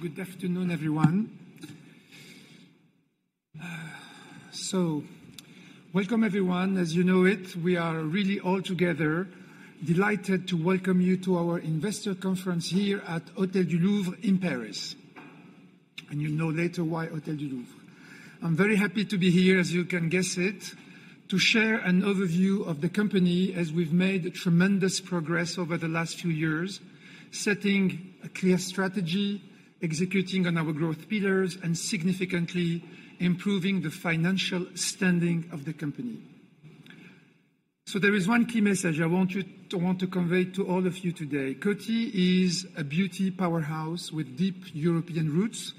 Good afternoon, everyone. Welcome, everyone. As you know it, we are really all together delighted to welcome you to our investor conference here at Hôtel du Louvre in Paris. You'll know later why Hôtel du Louvre. I'm very happy to be here, as you can guess it, to share an overview of the company as we've made tremendous progress over the last few years, setting a clear strategy, executing on our growth pillars, and significantly improving the financial standing of the company. There is one key message I want to convey to all of you today. Coty is a beauty powerhouse with deep European roots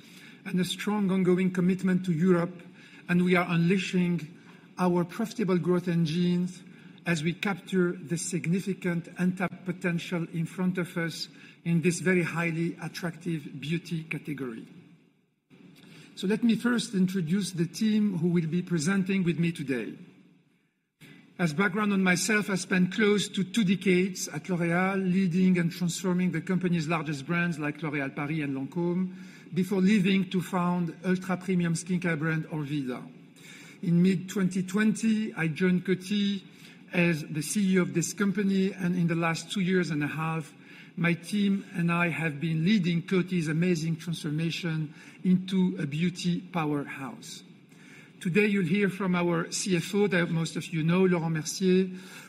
and a strong ongoing commitment to Europe, and we are unleashing our profitable growth engines as we capture the significant untapped potential in front of us in this very highly attractive beauty category. Let me first introduce the team who will be presenting with me today. As background on myself, I spent close to two decades at L'Oréal, leading and transforming the company's largest brands like L'Oréal Paris and Lancôme, before leaving to found ultra-premium skincare brand, Orveda. In mid-2020 i joined Coty as the CEO of this company, and in the last two years and a half, my team and I have been leading Coty's amazing transformation into a beauty powerhouse. Today, you'll hear from our CFO that most of you know, Laurent Mercier,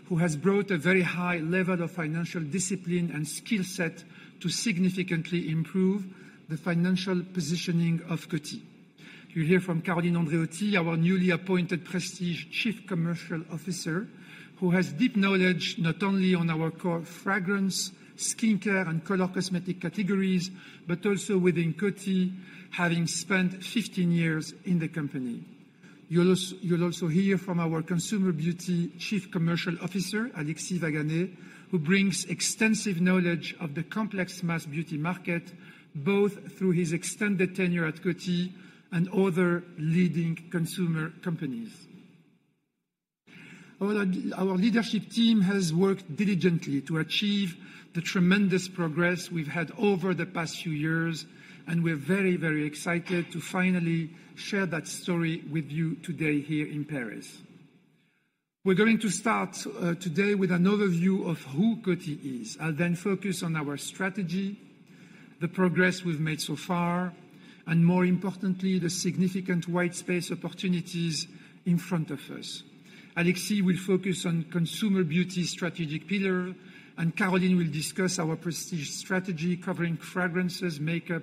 who has brought a very high level of financial discipline and skill set to significantly improve the financial positioning of Coty. You'll hear from Caroline Andréotti, our newly appointed Prestige Chief Commercial Officer, who has deep knowledge not only on our core fragrance, skincare, and color cosmetic categories, but also within Coty, having spent 15 years in the company. You'll also hear from our Consumer Beauty Chief Commercial Officer, Alexis Vaganay, who brings extensive knowledge of the complex mass beauty market, both through his extended tenure at Coty and other leading consumer companies. Our leadership team has worked diligently to achieve the tremendous progress we've had over the past few years, and we're very excited to finally share that story with you today here in Paris. We're going to start today with an overview of who Coty is. I'll then focus on our strategy, the progress we've made so far, and more importantly, the significant white space opportunities in front of us. Alexis will focus on consumer beauty strategic pillar, and Caroline will discuss our prestige strategy, covering fragrances, makeup,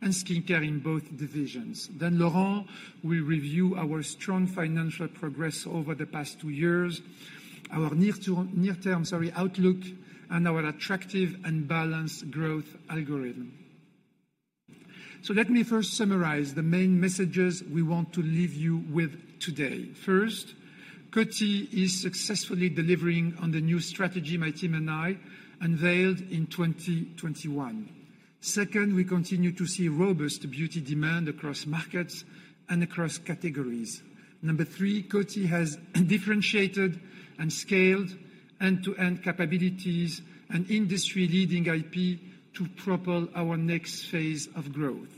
and skincare in both divisions. Laurent will review our strong financial progress over the past two years, our near-term, sorry, outlook, and our attractive and balanced growth algorithm. Let me first summarize the main messages we want to leave you with today. First, Coty is successfully delivering on the new strategy my team and I unveiled in 2021. Second, we continue to see robust beauty demand across markets and across categories. Number three Coty has differentiated and scaled end-to-end capabilities and industry-leading IP to propel our next phase of growth.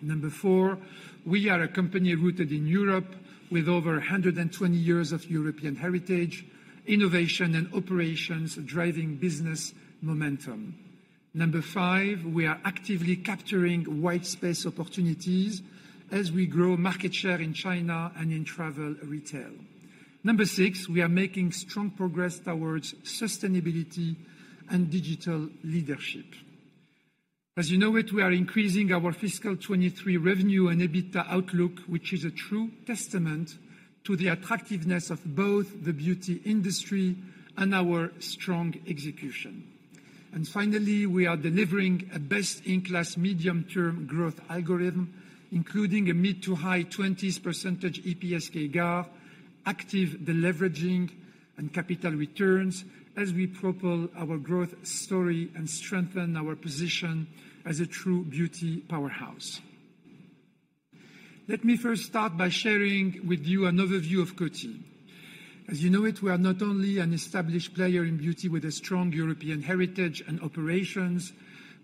Number four we are a company rooted in Europe with over 120 years of European heritage, innovation, and operations driving business momentum. Number five, we are actively capturing white space opportunities as we grow market share in China and in travel retail. Number six, we are making strong progress towards sustainability and digital leadership. As you know it, we are increasing our fiscal 2023 revenue and EBITDA outlook, which is a true testament to the attractiveness of both the beauty industry and our strong execution. Finally, we are delivering a best in class medium term growth algorithm, including a mid to high 20% EPS CAGR, active deleveraging, and capital returns as we propel our growth story and strengthen our position as a true beauty powerhouse. Let me first start by sharing with you an overview of Coty. As you know it, we are not only an established player in beauty with a strong European heritage and operations,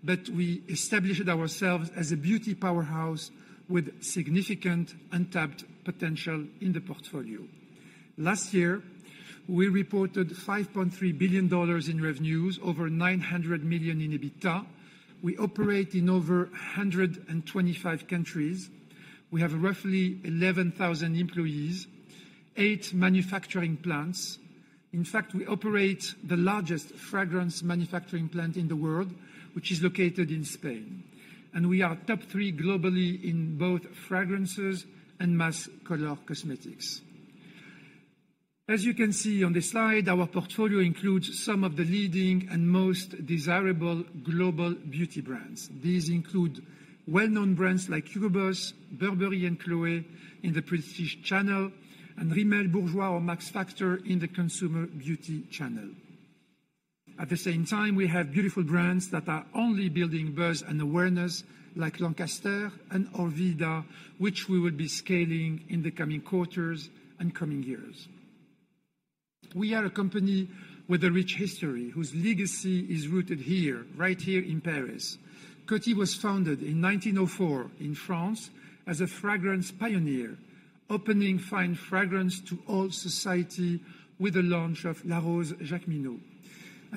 but we established ourselves as a beauty powerhouse with significant untapped potential in the portfolio. Last year, we reported $5.3 billion in revenues, over $900 million in EBITDA. We operate in over 125 countries. We have roughly 11,000 employees, eight manufacturing plants. In fact, we operate the largest fragrance manufacturing plant in the world, which is located in Spain, and we are top three globally in both fragrances and mass color cosmetics. As you can see on this slide, our portfolio includes some of the leading and most desirable global beauty brands. These include well-known brands like Hugo Boss, Burberry, and Chloé in the prestige channel, and Rimmel, Bourjois, or Max Factor in the consumer beauty channel. At the same time, we have beautiful brands that are only building buzz and awareness, like Lancaster and Orveda, which we will be scaling in the coming quarters and coming years. We are a company with a rich history, whose legacy is rooted here, right here in Paris. Coty was founded in 1904 in France as a fragrance pioneer, opening fine fragrance to all society with the launch of La Rose Jacqueminot.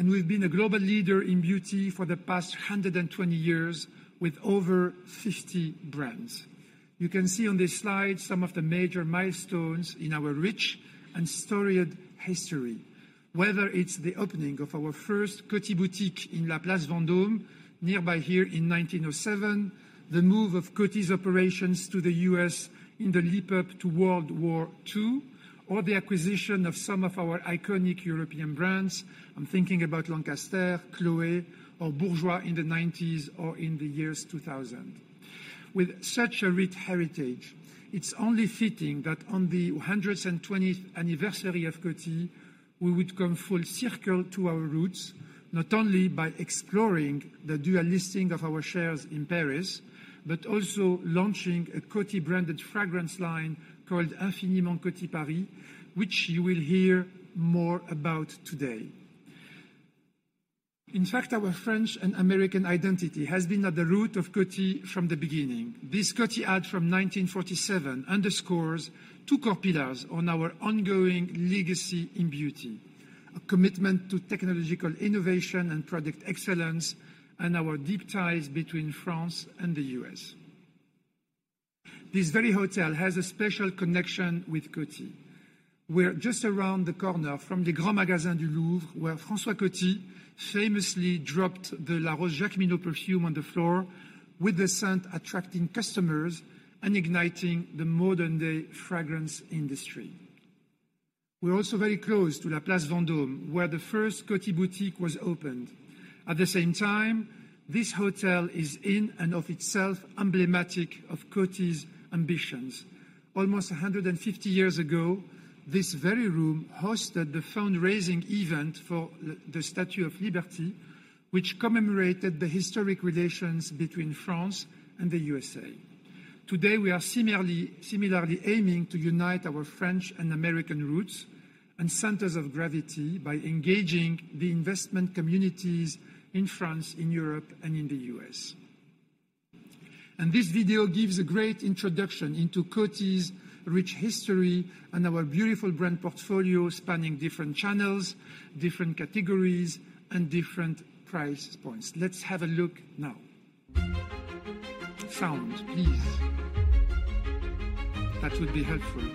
We've been a global leader in beauty for the past 120 years with over 50 brands. You can see on this slide some of the major milestones in our rich and storied history. Whether it's the opening of our first Coty boutique in La Place Vendôme, nearby here in 1907, the move of Coty's operations to the U.S. in the leap-up to World War II, or the acquisition of some of our iconic European brands. I'm thinking about Lancaster, Chloé, or Bourjois in the 90s or in the 2000s. With such a rich heritage, it's only fitting that on the 120th anniversary of Coty, we would come full circle to our roots, not only by exploring the dual listing of our shares in Paris, but also launching a Coty-branded fragrance line called Infiniment Coty Paris, which you will hear more about today. Our French and American identity has been at the root of Coty from the beginning. This Coty ad from 1947 underscores two core pillars on our ongoing legacy in beauty a commitment to technological innovation and product excellence, and our deep ties between France and the U.S. This very hotel has a special connection with Coty. We're just around the corner from the Grand Magasin du Louvre, where François Coty famously dropped the La Rose Jacqueminot perfume on the floor, with the scent attracting customers and igniting the modern-day fragrance industry. We're also very close to La Place Vendôme, where the first Coty boutique was opened. At the same time, this hotel is in and of itself emblematic of Coty's ambitions. Almost 150 years ago, this very room hosted the fundraising event for the Statue of Liberty, which commemorated the historic relations between France and the USA. Today, we are similarly aiming to unite our French and American roots and centers of gravity by engaging the investment communities in France, in Europe, and in the U.S. This video gives a great introduction into Coty's rich history and our beautiful brand portfolio, spanning different channels, different categories, and different price points. Let's have a look now. Sound, please. That would be helpful.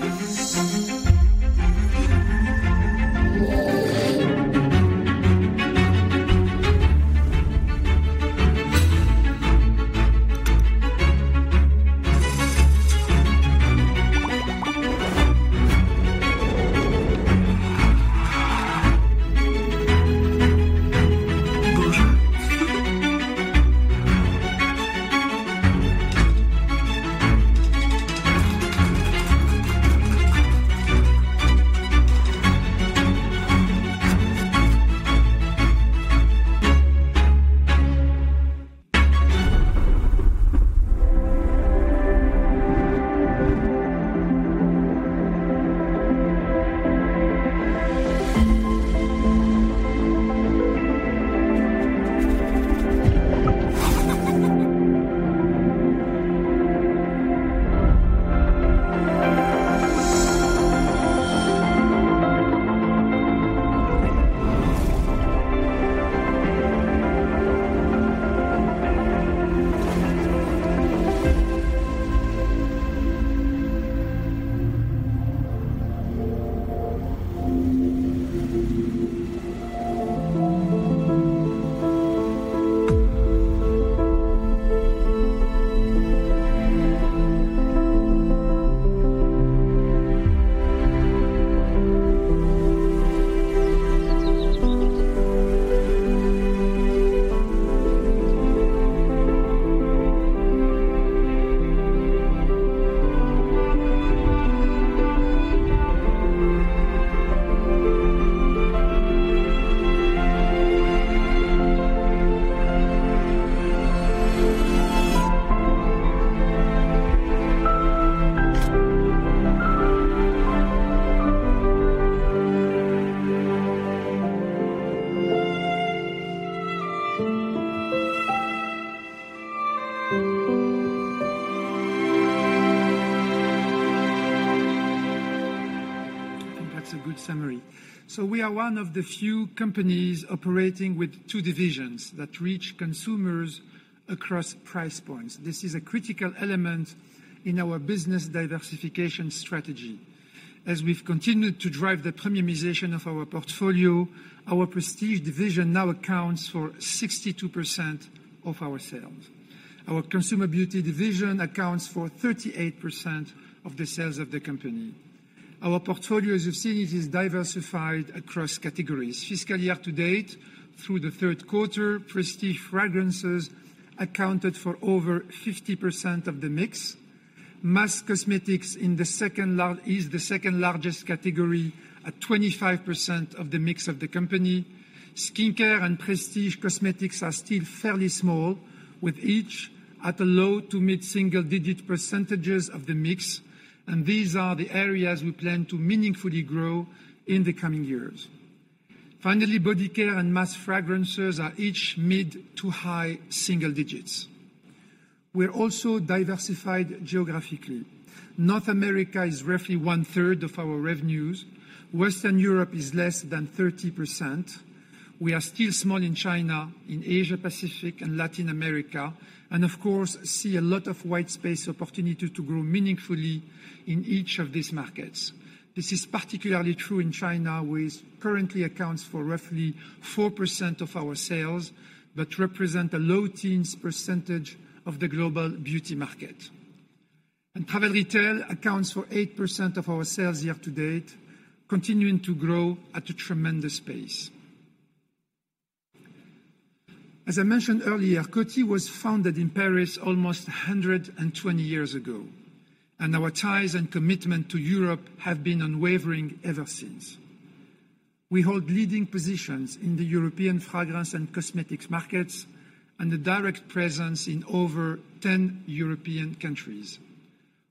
I think that's a good summary. We are one of the few companies operating with two divisions that reach consumers across price points. This is a critical element in our business diversification strategy. As we've continued to drive the premiumization of our portfolio, our prestige division now accounts for 62% of our sales. Our Consumer Beauty division accounts for 38% of the sales of the company. Our portfolio, as you've seen, it is diversified across categories. Fiscal year to date, through the third quarter, prestige fragrances accounted for over 50% of the mix. Mass cosmetics in the second is the second-largest category at 25% of the mix of the company. Skincare and prestige cosmetics are still fairly small, with each at a low- to mid-single-digit percentages of the mix. These are the areas we plan to meaningfully grow in the coming years. Body care and mass fragrances are each mid to high single-digits. We're also diversified geographically. North America is roughly one-third of our revenues. Western Europe is less than 30%. We are still small in China, in Asia-Pacific, and Latin America, of course see a lot of white space opportunity to grow meaningfully in each of these markets. This is particularly true in China, which currently accounts for roughly 4% of our sales, represent a low teens percentage of the global beauty market. Travel retail accounts for 8% of our sales year to date, continuing to grow at a tremendous pace. As I mentioned earlier, Coty was founded in Paris almost 120 years ago, our ties and commitment to Europe have been unwavering ever since. We hold leading positions in the European fragrance and cosmetics markets and a direct presence in over 10 European countries.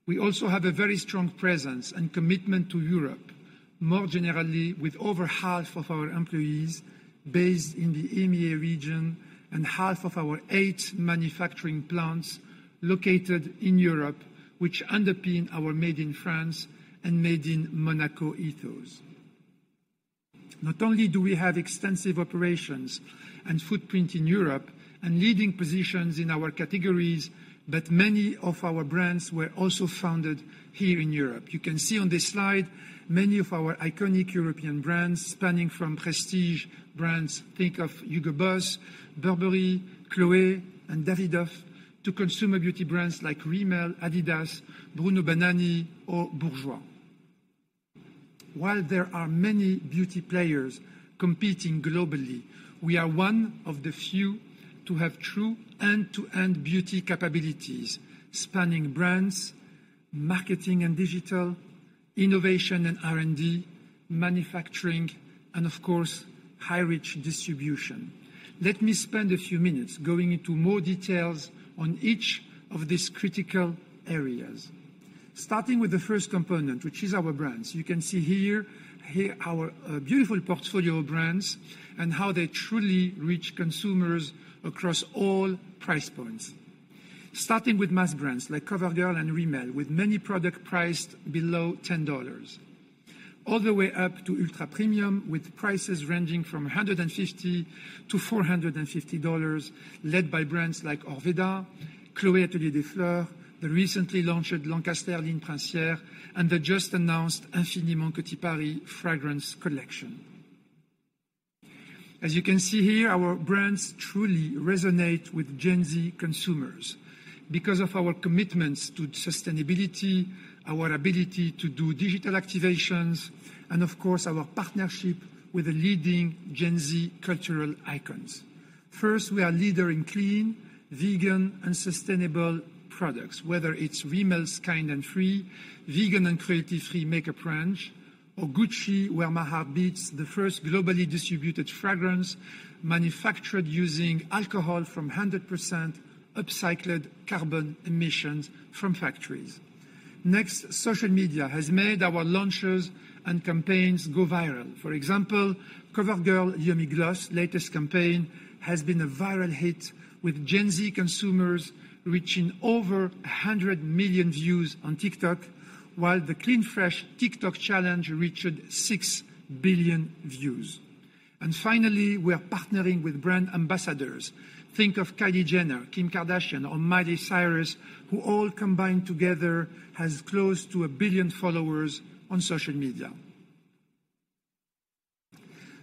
We also have a very strong presence and commitment to Europe, more generally, with over half of our employees based in the EMEA region and half of our eight manufacturing plants located in Europe, which underpin our Made in France and Made in Monaco ethos. Not only do we have extensive operations and footprint in Europe and leading positions in our categories, but many of our brands were also founded here in Europe. You can see on this slide many of our iconic European brands spanning from prestige brands, think of Hugo Boss, Burberry, Chloé, and Davidoff, to consumer beauty brands like Rimmel, Adidas, Bruno Banani, or Bourjois. While there are many beauty players competing globally, we are one of the few to have true end-to-end beauty capabilities, spanning brands, marketing and digital, innovation and R&D, manufacturing, and of course, high reach distribution. Let me spend a few minutes going into more details on each of these critical areas. Starting with the first component, which is our brands. You can see here, our beautiful portfolio of brands and how they truly reach consumers across all price points. Starting with mass brands like COVERGIRL and Rimmel, with many product priced below $10, all the way up to ultra-premium, with prices ranging from $150-$450, led by brands like Orveda, Chloé Atelier des Fleurs, the recently launched Lancaster Ligne Princière, and the just-announced Infiniment Coty Paris fragrance collection. As you can see here, our brands truly resonate with Gen Z consumers because of our commitments to sustainability, our ability to do digital activations, and of course, our partnership with the leading Gen Z cultural icons. First, we are leader in clean, vegan, and sustainable products, whether it's Rimmel's Kind & Free, vegan and cruelty-free makeup brand, or Gucci Where My Heart Beats, the first globally distributed fragrance manufactured using alcohol from 100% upcycled carbon emissions from factories. Next, social media has made our launches and campaigns go viral. For example, COVERGIRL Yummy Gloss latest campaign has been a viral hit with Gen Z consumers, reaching over hundred million views on TikTok, while the Clean Fresh TikTok challenge reached six billion views. Finally, we are partnering with brand ambassadors. Think of Kylie Jenner, Kim Kardashian, or Miley Cyrus who all combined together has close to a billion followers on social media.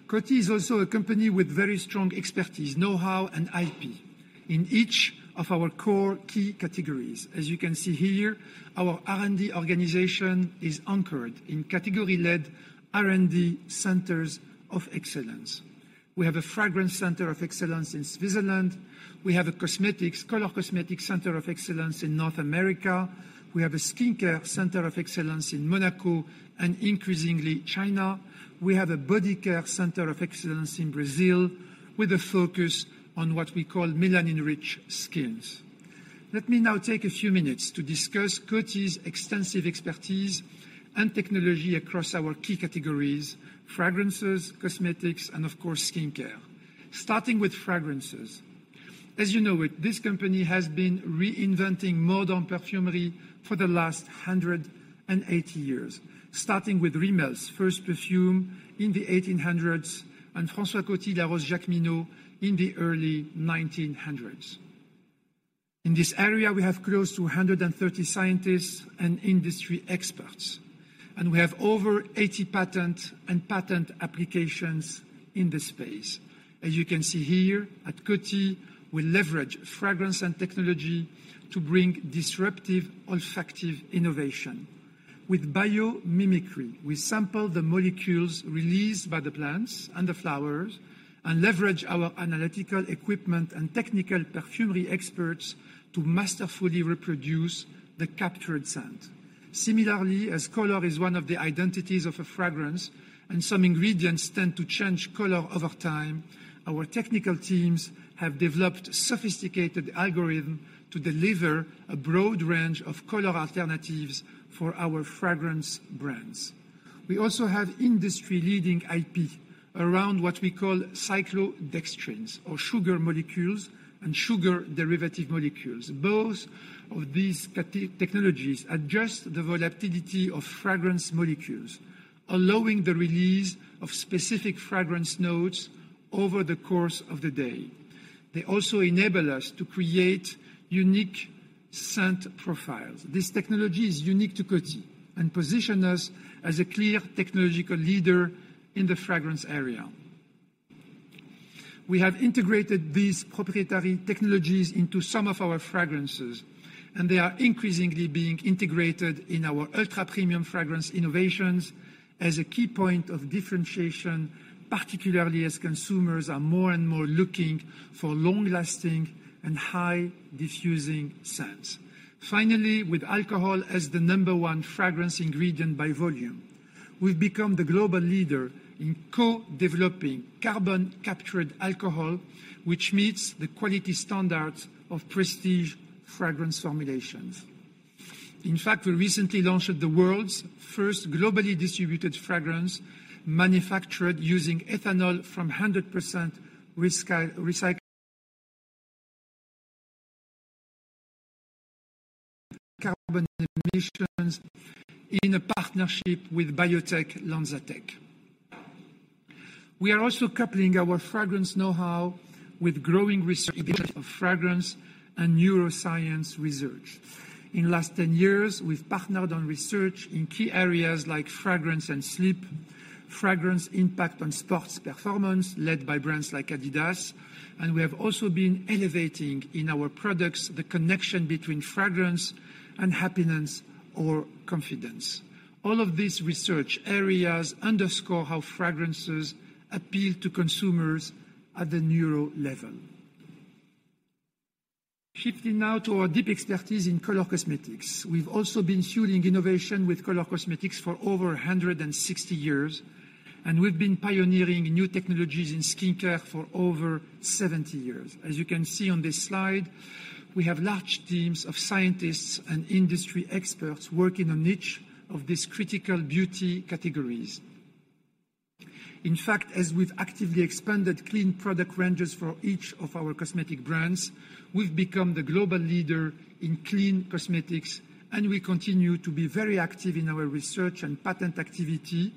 Coty is also a company with very strong expertise know-how, and IP in each of our core key categories. As you can see here, our R&D organization is anchored in category-led R&D centers of excellence. We have a fragrance center of excellence in Switzerland. We have a cosmetics, color cosmetics center of excellence in North America. We have a skincare center of excellence in Monaco and increasingly, China. We have a body care center of excellence in Brazil with a focus on what we call melanin-rich skins. Let me now take a few minutes to discuss Coty's extensive expertise and technology across our key categories fragrances, cosmetics, and of course, skincare. Starting with fragrances. As you know it, this company has been reinventing modern perfumery for the last 180 years, starting with Rimmel's first perfume in the 1800s and François Coty La Rose Jacqueminot in the early 1900s. In this area, we have close to 130 scientists and industry experts, and we have over 80 patents and patent applications in this space. As you can see here, at Coty, we leverage fragrance and technology to bring disruptive, olfactive innovation. With biomimicry, we sample the molecules released by the plants and the flowers and leverage our analytical equipment and technical perfumery experts to masterfully reproduce the captured scent. Similarly, as color is one of the identities of a fragrance, and some ingredients tend to change color over time, our technical teams have developed sophisticated algorithm to deliver a broad range of color alternatives for our fragrance brands. We also have industry-leading IP around what we call cyclodextrins or sugar molecules and sugar derivative molecules. Both of these technologies adjust the volatility of fragrance molecules, allowing the release of specific fragrance notes over the course of the day. They also enable us to create unique scent profiles. This technology is unique to Coty and position us as a clear technological leader in the fragrance area. We have integrated these proprietary technologies into some of our fragrances, and they are increasingly being integrated in our ultra-premium fragrance innovations as a key point of differentiation, particularly as consumers are more and more looking for long-lasting and high-diffusing scents. Finally, with alcohol as the number one fragrance ingredient by volume, we've become the global leader in co-developing carbon-captured alcohol, which meets the quality standards of prestige fragrance formulations. In fact, we recently launched the world's first globally distributed fragrance, manufactured using ethanol from 100% recycled carbon emissions in a partnership with biotech Lonza Tech. We are also coupling our fragrance know-how with growing research of fragrance and neuroscience research. In last 10 years, we've partnered on research in key areas like fragrance and sleep, fragrance impact on sports performance, led by brands like Adidas, and we have also been elevating in our products the connection between fragrance and happiness or confidence. All of these research areas underscore how fragrances appeal to consumers at the neuro level. Shifting now to our deep expertise in color cosmetics. We've also been fueling innovation with color cosmetics for over 160 years, and we've been pioneering new technologies in skincare for over 70 years. As you can see on this slide, we have large teams of scientists and industry experts working on each of these critical beauty categories. In fact, as we've actively expanded clean product ranges for each of our cosmetic brands, we've become the global leader in clean cosmetics. We continue to be very active in our research and patent activity,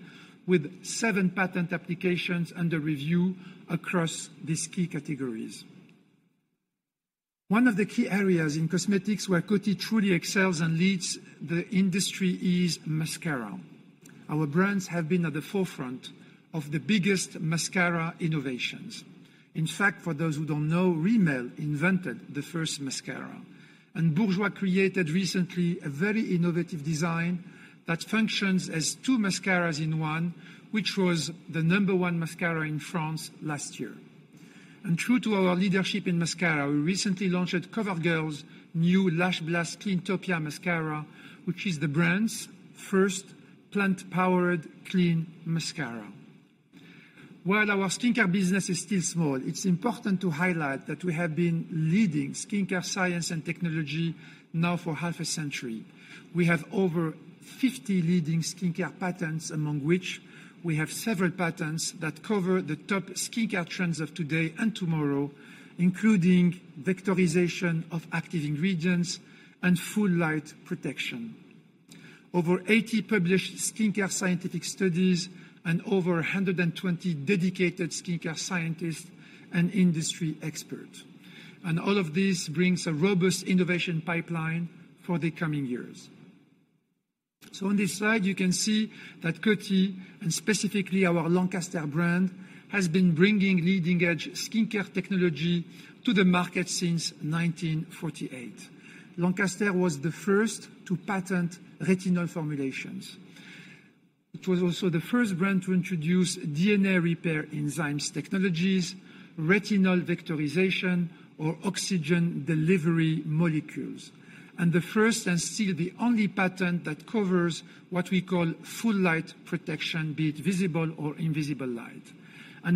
with seven patent applications under review across these key categories. One of the key areas in cosmetics where Coty truly excels and leads the industry is mascara. Our brands have been at the forefront of the biggest mascara innovations. In fact, for those who don't know, Rimmel invented the first mascara. Bourjois created recently a very innovative design that functions as two mascaras in one which was the number one mascara in France last year. True to our leadership in mascara, we recently launched COVERGIRL's new Lash Blast Cleantopia mascara, which is the brand's first plant-powered clean mascara. While our skincare business is still small, it's important to highlight that we have been leading skincare science and technology now for half a century. We have over 50 leading skincare patents, among which we have several patents that cover the top skincare trends of today and tomorrow, including vectorization of active ingredients and full light protection. Over 80 published skincare scientific studies and over 120 dedicated skincare scientists and industry experts. All of this brings a robust innovation pipeline for the coming years. On this slide, you can see that Coty, and specifically our Lancaster brand, has been bringing leading-edge skincare technology to the market since 1948. Lancaster was the first to patent retinol formulations. It was also the first brand to introduce DNA repair enzymes technologies, retinol vectorization, or oxygen delivery molecules, and the first and still the only patent that covers what we call full light protection, be it visible or invisible light.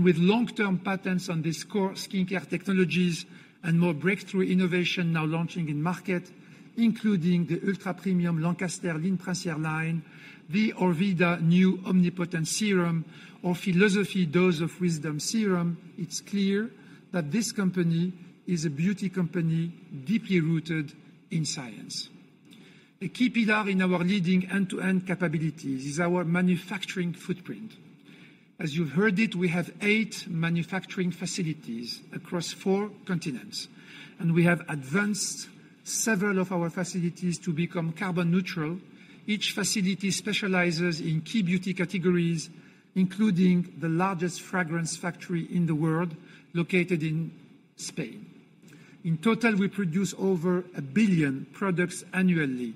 With long-term patents on these core skincare technologies and more breakthrough innovation now launching in market, including the ultra-premium Lancaster Ligne Princière line, the Orveda new OmniPotent serum or philosophy dose of wisdom serum, it's clear that this company is a beauty company deeply rooted in science. A key pillar in our leading end-to-end capabilities is our manufacturing footprint. As you've heard it, we have eight manufacturing facilities across four continents. We have advanced several of our facilities to become carbon neutral. Each facility specializes in key beauty categories, including the largest fragrance factory in the world, located in Spain. In total, we produce over a billion products annually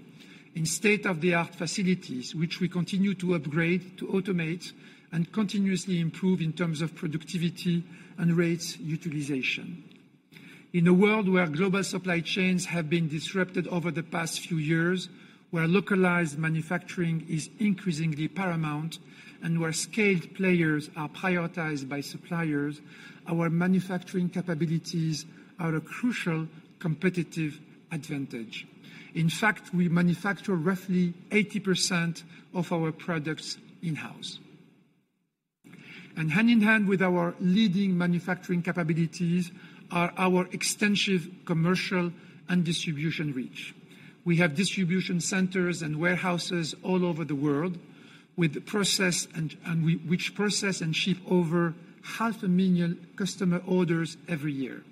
in state of the art facilities, which we continue to upgrade, to automate, and continuously improve in terms of productivity and rates utilization. In a world where global supply chains have been disrupted over the past few years, where localized manufacturing is increasingly paramount, and where scaled players are prioritized by suppliers, our manufacturing capabilities are a crucial competitive advantage. In fact, we manufacture roughly 80% of our products in-house. Hand-in-hand with our leading manufacturing capabilities are our extensive commercial and distribution reach. We have distribution centers and warehouses all over the world, which process and ship over half a million customer orders every year.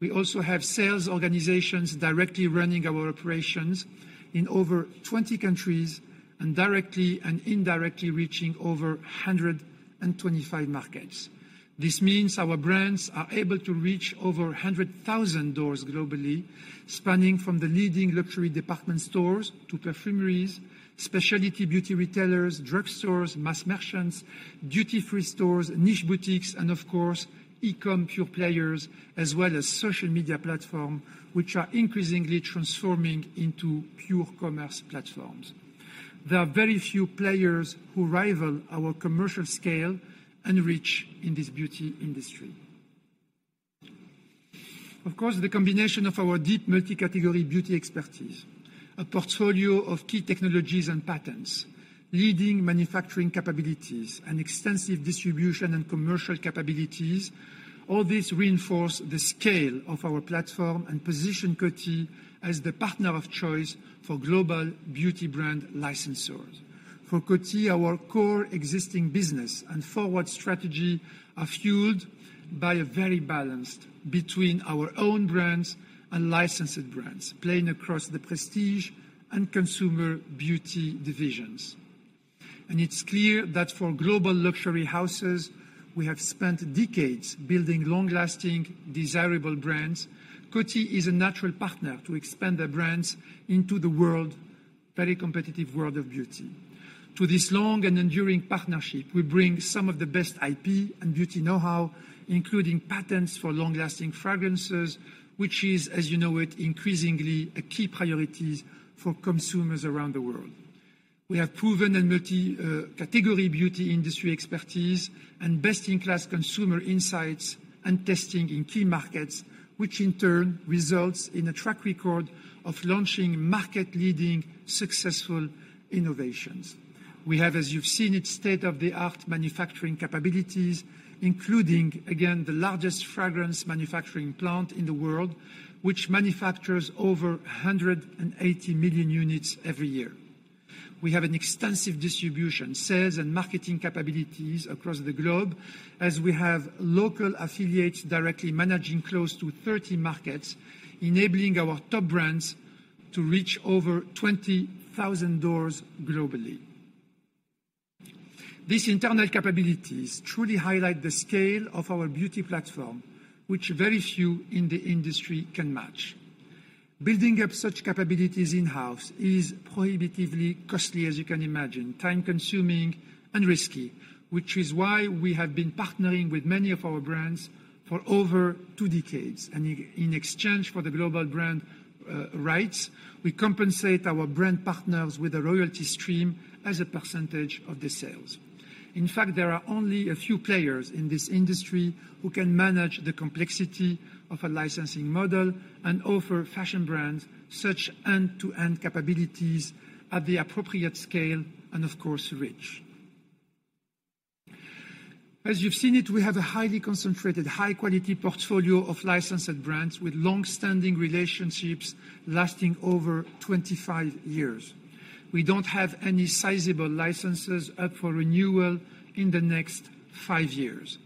We also have sales organizations directly running our operations in over 20 countries and directly and indirectly reaching over 125 markets. This means our brands are able to reach over hundred thousands doors globally, spanning from the leading luxury department stores to perfumeries, specialty beauty retailers, drugstores, mass merchants, duty-free stores, niche boutiques, and of course, e-com pure players, as well as social media platform, which are increasingly transforming into pure commerce platforms. There are very few players who rival our commercial scale and reach in this beauty industry. Of course, the combination of our deep multi category beauty expertise, a portfolio of key technologies and patents, leading manufacturing capabilities, and extensive distribution and commercial capabilities, all this reinforce the scale of our platform and position Coty as the partner of choice for global beauty brand licensors. For Coty, our core existing business and forward strategy are fueled by a very balanced between our own brands and licensed brands, playing across the prestige and consumer beauty divisions. It's clear that for global luxury houses, we have spent decades building long-lasting desirable brands. Coty is a natural partner to expand their brands into the world very competitive world of beauty. To this long and enduring partnership we bring some of the best IP and beauty know-how, including patents for long-lasting fragrances, which is, as you know it increasingly a key priority for consumers around the world. We have proven and multi-category beauty industry expertise and best in class consumer insights and testing in key markets, which in turn results in a track record of launching market-leading, successful innovations. We have, as you've seen it, state of the art manufacturing capabilities, including, again, the largest fragrance manufacturing plant in the world, which manufactures over 180 million units every year. We have an extensive distribution sales and marketing capabilities across the globe, as we have local affiliates directly managing close to 30 markets, enabling our top brands to reach over 20,000 doors globally. These internal capabilities truly highlight the scale of our beauty platform which very few in the industry can match. Building up such capabilities in-house is prohibitively costly, as you can imagine, time-consuming and risky, which is why we have been partnering with many of our brands for over two decades. In exchange for the global brand rights, we compensate our brand partners with a royalty stream as a percentage of the sales. In fact, there are only a few players in this industry who can manage the complexity of a licensing model and offer fashion brands such end-to-end capabilities at the appropriate scale and, of course, reach. As you've seen it, we have a highly concentrated, high-quality portfolio of licensed brands with long-standing relationships lasting over 25 years. We don't have any sizable licenses up for renewal in the next five years.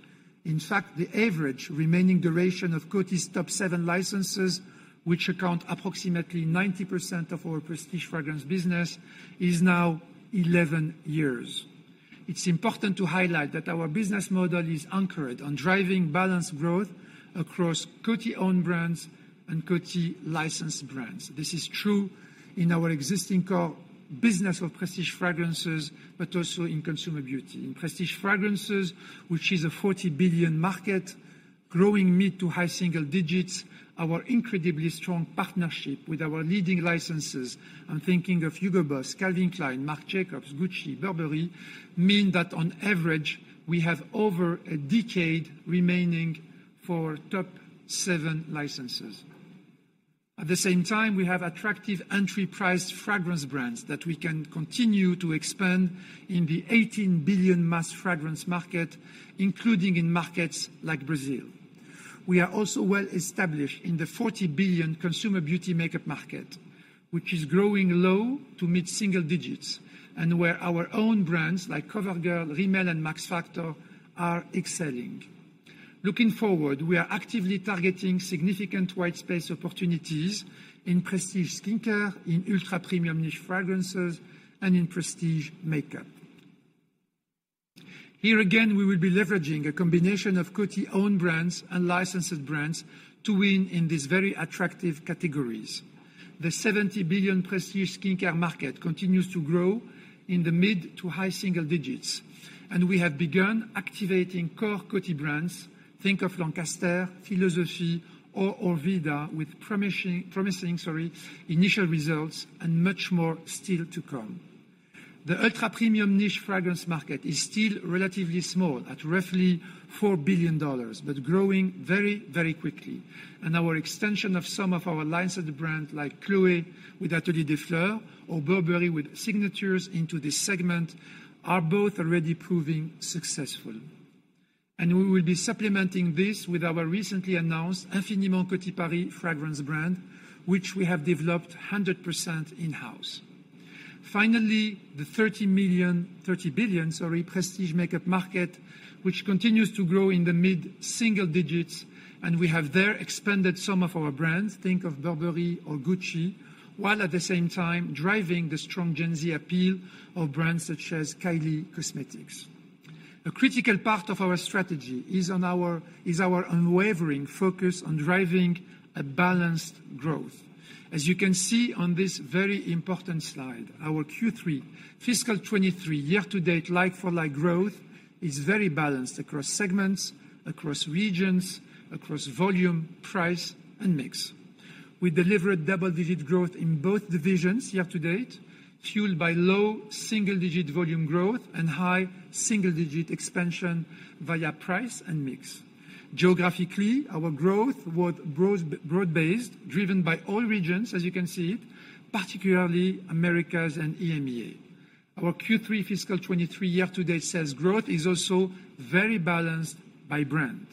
In fact, the average remaining duration of Coty's top seven licenses, which account approximately 90% of our prestige fragrance business is now 11 years. It's important to highlight that our business model is anchored on driving balanced growth across Coty owned brands and Coty licensed brands. This is true in our existing core business of prestige fragrances, but also in consumer beauty. In prestige fragrances which is a 40 billion market, growing mid to high single digits, our incredibly strong partnership with our leading licensors, I'm thinking of Hugo Boss, Calvin Klein, Marc Jacobs, Gucci, Burberry, mean that on average we have over a decade remaining for top seven licenses. At the same time, we have attractive entry-priced fragrance brands that we can continue to expand in the 18 billion mass fragrance market, including in markets like Brazil. We are also well established in the 40 billion consumer beauty makeup market, which is growing low to mid-single digits, and where our own brands, like COVERGIRL, Rimmel, and Max Factor, are excelling. Looking forward, we are actively targeting significant white space opportunities in prestige skincare, in ultra-premium niche fragrances, and in prestige makeup. Here again, we will be leveraging a combination of Coty owned brands and licensed brands to win in these very attractive categories. The 70 billion prestige skincare market continues to grow in the mid to high single digits, and we have begun activating core Coty brands. Think of Lancaster, philosophy, or Orveda with promising, sorry, initial results and much more still to come. The ultra-premium niche fragrance market is still relatively small, at roughly $4 billion, but growing very, very quickly, our extension of some of our lines of the brand, like Chloé, with Atelier des Fleurs, or Burberry with signatures into this segment, are both already proving successful. We will be supplementing this with our recently announced Infiniment Coty Paris fragrance brand, which we have developed 100% in-house. Finally, the 30 billion, sorry, prestige makeup market, which continues to grow in the mid-single digits, and we have there expanded some of our brands, think of Burberry or Gucci, while at the same time driving the strong Gen Z appeal of brands such as Kylie Cosmetics. A critical part of our strategy is our unwavering focus on driving a balanced growth. As you can see on this very important slide, our Q3 fiscal 2023 year-to-date like-for-like growth is very balanced across segments, across regions, across volume, price, and mix. We delivered double-digit growth in both divisions year-to-date, fueled by low single-digit volume growth and high single-digit expansion via price and mix. Geographically, our growth was broad-based, driven by all regions, as you can see particularly Americas and EMEA. Our Q3 fiscal 2023 year-to-date sales growth is also very balanced by brand.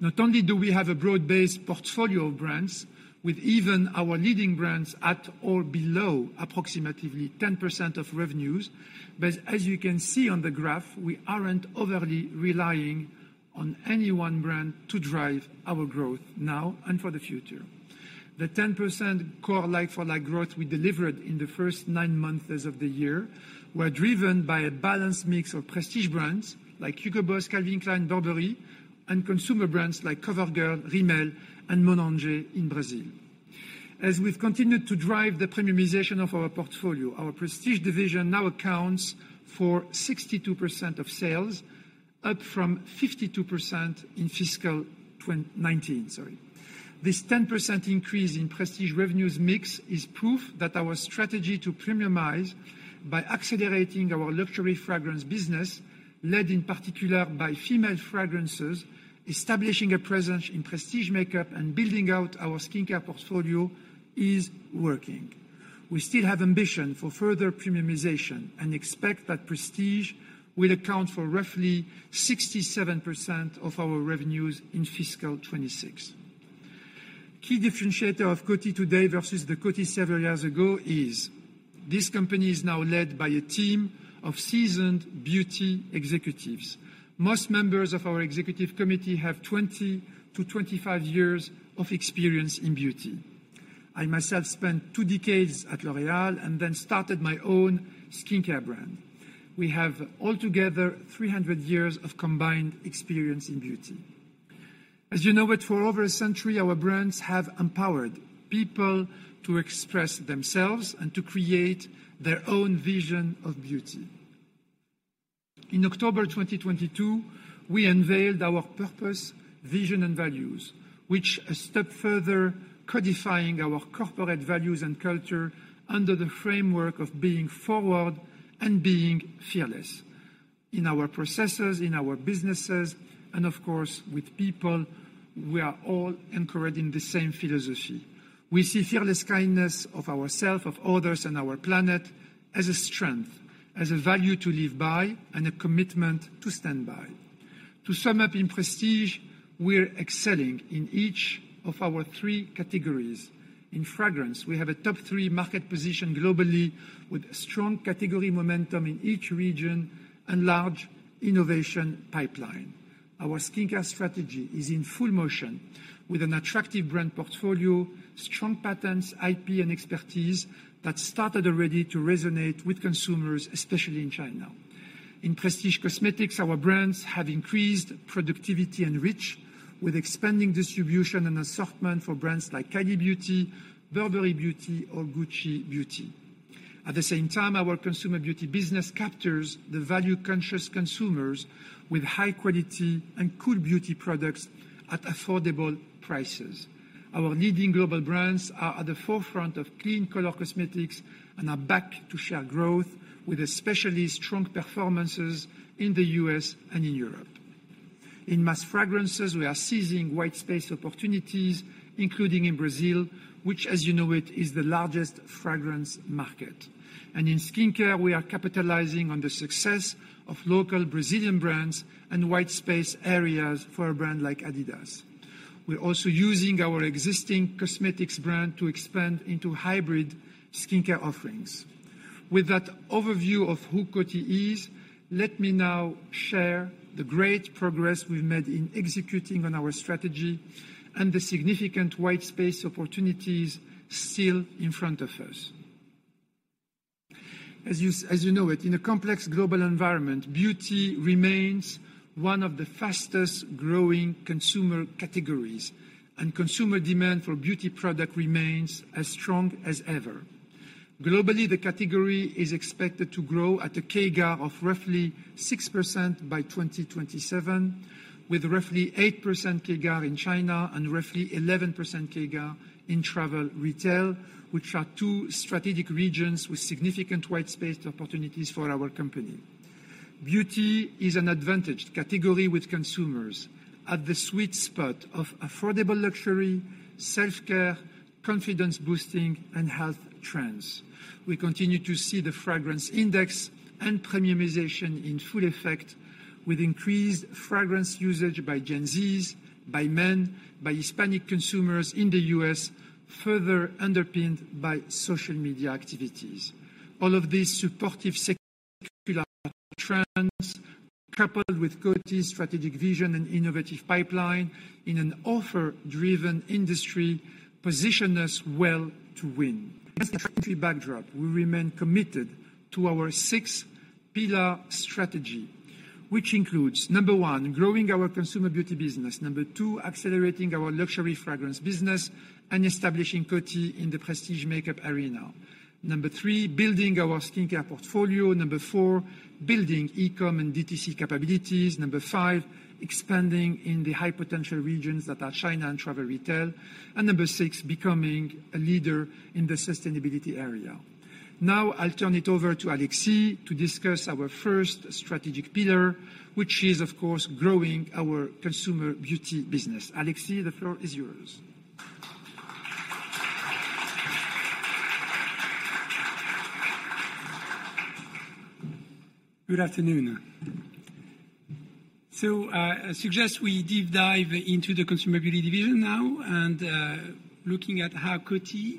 Not only do we have a broad-based portfolio of brands, with even our leading brands at or below approximately 10% of revenues, but as you can see on the graph, we aren't overly relying on any one brand to drive our growth now and for the future. The 10% core like-for-like growth we delivered in the first nine months as of the year were driven by a balanced mix of prestige brands like Hugo Boss, Calvin Klein, Burberry, and consumer brands like COVERGIRL, Rimmel, and Monange in Brazil. As we've continued to drive the premiumization of our portfolio, our prestige division now accounts for 62% of sales, up from 52% in fiscal 2019. This 10% increase in prestige revenues mix is proof that our strategy to premiumize by accelerating our luxury fragrance business, led in particular by female fragrances, establishing a presence in prestige makeup and building out our skincare portfolio, is working. We still have ambition for further premiumization and expect that prestige will account for roughly 67% of our revenues in fiscal 2026. Key differentiator of Coty today versus the Coty several years ago is this company is now led by a team of seasoned beauty executives. Most members of our executive committee have 20-25 years of experience in beauty. I myself spent two decades at L'Oréal and then started my own skincare brand. We have altogether 300 years of combined experience in beauty. As you know it, for over a century, our brands have empowered people to express themselves and to create their own vision of beauty. In October 2022, we unveiled our purpose, vision, and values, which a step further codifying our corporate values and culture under the framework of Being Forward and Being Fearless. In our processes, in our businesses, and of course, with people, we are all encouraged in the same philosophy. We see fearless kindness of ourselves, of others, and our planet as a strength, as a value to live by, and a commitment to stand by. To sum up in prestige, we're excelling in each of our three categories. In fragrance, we have a top-three market position globally, with strong category momentum in each region and large innovation pipeline. Our skincare strategy is in full motion with an attractive brand portfolio, strong patents, IP, and expertise that started already to resonate with consumers, especially in China. In prestige cosmetics, our brands have increased productivity and reach with expanding distribution and assortment for brands like Kylie Beauty, Burberry Beauty, or Gucci Beauty. At the same time, our consumer beauty business captures the value-conscious consumers with high quality and cool beauty products at affordable prices. Our leading global brands are at the forefront of clean color cosmetics and are back to share growth with especially strong performances in the U.S. and in Europe. In mass fragrances, we are seizing white space opportunities, including in Brazil, which, as you know it is the largest fragrance market. In skincare, we are capitalizing on the success of local Brazilian brands and white space areas for a brand like Adidas. We're also using our existing cosmetics brand to expand into hybrid skincare offerings. With that overview of who Coty is, let me now share the great progress we've made in executing on our strategy and the significant white space opportunities still in front of us. As you know it, in a complex global environment, beauty remains one of the fastest-growing consumer categories, consumer demand for beauty product remains as strong as ever. Globally, the category is expected to grow at a CAGR of roughly 6% by 2027, with roughly 8% CAGR in China and roughly 11% CAGR in travel retail, which are two strategic regions with significant white space opportunities for our company. Beauty is an advantaged category with consumers at the sweet spot of affordable luxury, self-care, confidence-boosting, and health trends. We continue to see the fragrance index and premiumization in full effect with increased fragrance usage by Gen Zs, by men, by Hispanic consumers in the U.S. further underpinned by social media activities. All of these supportive secular trends, coupled with Coty's strategic vision and innovative pipeline in an offer-driven industry, position us well to win. Against the backdrop, we remain committed to our six pillar strategy, which includes, number one, growing our consumer beauty business. Number two accelerating our luxury fragrance business and establishing Coty in the prestige makeup arena. Number three building our skincare portfolio. Number four building e-com and DTC capabilities. Number five expanding in the high-potential regions that are China and travel retail. Number six becoming a leader in the sustainability area. I'll turn it over to Alexis to discuss our first strategic pillar, which is, of course, growing our consumer beauty business. Alexis, the floor is yours. Good afternoon. I suggest we deep dive into the Consumer Beauty division now and looking at how Coty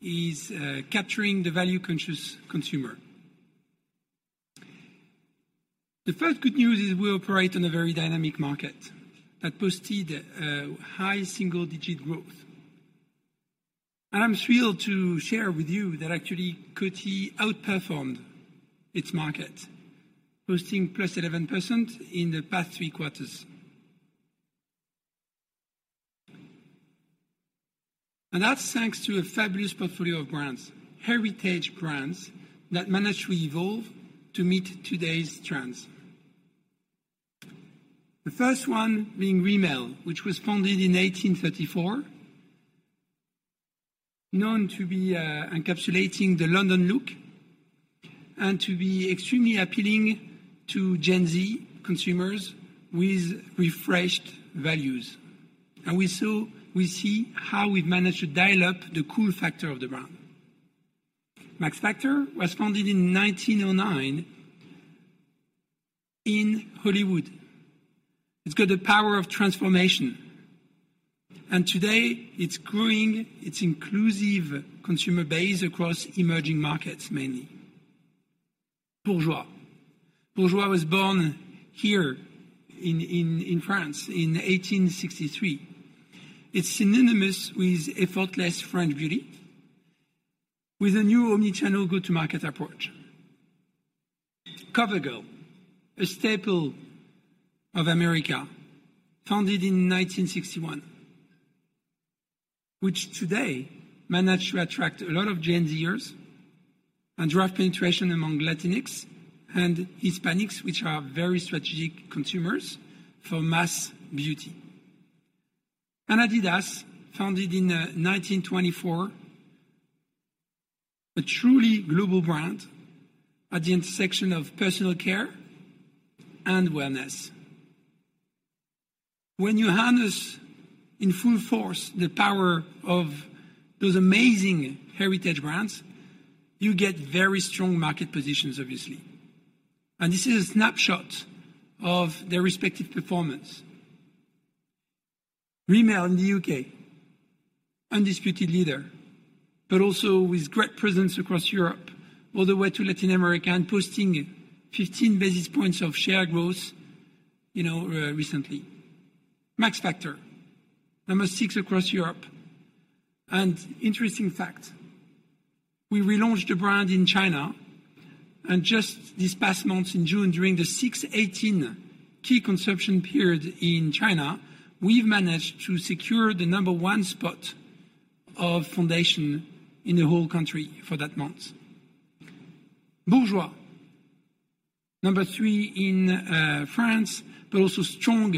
is capturing the value-conscious consumer. The first good news is we operate in a very dynamic market that posted high single-digit growth. I'm thrilled to share with you that actually Coty outperformed its market, posting +11% in the past three quarters. That's thanks to a fabulous portfolio of brands, heritage brands that managed to evolve to meet today's trends. The first one being Rimmel, which was founded in 1834, known to be encapsulating the London look, and to be extremely appealing to Gen Z consumers with refreshed values. We see how we've managed to dial up the cool factor of the brand. Max Factor was founded in 1909 in Hollywood. It's got the power of transformation. Today it's growing its inclusive consumer base across emerging markets, mainly. Bourjois was born here in France in 1863. It's synonymous with effortless French beauty, with a new omni-channel go-to-market approach. COVERGIRL, a staple of America founded in 1961, which today managed to attract a lot of Gen Z-ers and drive penetration among Latinx and Hispanics, which are very strategic consumers for mass beauty. Adidas, founded in 1924, a truly global brand at the intersection of personal care and wellness. When you harness in full force the power of those amazing heritage brands, you get very strong market positions, obviously. This is a snapshot of their respective performance. Rimmel in the U.K. undisputed leader, but also with great presence across Europe, all the way to Latin America, posting 15 basis points of share growth, you know, recently. Max Factor, number six across Europe. Interesting fact, we relaunched the brand in China, and just this past month, in June, during the 618 key consumption period in China, we've managed to secure the number one spot of foundation in the whole country for that month. Bourjois, number one in France, but also strong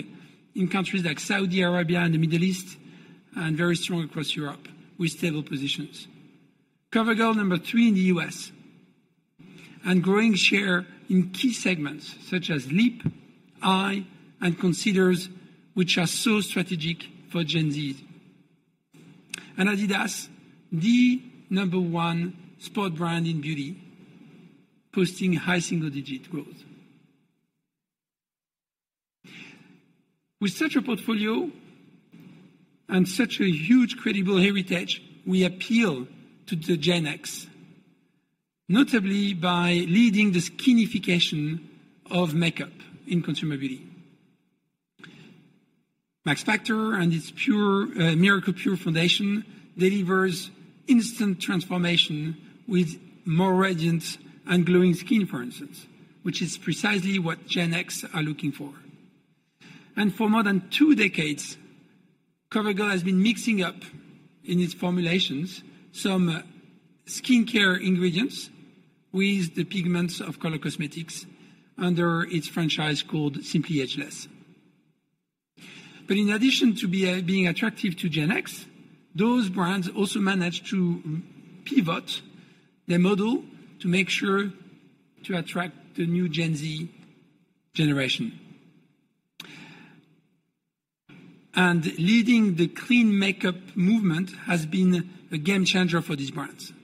in countries like Saudi Arabia and the Middle East, and very strong across Europe, with stable positions. COVERGIRL, number three in the U.S. and growing share in key segments such as lip, eye, and concealers, which are so strategic for Gen Z. adidas, the number one sport brand in beauty, posting high single-digit growth. With such a portfolio and such a huge, credible heritage, we appeal to the Gen X, notably by leading the skinification of makeup in Consumability. Max Factor and its pure Miracle Pure foundation delivers instant transformation with more radiant and glowing skin, for instance, which is precisely what Gen X are looking for. For more than two decades, COVERGIRL has been mixing up, in its formulations, some skincare ingredients with the pigments of color cosmetics under its franchise called Simply Ageless. In addition to be being attractive to Gen X, those brands also managed to pivot their model to make sure to attract the new Gen Z generation. Leading the clean makeup movement has been a game changer for these brands.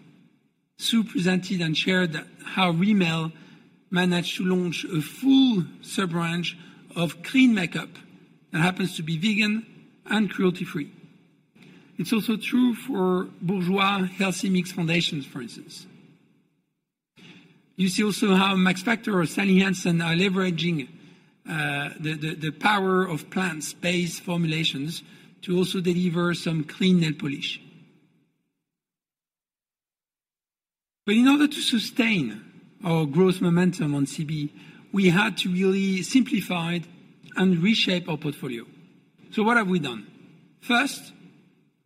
Sue presented and shared how Rimmel managed to launch a full sub-branch of clean makeup that happens to be vegan and cruelty-free. It's also true for Bourjois Healthy Mix Foundations, for instance. You see also how Max Factor or Sally Hansen are leveraging the power of plants-based formulations to also deliver some clean nail polish. In order to sustain our growth momentum on CB, we had to really simplify and reshape our portfolio. What have we done? First,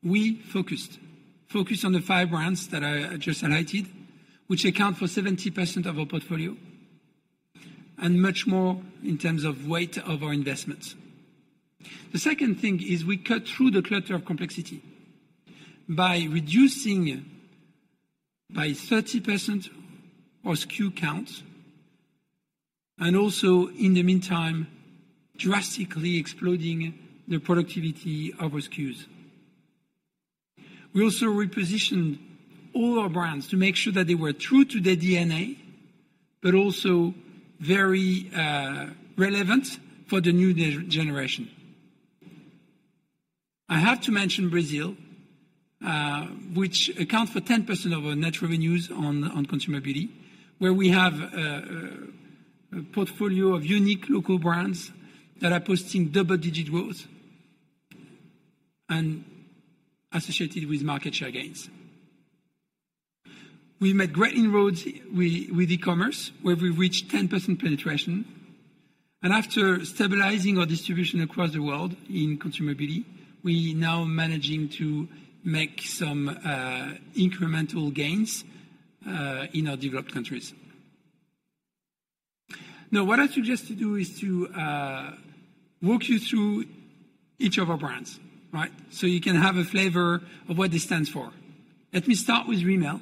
we focused. Focused on the five brands that I just highlighted, which account for 70% of our portfolio, and much more in terms of weight of our investments. The second thing is we cut through the clutter of complexity by reducing by 30% our SKU count, and also, in the meantime, drastically exploding the productivity of our SKUs. We also repositioned all our brands to make sure that they were true to their DNA, but also very relevant for the new generation. I have to mention Brazil, which accounts for 10% of our net revenues on Consumability, where we have a portfolio of unique local brands that are posting double-digit growth and associated with market share gains. We've made great inroads with e-commerce, where we've reached 10% penetration. After stabilizing our distribution across the world in Consumability, we now managing to make some incremental gains in our developed countries. What I suggest to do is to walk you through each of our brands, right? You can have a flavor of what they stand for. Let me start with Rimmel.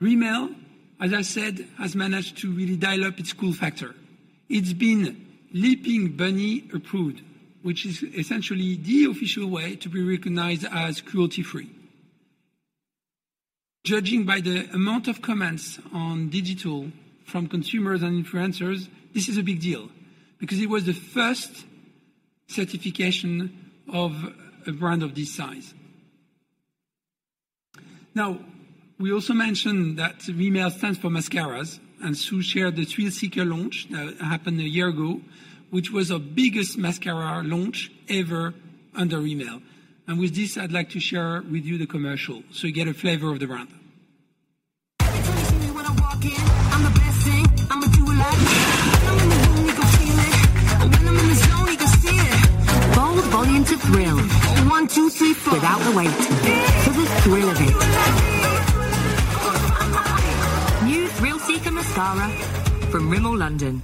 Rimmel, as I said, has managed to really dial up its cool factor. It's been Leaping Bunny approved, which is essentially the official way to be recognized as cruelty-free. Judging by the amount of comments on digital from consumers and influencers, this is a big deal, because it was the first certification of a brand of this size. We also mentioned that Rimmel stands for mascaras, Sue shared the Thrill Seeker launch that happened a year ago, which was our biggest mascara launch ever under Rimmel. With this, I'd like to share with you the commercial, so you get a flavor of the brand. Everybody see me when I walk in. I'm the best thing. I'm a thriller. When I'm in the room, you can feel it, and when I'm in the zone, you can see it. Bold volume to thrill. In one, two, three- Four. -without the wait. Thrill with it. New Thrill Seeker Mascara from Rimmel London.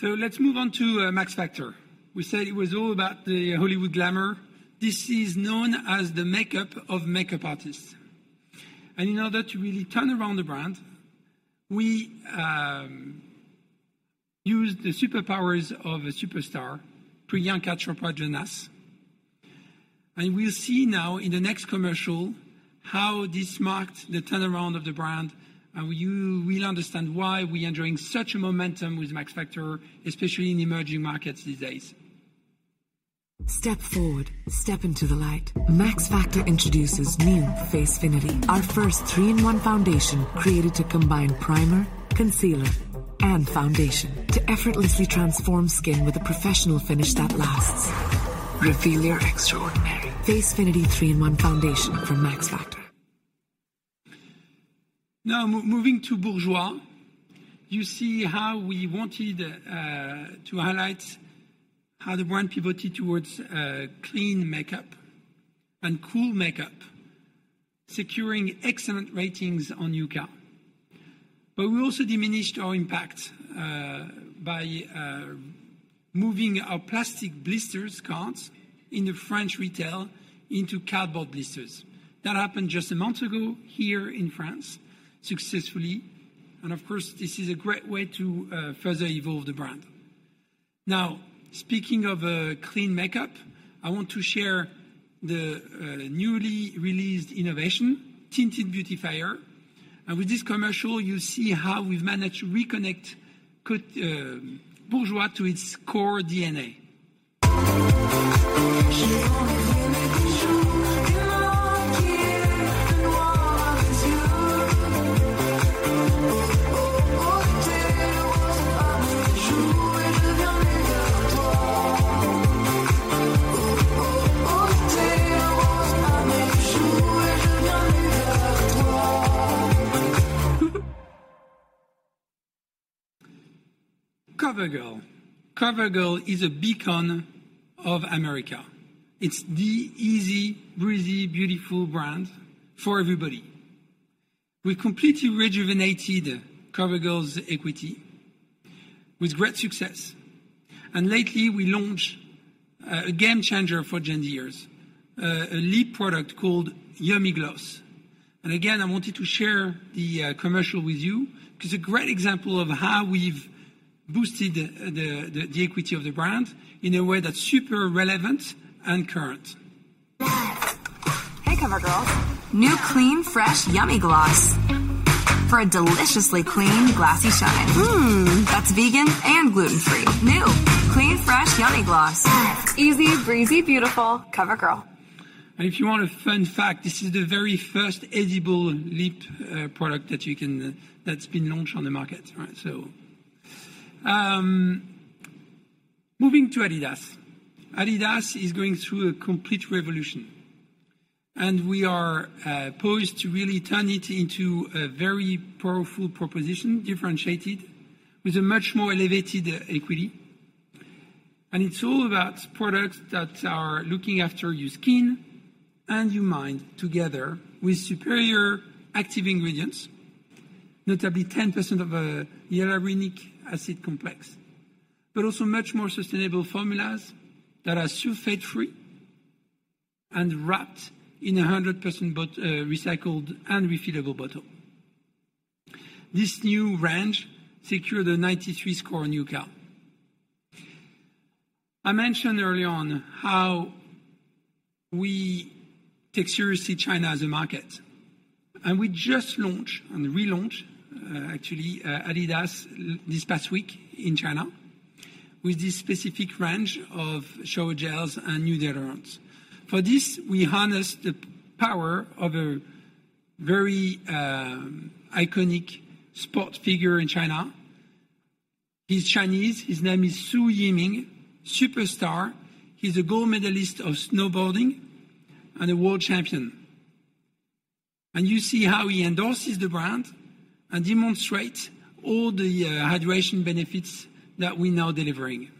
Let's move on to Max Factor. We said it was all about the Hollywood glamour. This is known as the makeup of makeup artists. In order to really turn around the brand, we used the superpowers of a superstar, Priyanka Chopra Jonas. We'll see now in the next commercial how this marked the turnaround of the brand, and you will understand why we are enjoying such a momentum with Max Factor, especially in emerging markets these days. Step forward. Step into the light. Max Factor introduces new FaceFinity, our first three-in-one foundation, created to combine primer, concealer, and foundation to effortlessly transform skin with a professional finish that lasts. Reveal your extraordinary. FaceFinity three-in-one foundation from Max Factor. Moving to Bourjois, you see how we wanted to highlight how the brand pivoted towards clean makeup and cool makeup, securing excellent ratings on Yuka. We also diminished our impact by moving our plastic blisters cards in the French retail into cardboard blisters. That happened just a month ago here in France, successfully, of course, this is a great way to further evolve the brand. Speaking of clean makeup, I want to share the newly released innovation, Tinted Beautifier. With this commercial, you'll see how we've managed to reconnect Bourjois to its core DNA. COVERGIRL. COVERGIRL is a beacon of America. It's the easy, breezy, beautiful brand for everybody. We completely rejuvenated COVERGIRL's equity with great success, and lately we launched a game changer for Gen Z-ers, a lip product called Yummy Gloss. I wanted to share the commercial with you, 'cause a great example of how we've boosted the equity of the brand in a way that's super relevant and current. Hey, COVERGIRL. New Clean Fresh Yummy Gloss. For a deliciously clean, glossy shine. Mm. That's vegan and gluten-free. New! Clean Fresh Yummy Gloss. Yes. Easy, breezy, beautiful COVERGIRL. If you want a fun fact, this is the very first edible lip product that you can that's been launched on the market, right? Moving to Adidas. adidas is going through a complete revolution, and we are poised to really turn it into a very powerful proposition, differentiated, with a much more elevated equity. It's all about products that are looking after your skin and your mind together with superior active ingredients, notably 10% of a hyaluronic acid complex, but also much more sustainable formulas that are sulfate-free and wrapped in a 100% recycled and refillable bottle. This new range secured a 93 score on UCA. I mentioned early on how we take seriously China as a market, and we just launched, and relaunched, actually, Adidas this past week in China, with this specific range of shower gels and new deodorants. For this, we harnessed the power of a very iconic sport figure in China. He's Chinese, his name is Su Yiming, superstar. He's a gold medalist of snowboarding and a world champion. You see how he endorses the brand and demonstrates all the hydration benefits that we're now delivering.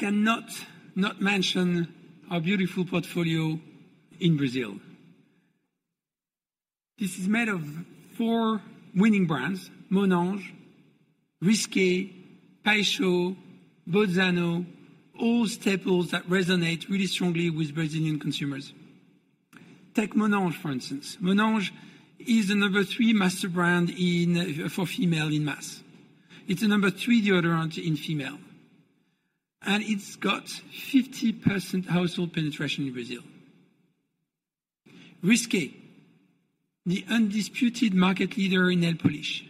I cannot not mention our beautiful portfolio in Brazil. This is made of four winning brands Monange, Risqué, Paixão, Bozzano, all staples that resonate really strongly with Brazilian consumers. Take Monange, for instance. Monange is the number three master brand in for female in mass. It's the number three deodorant in female, and it's got 50% household penetration in Brazil. Risqué, the undisputed market leader in nail polish,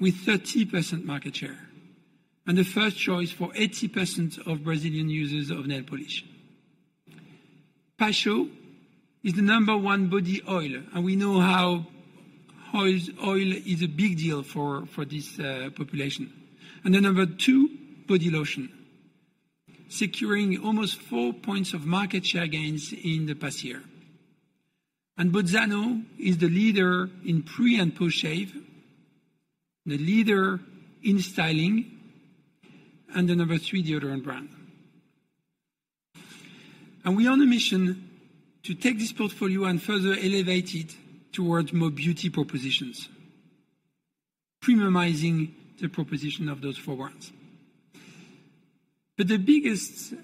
with 30% market share, and the first choice for 80% of Brazilian users of nail polish. Paixão is the number one body oil, and we know how oil is a big deal for this population. The number two body lotion, securing almost 4 points of market share gains in the past year. Bozzano is the leader in pre and post shave, the leader in styling, and the number three deodorant brand. We're on a mission to take this portfolio and further elevate it towards more beauty propositions, premiumizing the proposition of those foufour brands. The biggest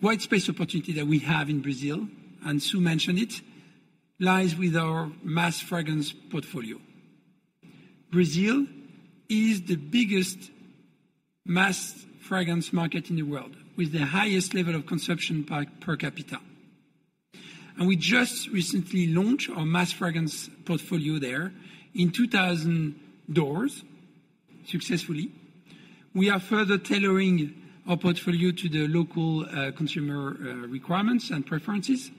white space opportunity that we have in Brazil, and Sue mentioned it, lies with our mass fragrance portfolio. Brazil is the biggest mass fragrance market in the world, with the highest level of consumption per capita. We just recently launched our mass fragrance portfolio there in 2,000 doors. successfully. We are further tailoring our portfolio to the local consumer requirements and preferences,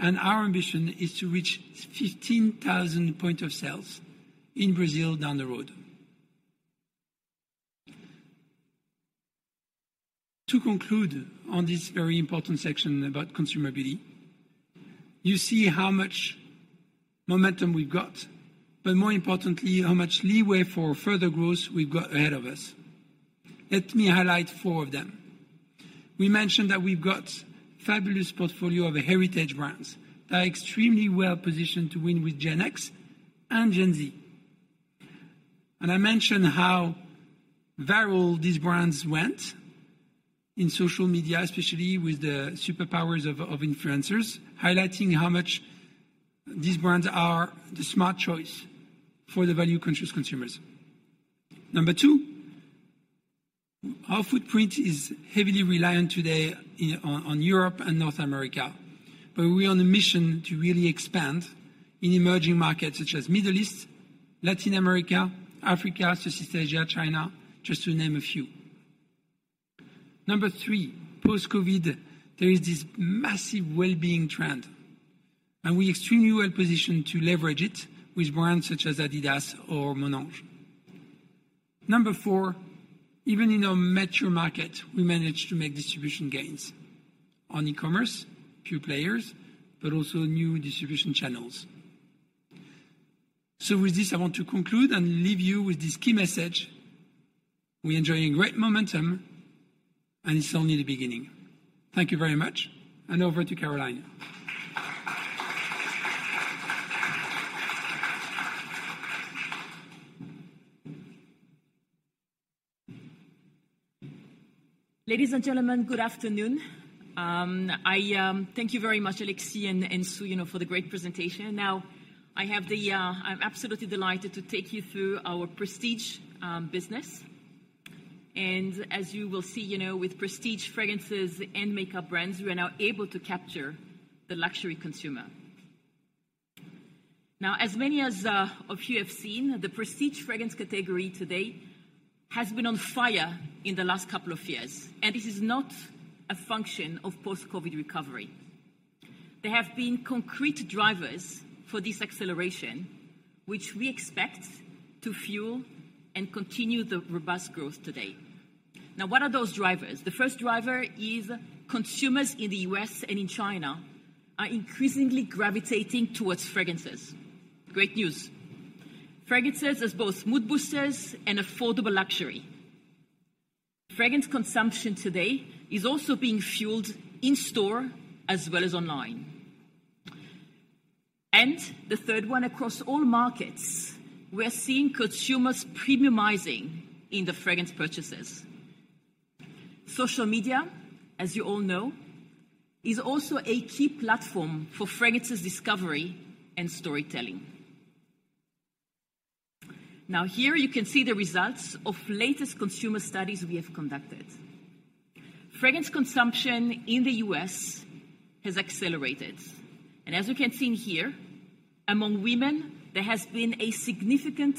and our ambition is to reach 15,000 point of sales in Brazil down the road. To conclude on this very important section about Consumability, you see how much momentum we've got, but more importantly, how much leeway for further growth we've got ahead of us. Let me highlight four of them. We mentioned that we've got fabulous portfolio of heritage brands that are extremely well positioned to win with Gen X and Gen Z. I mentioned how viral these brands went in social media, especially with the superpowers of influencers, highlighting how much these brands are the smart choice for the value-conscious consumers. Number two our footprint is heavily reliant today on Europe and North America, but we're on a mission to really expand in emerging markets such as Middle East, Latin America, Africa, Southeast Asia, China, just to name a few. Number three post-COVID, there is this massive well-being trend, and we extremely well positioned to leverage it with brands such as Adidas or Monange. Number four even in a mature market, we manage to make distribution gains on e-commerce, few players, but also new distribution channels. With this, I want to conclude and leave you with this key message, we're enjoying great momentum, and it's only the beginning. Thank you very much. Over to Caroline. Ladies and gentlemen, good afternoon. I thank you very much, Alexi and Sue, you know, for the great presentation. Now, I'm absolutely delighted to take you through our prestige business. As you will see, you know, with prestige fragrances and makeup brands, we are now able to capture the luxury consumer. Now, as many of you have seen, the prestige fragrance category today has been on fire in the last couple of years, this is not a function of post-COVID recovery. There have been concrete drivers for this acceleration, which we expect to fuel and continue the robust growth today. Now, what are those drivers? The first driver is consumers in the U.S. and in China are increasingly gravitating towards fragrances. Great news. Fragrances as both mood boosters and affordable luxury. Fragrance consumption today is also being fueled in store as well as online. The third one, across all markets, we are seeing consumers premiumizing in the fragrance purchases. Social media, as you all know, is also a key platform for fragrances discovery and storytelling. Now, here you can see the results of latest consumer studies we have conducted. Fragrance consumption in the U.S. has accelerated, and as you can see here, among women, there has been a significant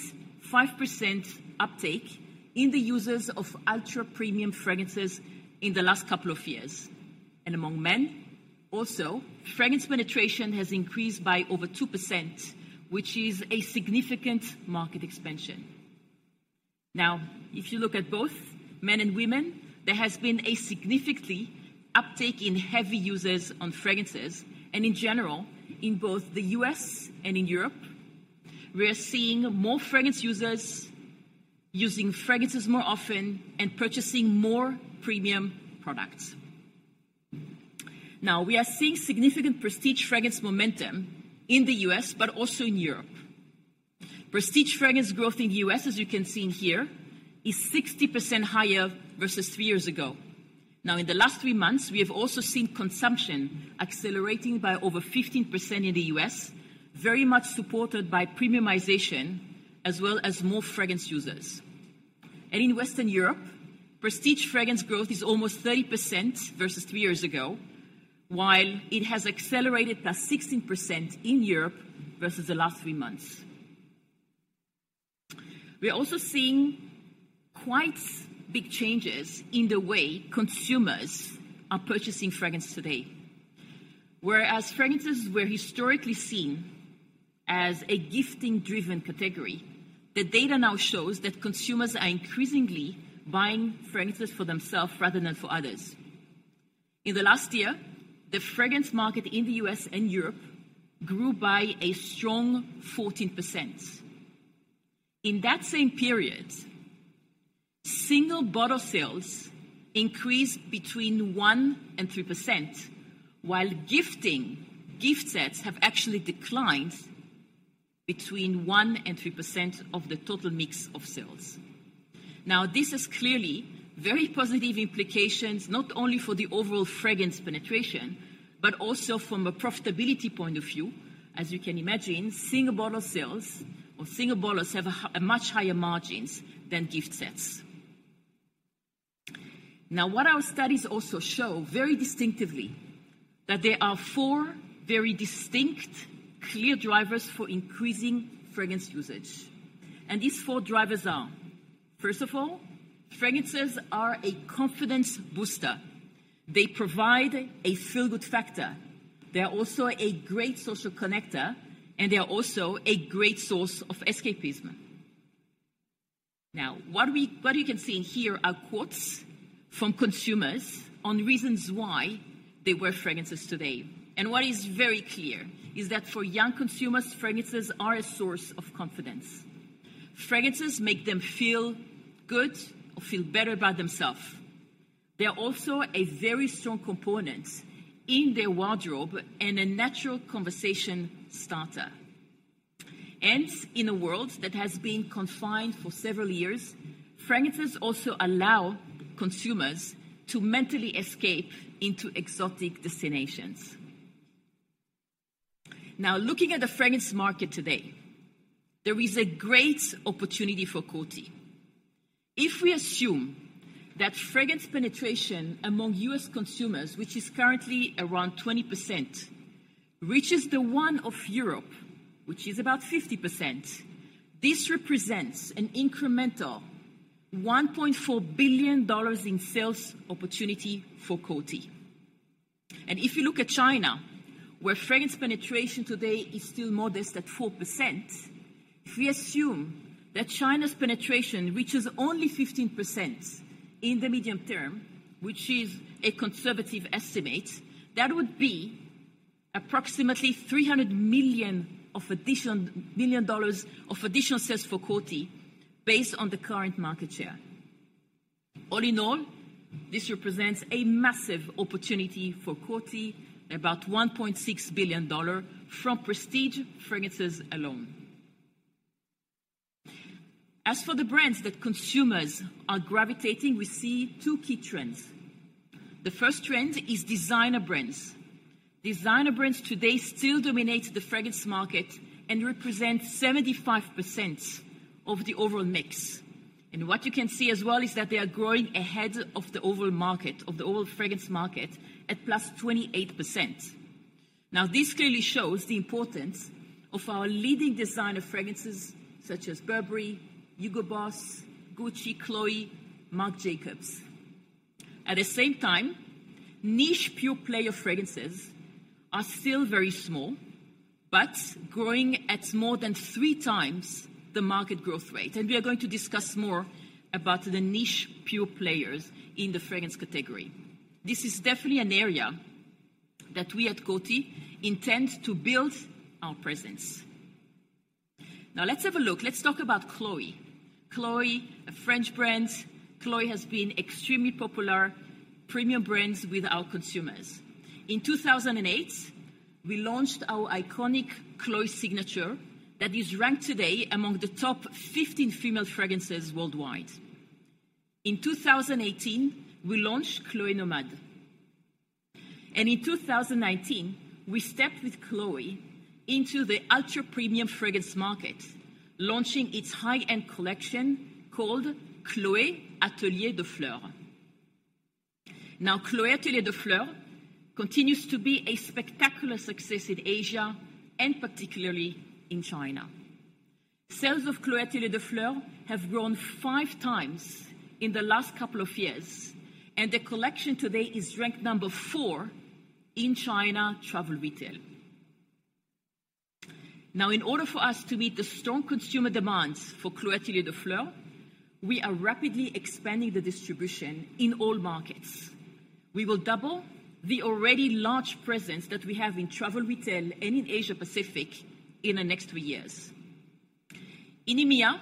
5% uptake in the users of ultra-premium fragrances in the last couple of years. Among men, also, fragrance penetration has increased by over 2%, which is a significant market expansion. If you look at both men and women, there has been a significantly uptake in heavy users on fragrances, and in general, in both the U.S. and in Europe, we are seeing more fragrance users using fragrances more often and purchasing more premium products. We are seeing significant prestige fragrance momentum in the U.S., but also in Europe. Prestige fragrance growth in the U.S. as you can see in here, is 60% higher versus three years ago. In the last three months, we have also seen consumption accelerating by over 15% in the U.S., very much supported by premiumization as well as more fragrance users. In Western Europe, prestige fragrance growth is almost 30% versus three years ago, while it has accelerated by 16% in Europe versus the last three months. We are also seeing quite big changes in the way consumers are purchasing fragrances today. Whereas fragrances were historically seen as a gifting-driven category, the data now shows that consumers are increasingly buying fragrances for themselves rather than for others. In the last year, the fragrance market in the U.S. and Europe grew by a strong 14%. In that same period, single bottle sales increased between 1%-3%, while gifting, gift sets have actually declined between 1%-3% of the total mix of sales. This is clearly very positive implications, not only for the overall fragrance penetration, but also from a profitability point of view. As you can imagine, single bottle sales or single bottles have a much higher margins than gift sets. What our studies also show very distinctively, that there are four very distinct, clear drivers for increasing fragrance usage. These four drivers are, first of all, fragrances are a confidence booster. They provide a feel-good factor. They are also a great social connector, and they are also a great source of escapism. What you can see here are quotes from consumers on reasons why they wear fragrances today. What is very clear is that for young consumers, fragrances are a source of confidence. Fragrances make them feel good or feel better by themselves. They are also a very strong component in their wardrobe and a natural conversation starter. In a world that has been confined for several years, fragrances also allow consumers to mentally escape into exotic destinations. Looking at the fragrance market today, there is a great opportunity for Coty. If we assume that fragrance penetration among U.S. consumers, which is currently around 20%, reaches the one of Europe, which is about 50%, this represents an incremental $1.4 billion in sales opportunity for Coty. If you look at China, where fragrance penetration today is still modest at 4%, if we assume that China's penetration, which is only 15% in the medium term, which is a conservative estimate, that would be approximately $300 million of additional sales for Coty based on the current market share. All in all, this represents a massive opportunity for Coty, about $1.6 billion dollar from prestige fragrances alone. As for the brands that consumers are gravitating, we see two key trends. The first trend is designer brands. Designer brands today still dominate the fragrance market and represent 75% of the overall mix. What you can see as well is that they are growing ahead of the overall market, of the overall fragrance market, at +28%. This clearly shows the importance of our leading designer fragrances, such as Burberry, Hugo Boss, Gucci, Chloé, Marc Jacobs. At the same time, niche pure-play of fragrances are still very small, but growing at more than three times the market growth rate. We are going to discuss more about the niche pure players in the fragrance category. This is definitely an area that we at Coty intend to build our presence. Let's have a look. Let's talk about Chloé. Chloé, a French brand. Chloé has been extremely popular premium brands with our consumers. In 2008, we launched our iconic Chloé signature that is ranked today among the top 15 female fragrances worldwide. In 2018, we launched Chloé Nomade. In 2019, we stepped with Chloé into the ultra-premium fragrance market, launching its high-end collection called Chloé Atelier des Fleurs. Chloé Atelier des Fleurs continues to be a spectacular success in Asia, and particularly in China. Sales of Chloé Atelier des Fleurs have grown five times in the last couple of years, and the collection today is ranked number four in China travel retail. In order for us to meet the strong consumer demands for Chloé Atelier des Fleurs, we are rapidly expanding the distribution in all markets. We will double the already large presence that we have in travel retail and in Asia Pacific in the next three years. In EMEA,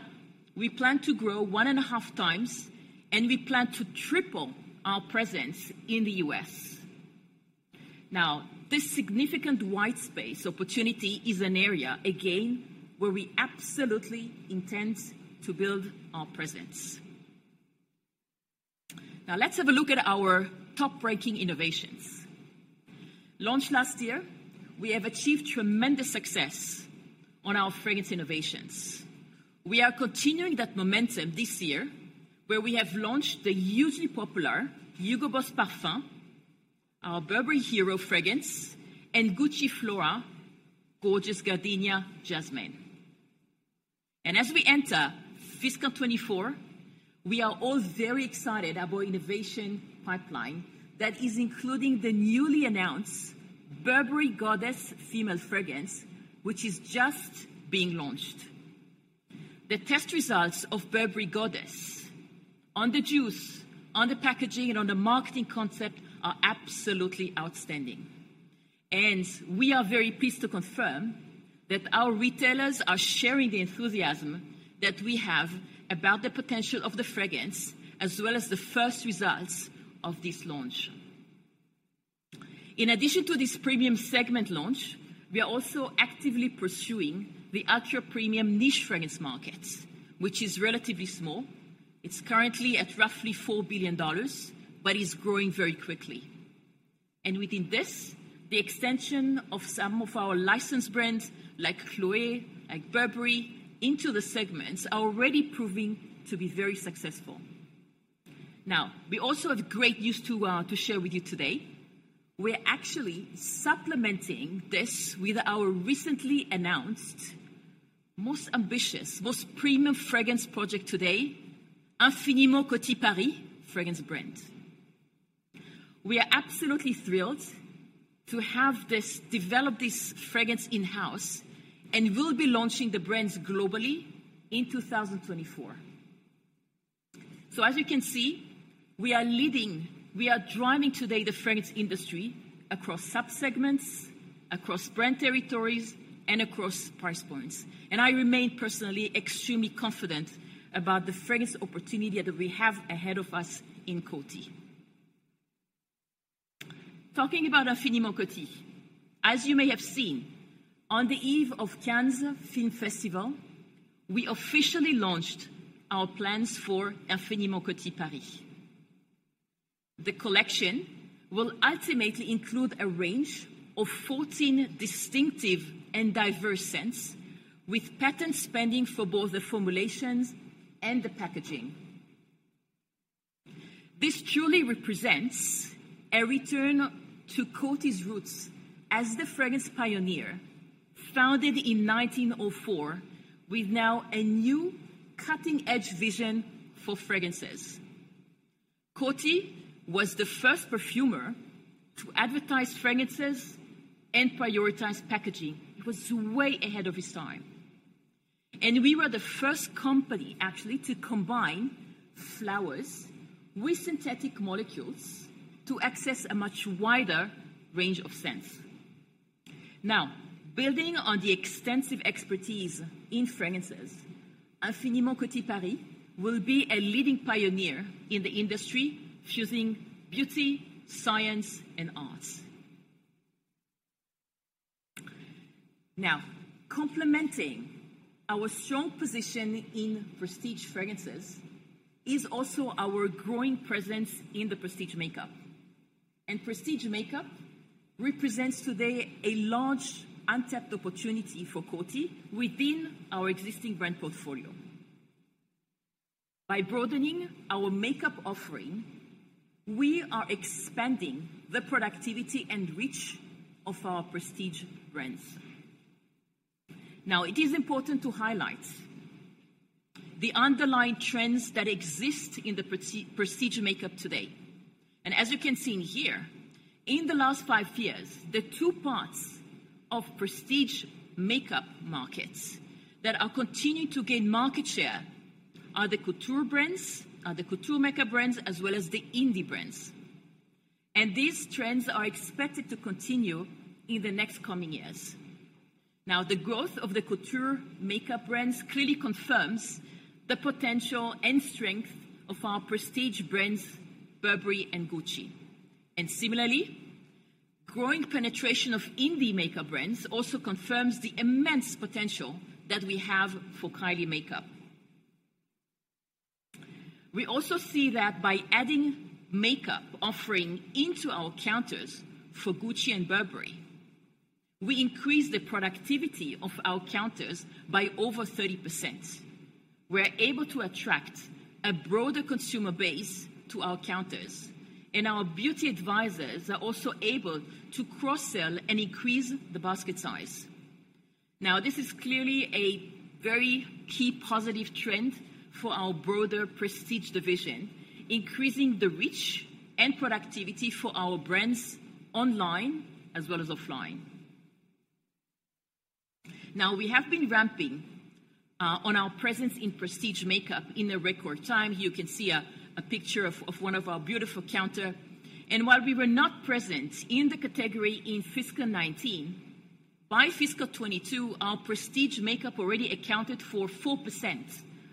we plan to grow one and half times. We plan to triple our presence in the U.S. This significant white space opportunity is an area, again, where we absolutely intend to build our presence. Let's have a look at our top-breaking innovations. Launched last year, we have achieved tremendous success on our fragrance innovations. We are continuing that momentum this year, where we have launched the hugely popular Hugo Boss Parfum, our Burberry Hero fragrance, and Gucci Flora Gorgeous Gardenia Jasmine. As we enter fiscal 2024, we are all very excited about innovation pipeline that is including the newly announced Burberry Goddess female fragrance, which is just being launched. The test results of Burberry Goddess on the juice, on the packaging, and on the marketing concept are absolutely outstanding. We are very pleased to confirm that our retailers are sharing the enthusiasm that we have about the potential of the fragrance, as well as the first results of this launch. In addition to this premium segment launch, we are also actively pursuing the ultra-premium niche fragrance markets, which is relatively small. It's currently at roughly $4 billion, but is growing very quickly. Within this, the extension of some of our licensed brands like Chloé, like Burberry, into the segments are already proving to be very successful. We also have great news to share with you today. We're actually supplementing this with our recently announced most ambitious, most premium fragrance project totay, Infiniment Coty Paris fragrance brand. We are absolutely thrilled to develop this fragrance in-house, we'll be launching the brands globally in 2024. As you can see, we are leading, we are driving today the fragrance industry across subsegments, across brand territories, and across price points. I remain personally extremely confident about the fragrance opportunity that we have ahead of us in Coty. Talking about Infiniment Coty, as you may have seen, on the eve of Cannes Film Festival, we officially launched our plans for Infiniment Coty Paris. The collection will ultimately include a range of 14 distinctive and diverse scents, with patent spending for both the formulations and the packaging. This truly represents a return to Coty's roots as the fragrance pioneer, founded in 1904, with now a new cutting-edge vision for fragrances. Coty was the first perfumer to advertise fragrances and prioritize packaging. He was way ahead of his time. We were the first company, actually, to combine flowers with synthetic molecules to access a much wider range of scents. Now, building on the extensive expertise in fragrances, Infiniment Coty Paris will be a leading pioneer in the industry, fusing beauty, science, and arts. Now, complementing our strong position in prestige fragrances is also our growing presence in the prestige makeup. Prestige makeup represents today a large, untapped opportunity for Coty within our existing brand portfolio. By broadening our makeup offering, we are expanding the productivity and reach of our prestige brands. Now, it is important to highlight the underlying trends that exist in the prestige makeup today. As you can see in here, in the last five years, the two parts of prestige makeup markets that are continuing to gain market share are the couture makeup brands, as well as the indie brands. These trends are expected to continue in the next coming years. Now, the growth of the couture makeup brands clearly confirms the potential and strength of our prestige brands, Burberry and Gucci. Similarly, growing penetration of indie makeup brands also confirms the immense potential that we have for Kylie Makeup. We also see that by adding makeup offering into our counters for Gucci and Burberry, we increase the productivity of our counters by over 30%. We're able to attract a broader consumer base to our counters, and our beauty advisors are also able to cross-sell and increase the basket size. This is clearly a very key positive trend for our broader prestige division, increasing the reach and productivity for our brands online as well as offline. We have been ramping on our presence in prestige makeup in a record time. You can see a picture of one of our beautiful counter. While we were not present in the category in fiscal 2019, by fiscal 2022, our prestige makeup already accounted for 4%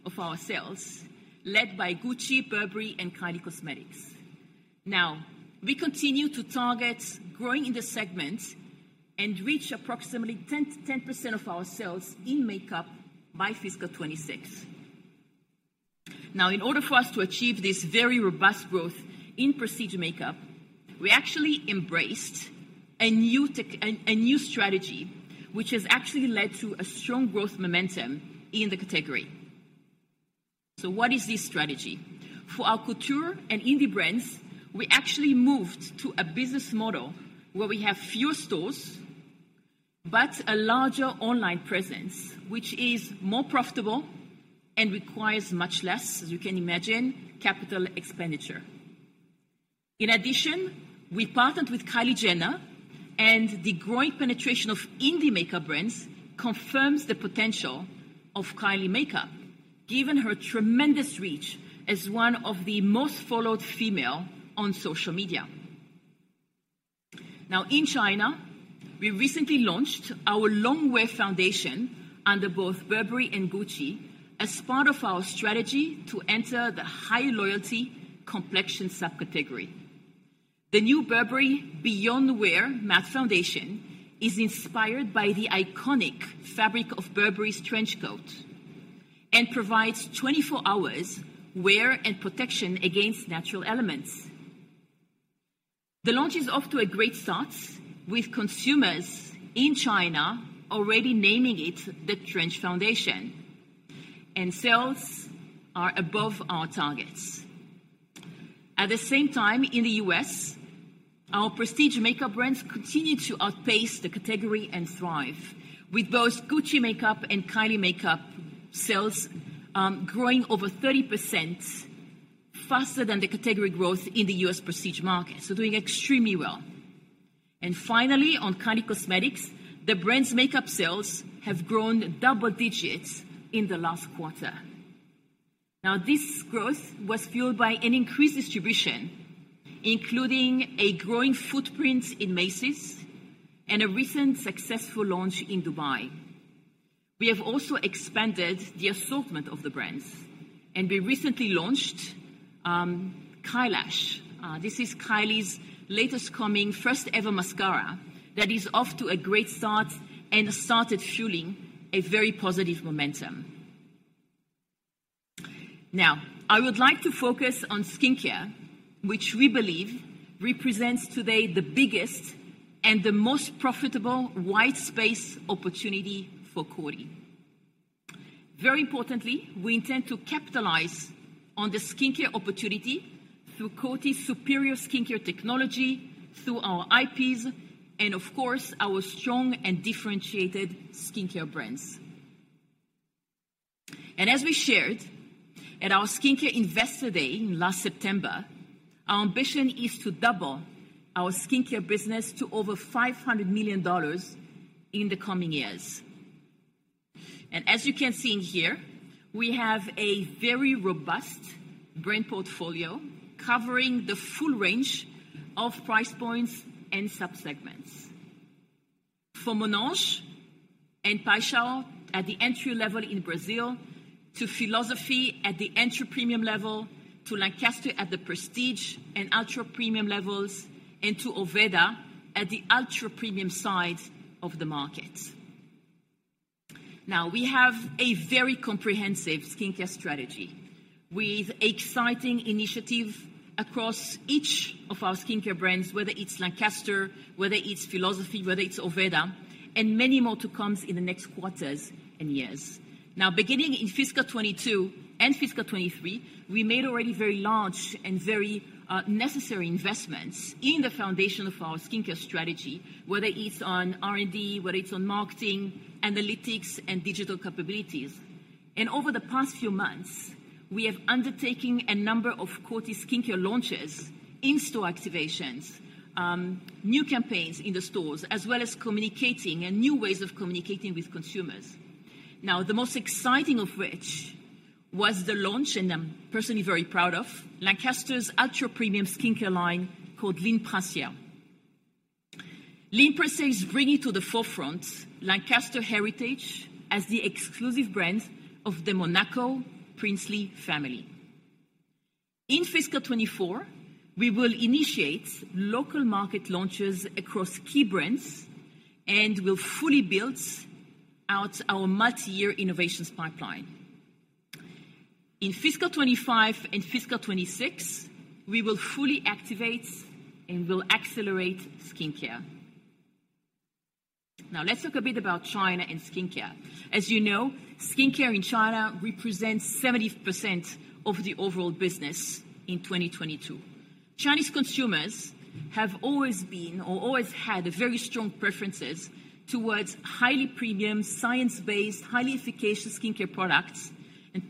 of our sales, led by Gucci, Burberry, and Kylie Cosmetics. We continue to target growing in the segment and reach approximately 10% of our sales in makeup by fiscal 2026. In order for us to achieve this very robust growth in prestige makeup, we actually embraced a new strategy, which has actually led to a strong growth momentum in the category. What is this strategy? For our couture and indie brands, we actually moved to a business model where we have fewer stores, but a larger online presence, which is more profitable and requires much less, as you can imagine, capital expenditure. In addition, we partnered with Kylie Jenner, and the growing penetration of indie makeup brands confirms the potential of Kylie Makeup, given her tremendous reach as one of the most followed female on social media. In China, we recently launched our long-wear foundation under both Burberry and Gucci as part of our strategy to enter the high-loyalty complexion subcategory. The new Burberry Beyond Wear Matte Foundation is inspired by the iconic fabric of Burberry's trench coat, and provides 24 hours wear and protection against natural elements. The launch is off to a great start, with consumers in China already naming it the trench foundation, and sales are above our targets. In the U.S. our prestige makeup brands continue to outpace the category and thrive, with both Gucci Makeup and Kylie Makeup sales growing over 30% faster than the category growth in the U.S. prestige market, so doing extremely well. Finally, on Kylie Cosmetics, the brand's makeup sales have grown double digits in the last quarter. This growth was fueled by an increased distribution, including a growing footprint in Macy's and a recent successful launch in Dubai. We have also expanded the assortment of the brands, and we recently launched Kylash. This is Kylie's latest coming, first-ever mascara, that is off to a great start and has started fueling a very positive momentum. I would like to focus on skincare, which we believe represents today the biggest and the most profitable white space opportunity for Coty. Very importantly, we intend to capitalize on the skincare opportunity through Coty's superior skincare technology, through our IPs, and of course, our strong and differentiated skincare brands. As we shared at our Skincare Investor Day last September, our ambition is to double our skincare business to over $500 million in the coming years. As you can see in here, we have a very robust brand portfolio covering the full range of price points and sub-segments. From Monange and Paixão at the entry level in Brazil, to philosophy at the entry premium level, to Lancaster at the prestige and ultra-premium levels, and to Orveda at the ultra-premium side of the market. We have a very comprehensive skincare strategy, with exciting initiative across each of our skincare brands, whether it's Lancaster, whether it's philosophy, whether it's Orveda, and many more to come in the next quarters and years. Beginning in fiscal 2022 and fiscal 2023, we made already very large and very necessary investments in the foundation of our skincare strategy, whether it's on R&D, whether it's on marketing, analytics, and digital capabilities. Over the past few months, we have undertaking a number of Coty skincare launches, in-store activations, new campaigns in the stores, as well as communicating and new ways of communicating with consumers. The most exciting of which was the launch, and I'm personally very proud of, Lancaster's ultra-premium skincare line called Ligne Princière. Ligne Princière is bringing to the forefront Lancaster heritage as the exclusive brand of the Monaco Princely family. In fiscal 2024, we will initiate local market launches across key brands and will fully build out our multi-year innovations pipeline. In fiscal 2025 and fiscal 2026, we will fully activate and will accelerate skincare. Let's look a bit about China and skincare. As you know, skincare in China represents 70% of the overall business in 2022. Chinese consumers have always been or always had a very strong preferences towards highly premium, science-based, highly efficacious skincare products.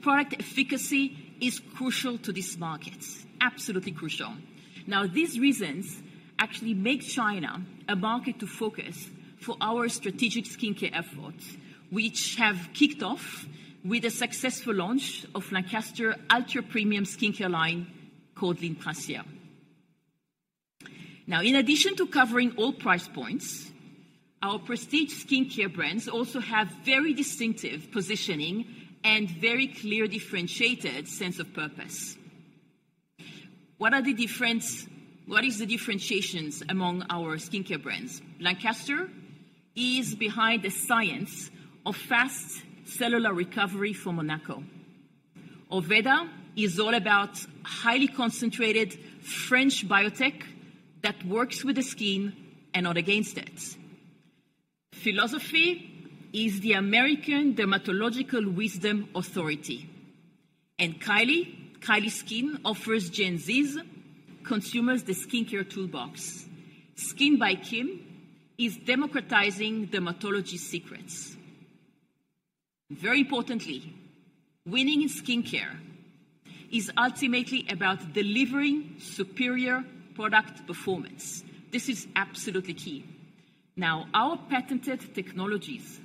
Product efficacy is crucial to this market, absolutely crucial. These reasons actually make China a market to focus for our strategic skincare efforts, which have kicked off with the successful launch of Lancaster ultra-premium skincare line called Ligne Princière. In addition to covering all price points, our prestige skincare brands also have very distinctive positioning and very clear, differentiated sense of purpose. What is the differentiations among our skincare brands? Lancaster is behind the science of fast cellular recovery for Monaco. Orveda is all about highly concentrated French biotech that works with the skin and not against it. philosophy is the American dermatologic wisdom authority. Kylie Skin offers Gen Z's consumers the skincare toolbox. SKKN BY KIM is democratizing dermatology secrets. Very importantly, winning in skincare is ultimately about delivering superior product performance. This is absolutely key. Our patented technologies,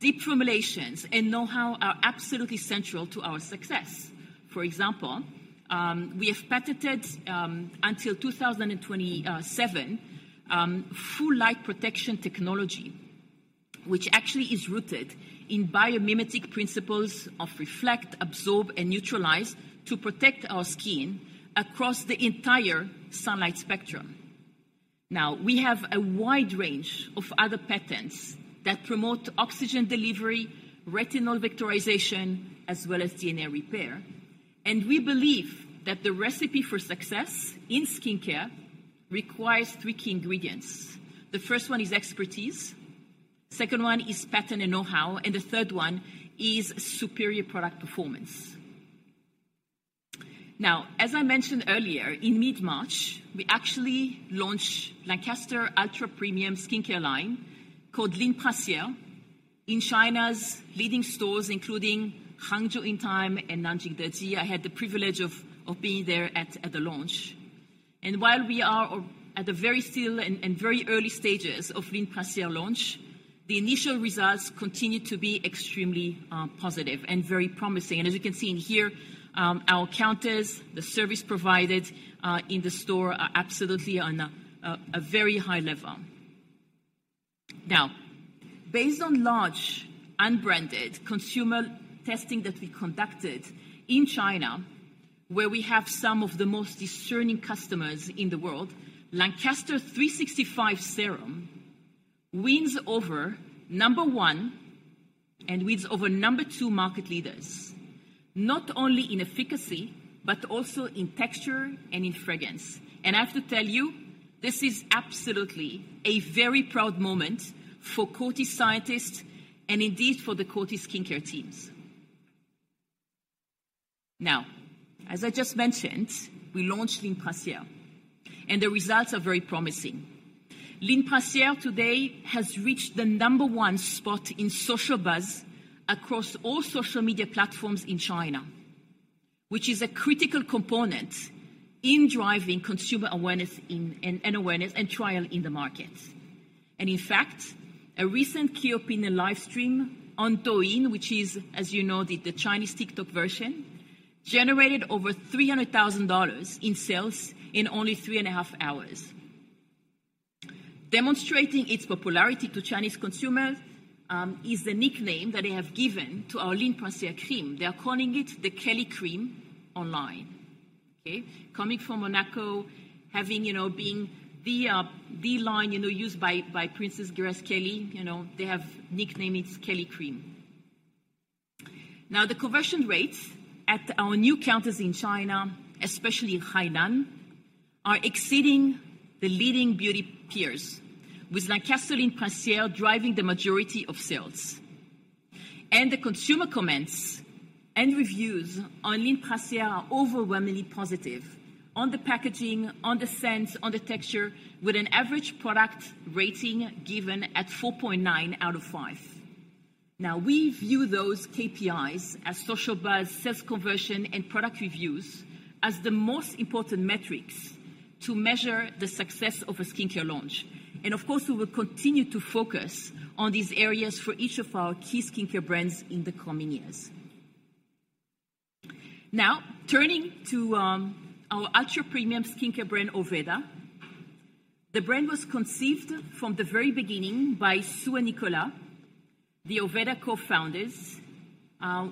deep formulations, and know-how are absolutely central to our success. For example, we have patented until 2027 full light protection technology, which actually is rooted in biomimetic principles of reflect, absorb, and neutralize to protect our skin across the entire sunlight spectrum. We have a wide range of other patents that promote oxygen delivery, retinol vectorization, as well as DNA repair. We believe that the recipe for success in skincare requires three key ingredients. The first one is expertise, second one is patent and know-how, and the third one is superior product performance. As I mentioned earlier, in mid-March, we actually launched Lancaster ultra-premium skincare line called Ligne Princiere in China's leading stores, including Hangzhou Intime and Nanjing Deji. I had the privilege of being there at the launch. While we are at the very still and very early stages of Ligne Princiere launch, the initial results continue to be extremely positive and very promising. As you can see in here, our counters, the service provided in the store are absolutely on a very high level. Based on large, unbranded consumer testing that we conducted in China, where we have some of the most discerning customers in the world, Lancaster 365 Serum wins over number one and wins over number two market leaders, not only in efficacy, but also in texture and in fragrance. I have to tell you, this is absolutely a very proud moment for Coty scientists, and indeed, for the Coty Skincare teams. As I just mentioned, we launched Ligne Princiere and the results are very promising. Ligne Princiere today has reached the number one spot in social buzz across all social media platforms in China, which is a critical component in driving consumer awareness and trial in the market. In fact, a recent key opinion live stream on Douyin, which is, as you know, the Chinese TikTok version, generated over $300,000 in sales in only three and a half hours. Demonstrating its popularity to Chinese consumers is the nickname that they have given to our Ligne Princiere cream. They are calling it the Kelly Cream online. Coming from Monaco, having, you know, being the line used by Princess Grace Kelly, they have nicknamed it Kelly Cream. Now, the conversion rates at our new counters in China, especially in Hainan, are exceeding the leading beauty peers, with Lancaster Ligne Princiere driving the majority of sales. The consumer comments and reviews on Ligne Princiere are overwhelmingly positive, on the packaging, on the scent, on the texture, with an average product rating given at 4.9 out of five. We view those KPIs as social buzz, sales conversion, and product reviews as the most important metrics to measure the success of a skincare launch. Of course, we will continue to focus on these areas for each of our key skincare brands in the coming years. Turning to our ultra-premium skincare brand, Orveda. The brand was conceived from the very beginning by Sue and Nicolas, the Orveda co-founders,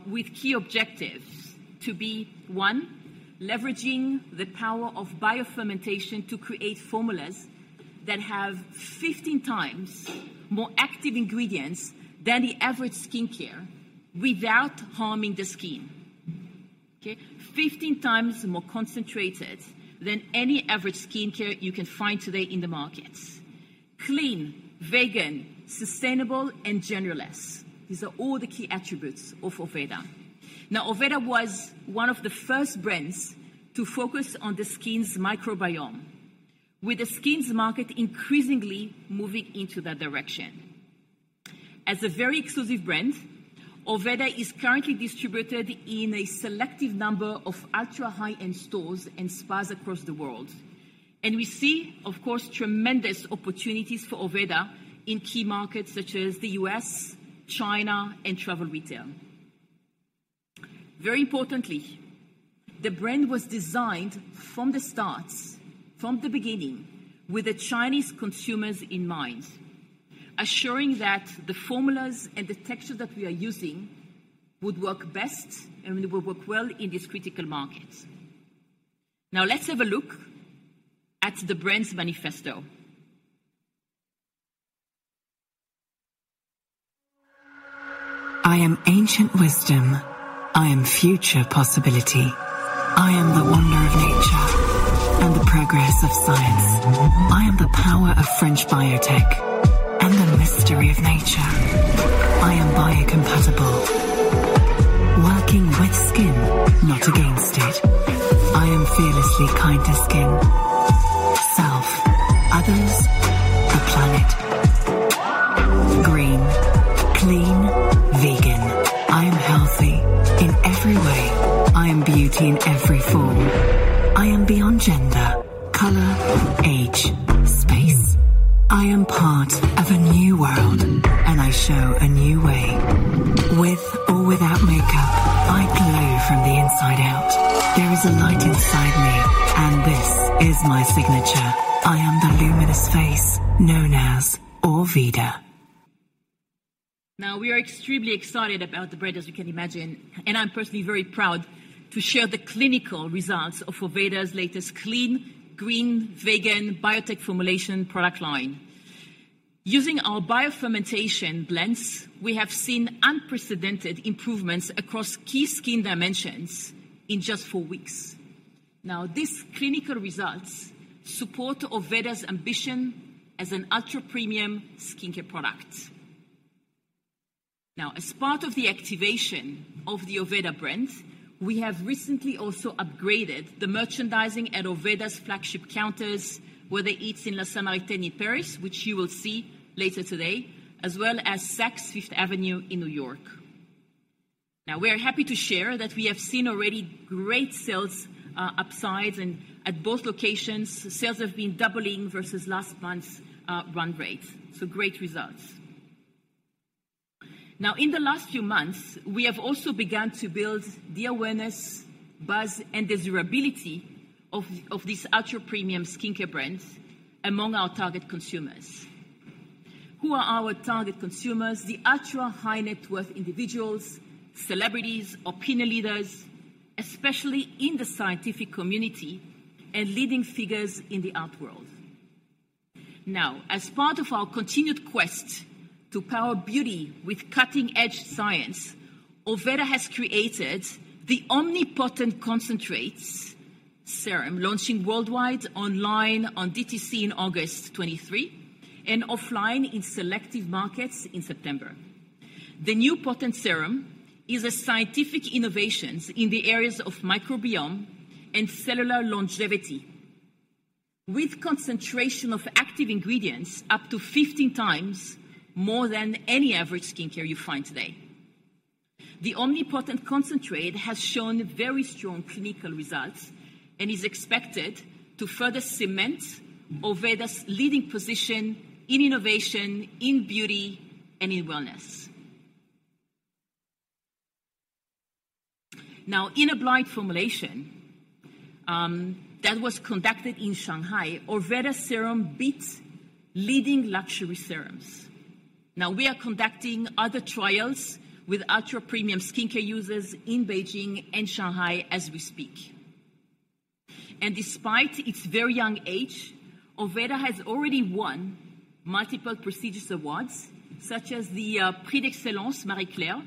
with key objectives to be one leveraging the power of biofermentation to create formulas that have 15 times more active ingredients than the average skincare without harming the skin. Okay? 15 times more concentrated than any average skincare you can find today in the markets. Clean, vegan, sustainable, and genderless. These are all the key attributes of Orveda. Orveda was one of the first brands to focus on the skin's microbiome, with the skin's market increasingly moving into that direction. As a very exclusive brand, Orveda is currently distributed in a selective number of ultra high-end stores and spas across the world, and we see, of course, tremendous opportunities for Orveda in key markets such as the U.S. China, and travel retail. Very importantly, the brand was designed from the start, from the beginning, with the Chinese consumers in mind, assuring that the formulas and the texture that we are using would work best and will work well in this critical market. Let's have a look at the brand's manifesto. I am ancient wisdom. I am future possibility. I am the wonder of nature and the progress of science. I am the power of French biotech and the mystery of nature. I am biocompatible, working with skin, not against it. I am fearlessly kind to skin, self, others, the planet. Green, clean, vegan. I am healthy in every way. I am beauty in every form. I am beyond gender, color, age, space. I am part of a new world, and I show a new way. With or without makeup, I glow from the inside out. There is a light inside me, and this is my signature. I am the luminous face known as Orveda. We are extremely excited about the brand, as you can imagine, and I'm personally very proud to share the clinical results of Orveda's latest clean, green, vegan, biotech formulation product line. Using our biofermentation blends, we have seen unprecedented improvements across key skin dimensions in just four weeks. These clinical results support Orveda's ambition as an ultra-premium skincare product. As part of the activation of the Orveda brand, we have recently also upgraded the merchandising at Orveda's flagship counters, whether it's in La Samaritaine, Paris, which you will see later today, as well as Saks Fifth Avenue in New York. We are happy to share that we have seen already great sales upside, and at both locations, sales have been doubling versus last month's run rate. Great results. Now, in the last few months, we have also begun to build the awareness, buzz, and desirability of this ultra-premium skincare brand among our target consumers. Who are our target consumers? The ultra-high-net-worth individuals, celebrities, opinion leaders, especially in the scientific community, and leading figures in the art world. Now, as part of our continued quest to power beauty with cutting-edge science, Orveda has created the Omnipotent Concentrates Serum, launching worldwide online on DTC in August 2023 and offline in selective markets in September. The new Potent Serum is a scientific innovations in the areas of microbiome and cellular longevity, with concentration of active ingredients up to 15 times more than any average skincare you find today. The OmniPotent Concentrate has shown very strong clinical results and is expected to further cement Orveda's leading position in innovation, in beauty, and in wellness. Now, in a blind formulation, that was conducted in Shanghai, Orveda serum beats leading luxury serums. Now, we are conducting other trials with ultra-premium skincare users in Beijing and Shanghai as we speak. And despite its very young age, Orveda has already won multiple prestigious awards, such as the Prix d'Excellence de la Beauté Marie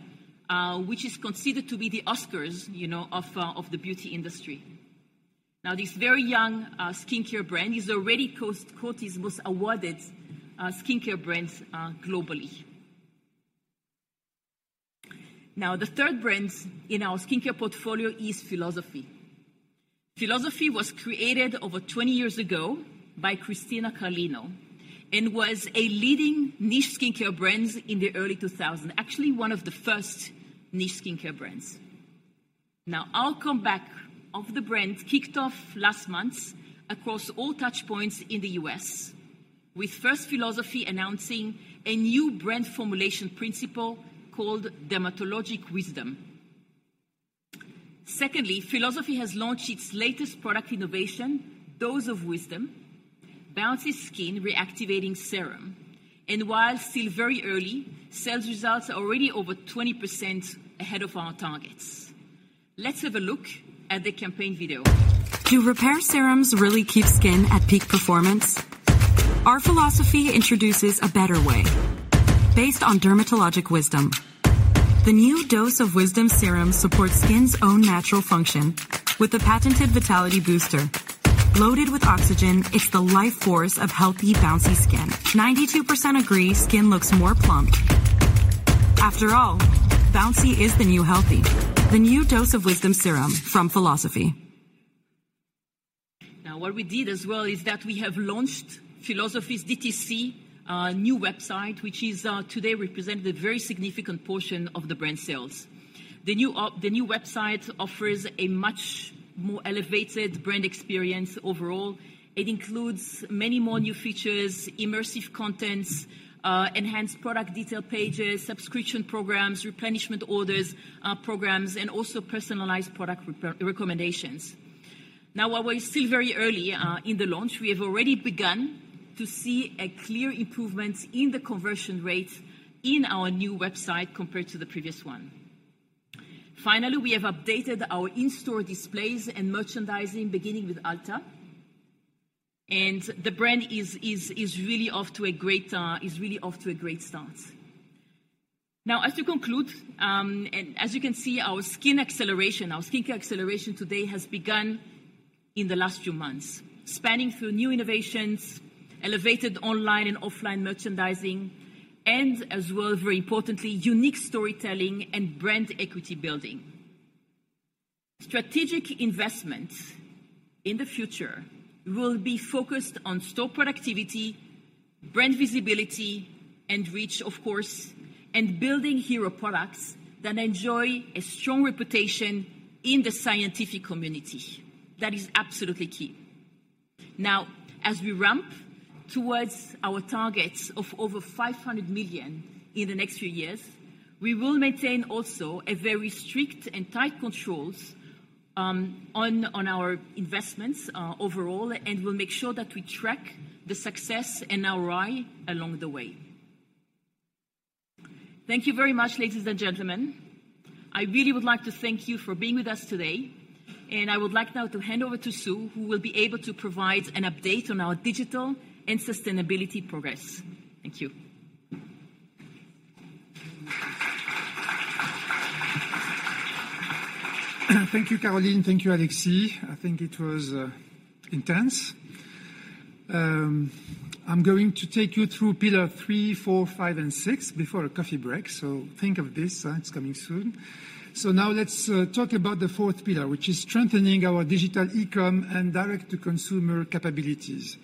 Claire, which is considered to be the Oscars, you know, of the beauty industry. Now, this very young skincare brand is already most awarded skincare brands globally. Now, the third brands in our skincare portfolio is philosophy. philosophy was created over 20 years ago by Cristina Carlino and was a leading niche skincare brands in the early 2000. Actually, one of the first niche skincare brands. Now, our comeback of the brand kicked off last month across all touchpoints in the US, with first philosophy announcing a new brand formulation principle called dermatologic wisdom. Secondly, philosophy has launched its latest product innovation, dose of wisdom, bouncy skin reactivating serum, and while still very early, sales results are already over 20% ahead of our targets. Let's have a look at the campaign video. Do repair serums really keep skin at peak performance? Our philosophy introduces a better way based on dermatologic wisdom. The new dose of wisdom serum supports skin's own natural function with a patented vitality booster. Loaded with oxygen, it's the life force of healthy, bouncy skin. 92% agree skin looks more plump. After all, bouncy is the new healthy. The new dose of wisdom serum from philosophy. What we did as well is that we have launched philosophy's DTC new website, which is today represent a very significant portion of the brand sales. The new website offers a much more elevated brand experience overall. It includes many more new features, immersive contents, enhanced product detail pages, subscription programs, replenishment orders, programs, and also personalized product recommendations. While we're still very early in the launch, we have already begun to see a clear improvement in the conversion rate in our new website compared to the previous one. We have updated our in-store displays and merchandising, beginning with Ulta, and the brand is really off to a great start. As to conclude, and as you can see, our skin acceleration, our skincare acceleration today has begun in the last few months, spanning through new innovations, elevated online and offline merchandising, and as well, very importantly, unique storytelling and brand equity building. Strategic investments in the future will be focused on store productivity, brand visibility, and reach, of course, and building hero products that enjoy a strong reputation in the scientific community. That is absolutely key. As we ramp towards our targets of over $500 million in the next few years. We will maintain also a very strict and tight controls on our investments overall, and we'll make sure that we track the success and ROI along the way. Thank you very much, ladies and gentlemen. I really would like to thank you for being with us today, and I would like now to hand over to Sue, who will be able to provide an update on our digital and sustainability progress. Thank you. Thank you, Caroline. Thank you, Alexis. I think it was intense. I'm going to take you through pillar three, four, five, and six before a coffee break, think of this, it's coming soon. Now let's talk about the fourth pillar, which is strengthening our digital e-com and direct-to-consumer capabilities.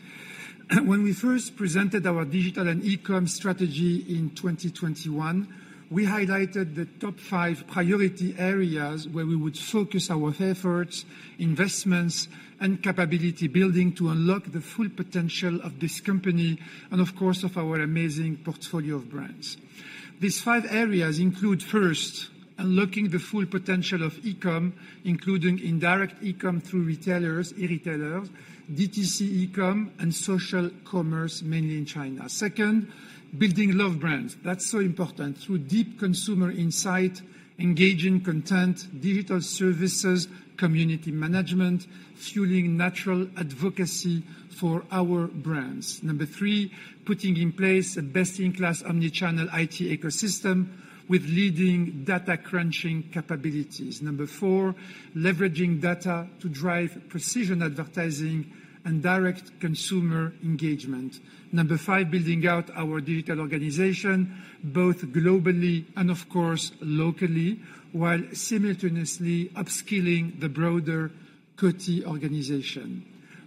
When we first presented our digital and e-com strategy in 2021, we highlighted the top five priority areas where we would focus our efforts, investments, and capability building to unlock the full potential of this company, and of course, of our amazing portfolio of brands. These five areas include, first, unlocking the full potential of e-com, including indirect e-com through retailers, e-retailers, DTC e-com, and social commerce, mainly in China. Second, building love brands, that's so important, through deep consumer insight, engaging content, digital services, community management, fueling natural advocacy for our brands. Number three, putting in place a best-in-class omni-channel IT ecosystem with leading data crunching capabilities. Number four, leveraging data to drive precision advertising and direct consumer engagement. Number five, building out our digital organization, both globally and, of course, locally, while simultaneously upskilling the broader Coty organization.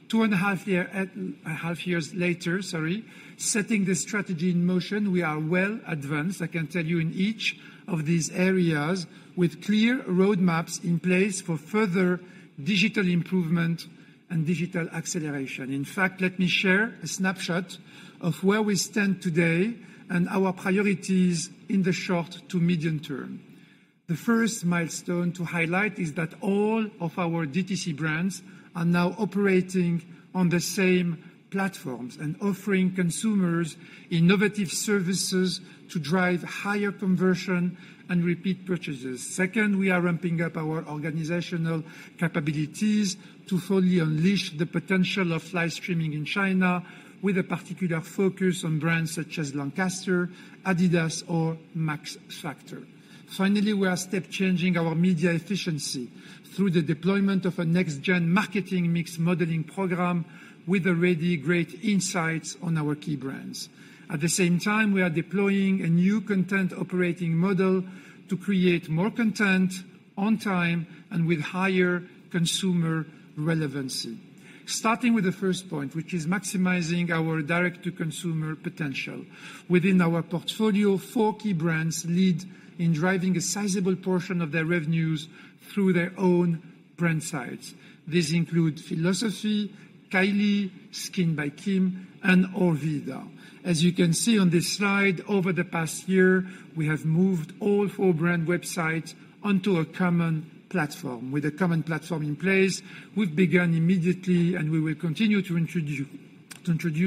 Two and a half years later, sorry, setting this strategy in motion, we are well advanced, I can tell you, in each of these areas, with clear roadmaps in place for further digital improvement and digital acceleration. Let me share a snapshot of where we stand today and our priorities in the short to medium term. The first milestone to highlight is that all of our DTC brands are now operating on the same platforms and offering consumers innovative services to drive higher conversion and repeat purchases. Second, we are ramping up our organizational capabilities to fully unleash the potential of live streaming in China, with a particular focus on brands such as Lancaster, adidas, or Max Factor. Finally, we are step changing our media efficiency through the deployment of a next-gen marketing mix modeling program with already great insights on our key brands. At the same time, we are deploying a new content operating model to create more content on time and with higher consumer relevancy. Starting with the first point, which is maximizing our direct-to-consumer potential. Within our portfolio, four key brands lead in driving a sizable portion of their revenues through their own brand sites. These include philosophy, Kylie, SKKN BY KIM, and Orveda. As you can see on this slide, over the past year, we have moved all four brand websites onto a common platform. With a common platform in place, we've begun immediately, and we will continue to introduce,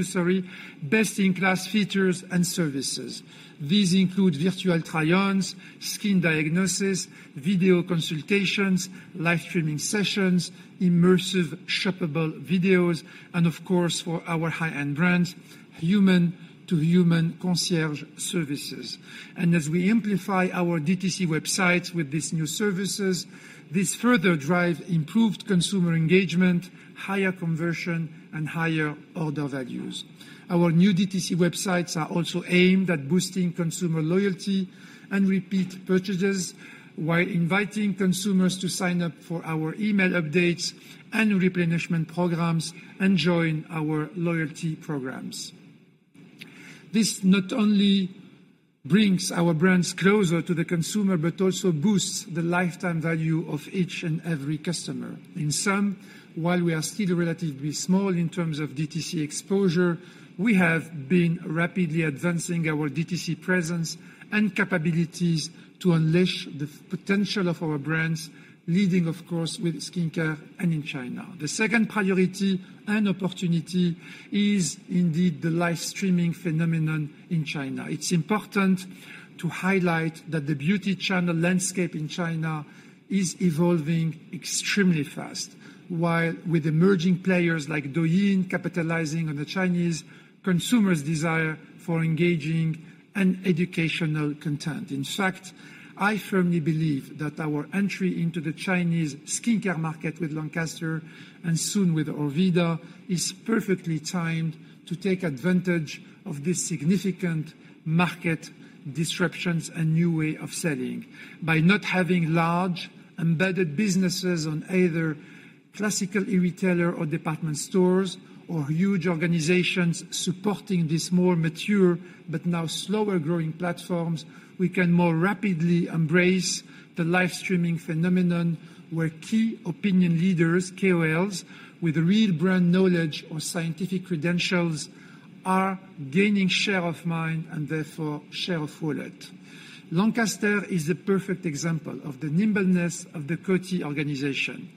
sorry, best-in-class features and services. These include virtual try-ons, skin diagnosis, video consultations, live streaming sessions, immersive shoppable videos, and of course, for our high-end brands, human-to-human concierge services. As we amplify our DTC websites with these new services, this further drive improved consumer engagement, higher conversion, and higher order values. Our new DTC websites are also aimed at boosting consumer loyalty and repeat purchases, while inviting consumers to sign up for our email updates and replenishment programs and join our loyalty programs. This not only brings our brands closer to the consumer, but also boosts the lifetime value of each and every customer. In sum, while we are still relatively small in terms of DTC exposure, we have been rapidly advancing our DTC presence and capabilities to unleash the potential of our brands, leading, of course, with skincare and in China. The second priority and opportunity is indeed the live streaming phenomenon in China. It's important to highlight that the beauty channel landscape in China is evolving extremely fast, while with emerging players like Douyin capitalizing on the Chinese consumers' desire for engaging and educational content. I firmly believe that our entry into the Chinese skincare market with Lancaster, and soon with Orveda, is perfectly timed to take advantage of this significant market disruptions and new way of selling. By not having large, embedded businesses on either classical e-retailer or department stores, or huge organizations supporting this more mature but now slower-growing platforms, we can more rapidly embrace the live streaming phenomenon, where key opinion leaders, KOLs, with real brand knowledge or scientific credentials are gaining share of mind, and therefore, share of wallet. Lancaster is a perfect example of the nimbleness of the Coty organization.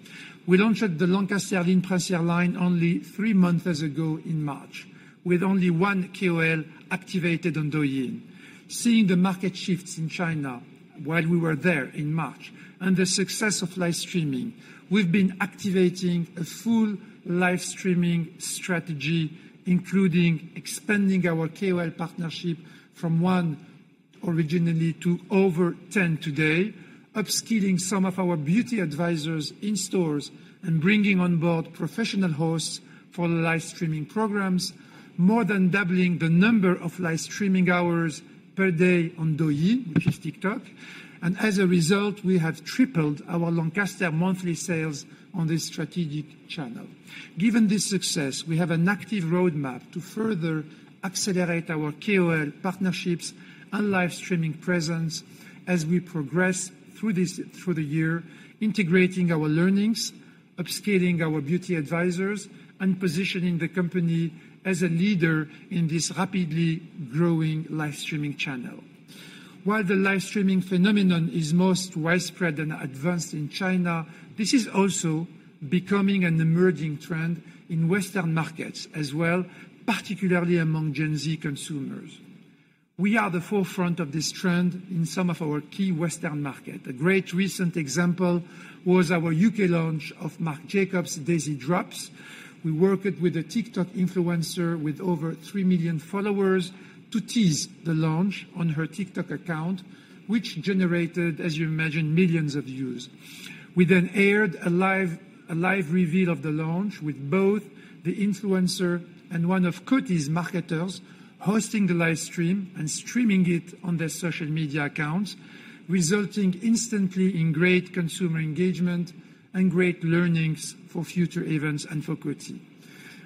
We launched the Lancaster Ligne Princiere line only three months ago in March, with only one KOL activated on Douyin. Seeing the market shifts in China while we were there in March, and the success of live streaming, we've been activating a full live streaming strategy, including expanding our KOL partnership from one originally to over 10 today, upskilling some of our beauty advisors in stores, and bringing on board professional hosts for live streaming programs, more than doubling the number of live streaming hours per day on Douyin, which is TikTok. As a result, we have tripled our Lancaster monthly sales on this strategic channel. Given this success, we have an active roadmap to further accelerate our KOL partnerships and live streaming presence as we progress through this, through the year, integrating our learnings, upskilling our beauty advisors, and positioning the company as a leader in this rapidly growing live streaming channel. While the live streaming phenomenon is most widespread and advanced in China, this is also becoming an emerging trend in Western markets as well, particularly among Gen Z consumers. We are at the forefront of this trend in some of our key Western market. A great recent example was our UK launch of Marc Jacobs Daisy Drops. We worked with a TikTok influencer with over three million followers to tease the launch on her TikTok account, which generated, as you imagine, millions of views. We then aired a live reveal of the launch with both the influencer and one of Coty's marketers hosting the live stream and streaming it on their social media accounts, resulting instantly in great consumer engagement and great learnings for future events and for Coty.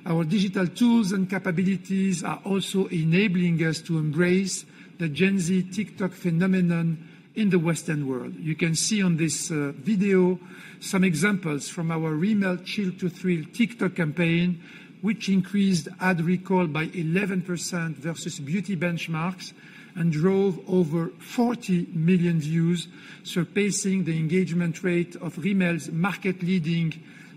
Our digital tools and capabilities are also enabling us to embrace the Gen Z TikTok phenomenon in the Western world. You can see on this video some examples from our Rimmel Chill to Thrill TikTok campaign, which increased ad recall by 11% versus beauty benchmarks and drove over 40 million views, surpassing the engagement rate of Rimmel's market-leading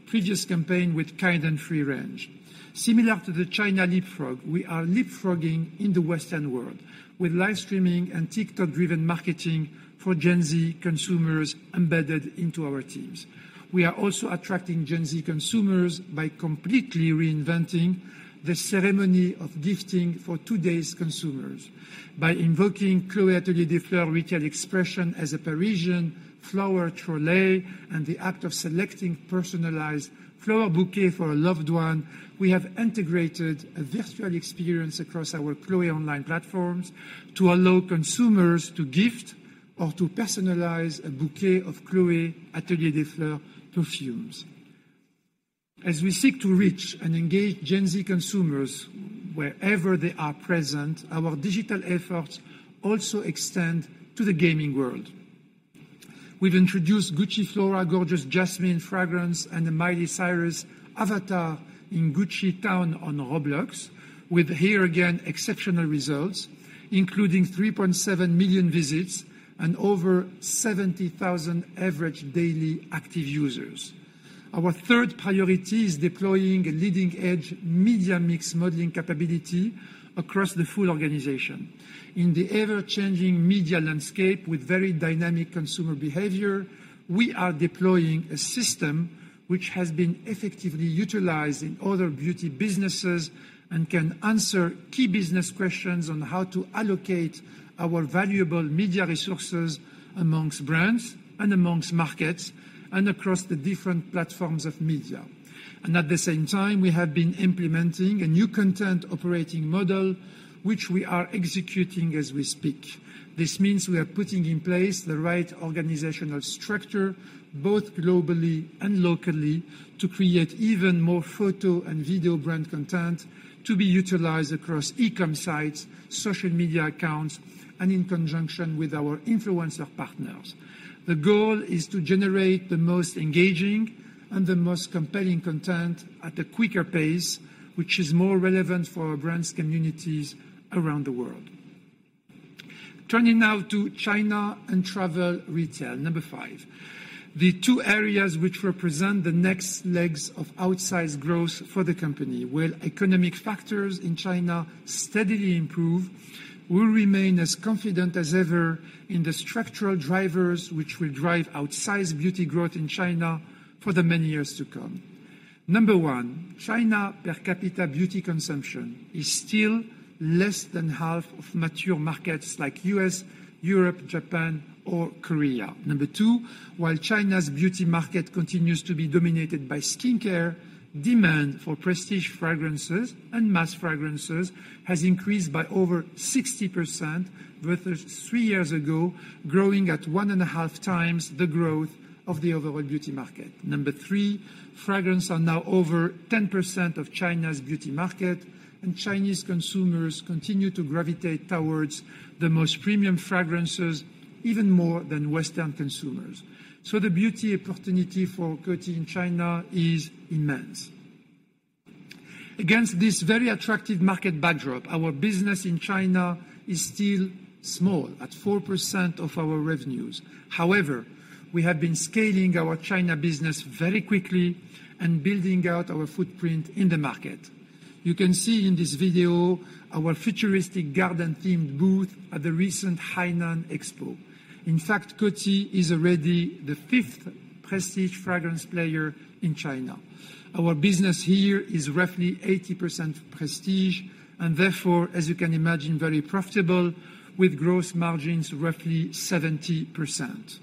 previous campaign with Kind & Free range. Similar to the China leapfrog, we are leapfrogging in the Western world with live streaming and TikTok-driven marketing for Gen Z consumers embedded into our teams. We are also attracting Gen Z consumers by completely reinventing the ceremony of gifting for today's consumers. By invoking Chloé Atelier des Fleurs retail expression as a Parisian flower trolley, and the act of selecting personalized flower bouquet for a loved one, we have integrated a virtual experience across our Chloé online platforms to allow consumers to gift or to personalize a bouquet of Chloé Atelier des Fleurs perfumes. As we seek to reach and engage Gen Z consumers wherever they are present, our digital efforts also extend to the gaming world. We've introduced Gucci Flora Gorgeous Jasmine fragrance and the Miley Cyrus avatar in Gucci Town on Roblox, with here, again, exceptional results, including 3.7 million visits and over 70,000 average daily active users. Our third priority is deploying a leading-edge media mix modeling capability across the full organization. In the ever-changing media landscape, with very dynamic consumer behavior, we are deploying a system which has been effectively utilized in other beauty businesses and can answer key business questions on how to allocate our valuable media resources amongst brands and amongst markets, and across the different platforms of media. At the same time, we have been implementing a new content operating model, which we are executing as we speak. This means we are putting in place the right organizational structure, both globally and locally, to create even more photo and video brand content to be utilized across e-com sites, social media accounts, and in conjunction with our influencer partners. The goal is to generate the most engaging and the most compelling content at a quicker pace, which is more relevant for our brands' communities around the world. Turning now to China and travel retail, number five the two areas which represent the next legs of outsized growth for the company. While economic factors in China steadily improve, we'll remain as confident as ever in the structural drivers, which will drive outsized beauty growth in China for the many years to come. Number one China per capita beauty consumption is still less than half of mature markets like U.S., Europe, Japan, or Korea. Number two while China's beauty market continues to be dominated by skincare, demand for prestige fragrances and mass fragrances has increased by over 60% versus three years ago, growing at 1.5 times the growth of the overall beauty market. Number three fragrance are now over 10% of China's beauty market, and Chinese consumers continue to gravitate towards the most premium fragrances, even more than Western consumers. The beauty opportunity for Coty in China is immense. Against this very attractive market backdrop, our business in China is still small, at 4% of our revenues. However, we have been scaling our China business very quickly and building out our footprint in the market. You can see in this video our futuristic garden-themed booth at the recent Hainan Expo. In fact, Coty is already the fifth prestige fragrance player in China. Our business here is roughly 80% prestige, and therefore, as you can imagine, very profitable, with gross margins roughly 70%.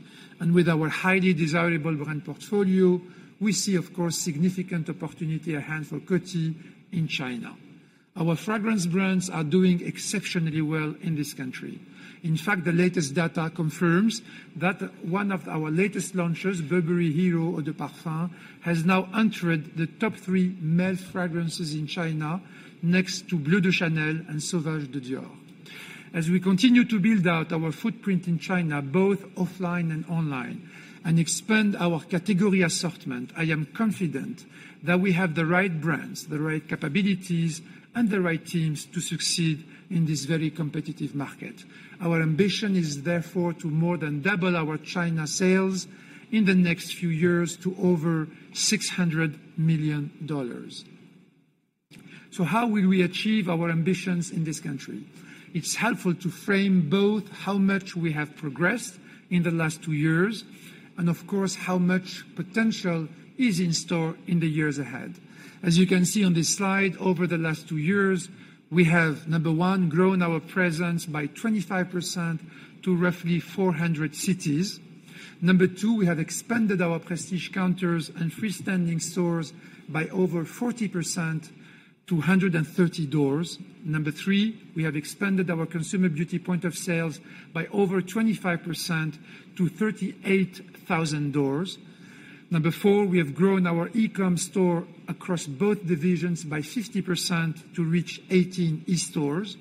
With our highly desirable brand portfolio, we see, of course, significant opportunity at hand for Coty in China. Our fragrance brands are doing exceptionally well in this country. In fact, the latest data confirms that one of our latest launches, Burberry Hero Eau de Parfum, has now entered the top three male fragrances in China, next to Bleu de Chanel and Sauvage de Dior. As we continue to build out our footprint in China, both offline and online, and expand our category assortment, I am confident that we have the right brands, the right capabilities, and the right teams to succeed in this very competitive market. Our ambition is, therefore, to more than double our China sales in the next few years to over $600 million. How will we achieve our ambitions in this country? It's helpful to frame both how much we have progressed in the last two years and, of course, how much potential is in store in the years ahead. As you can see on this slide, over the last two years, we have, number one, grown our presence by 25% to roughly 400 cities. Number two, we have expanded our prestige counters and freestanding stores by over 40% to 130 doors. Number three, we have expanded our consumer beauty point of sales by over 25% to 38,000 doors. Number four, we have grown our e-com store across both divisions by 50% to reach 18 e-stores.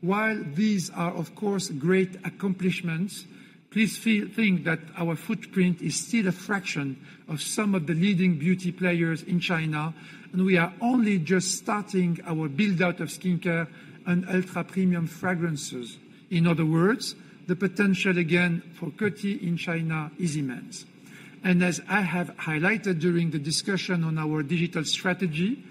While these are, of course, great accomplishments, please think that our footprint is still a fraction of some of the leading beauty players in China, and we are only just starting our build-out of skincare and ultra-premium fragrances. In other words, the potential again for Coty in China is immense. As I have highlighted during the discussion on our digital strategy,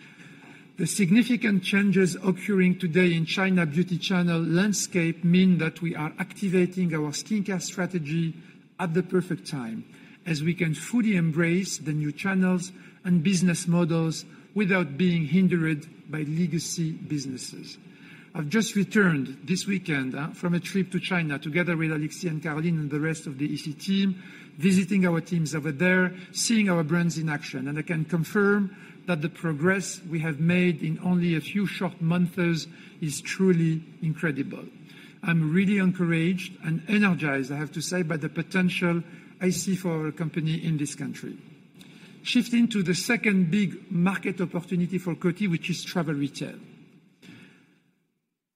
the significant changes occurring today in China beauty channel landscape mean that we are activating our skincare strategy at the perfect time, as we can fully embrace the new channels and business models without being hindered by legacy businesses. I've just returned this weekend from a trip to China, together with Alexis and Caroline and the rest of the EC team, visiting our teams over there, seeing our brands in action, and I can confirm that the progress we have made in only a few short months is truly incredible. I'm really encouraged and energized, I have to say, by the potential I see for our company in this country. Shifting to the second big market opportunity for Coty, which is travel retail.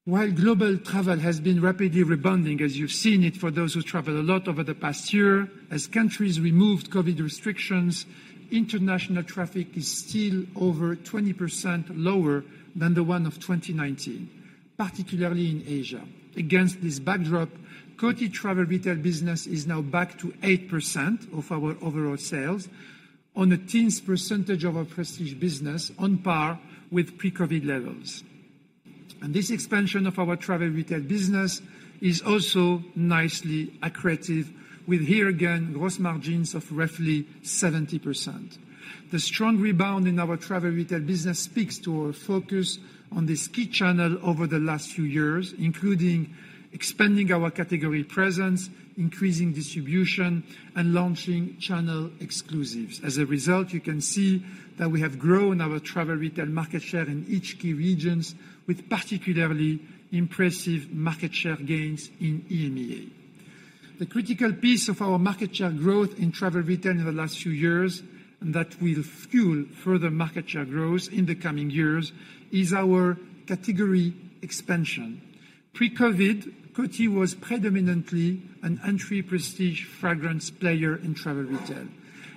While global travel has been rapidly rebounding, as you've seen it, for those who travel a lot over the past year, as countries removed COVID restrictions, international traffic is still over 20% lower than the one of 2019, particularly in Asia. Against this backdrop, Coty travel retail business is now back to 8% of our overall sales on a teens percentage of our prestige business, on par with pre-COVID levels. This expansion of our travel retail business is also nicely accretive with, here again, gross margins of roughly 70%. The strong rebound in our travel retail business speaks to our focus on this key channel over the last few years, including expanding our category presence, increasing distribution, and launching channel exclusives. As a result, you can see that we have grown our travel retail market share in each key regions, with particularly impressive market share gains in EMEA. The critical piece of our market share growth in travel retail in the last few years, and that will fuel further market share growth in the coming years, is our category expansion. Pre-COVID, Coty was predominantly an entry prestige fragrance player in travel retail.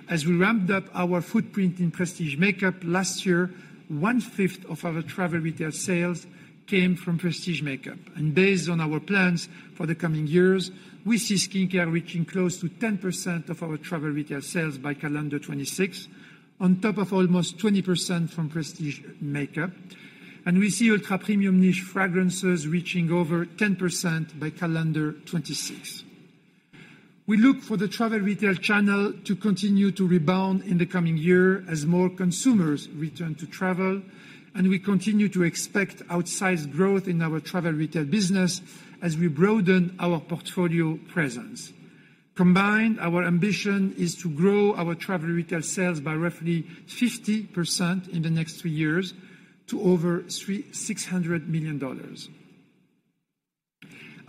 As we ramped up our footprint in prestige makeup last year one fifth of our travel retail sales came from prestige makeup. Based on our plans for the coming years, we see skincare reaching close to 10% of our travel retail sales by calendar 2026, on top of almost 20% from prestige makeup, and we see ultra-premium niche fragrances reaching over 10% by calendar 2026. We look for the travel retail channel to continue to rebound in the coming year as more consumers return to travel. We continue to expect outsized growth in our travel retail business as we broaden our portfolio presence. Combined, our ambition is to grow our travel retail sales by roughly 50% in the next three years to over $600 million.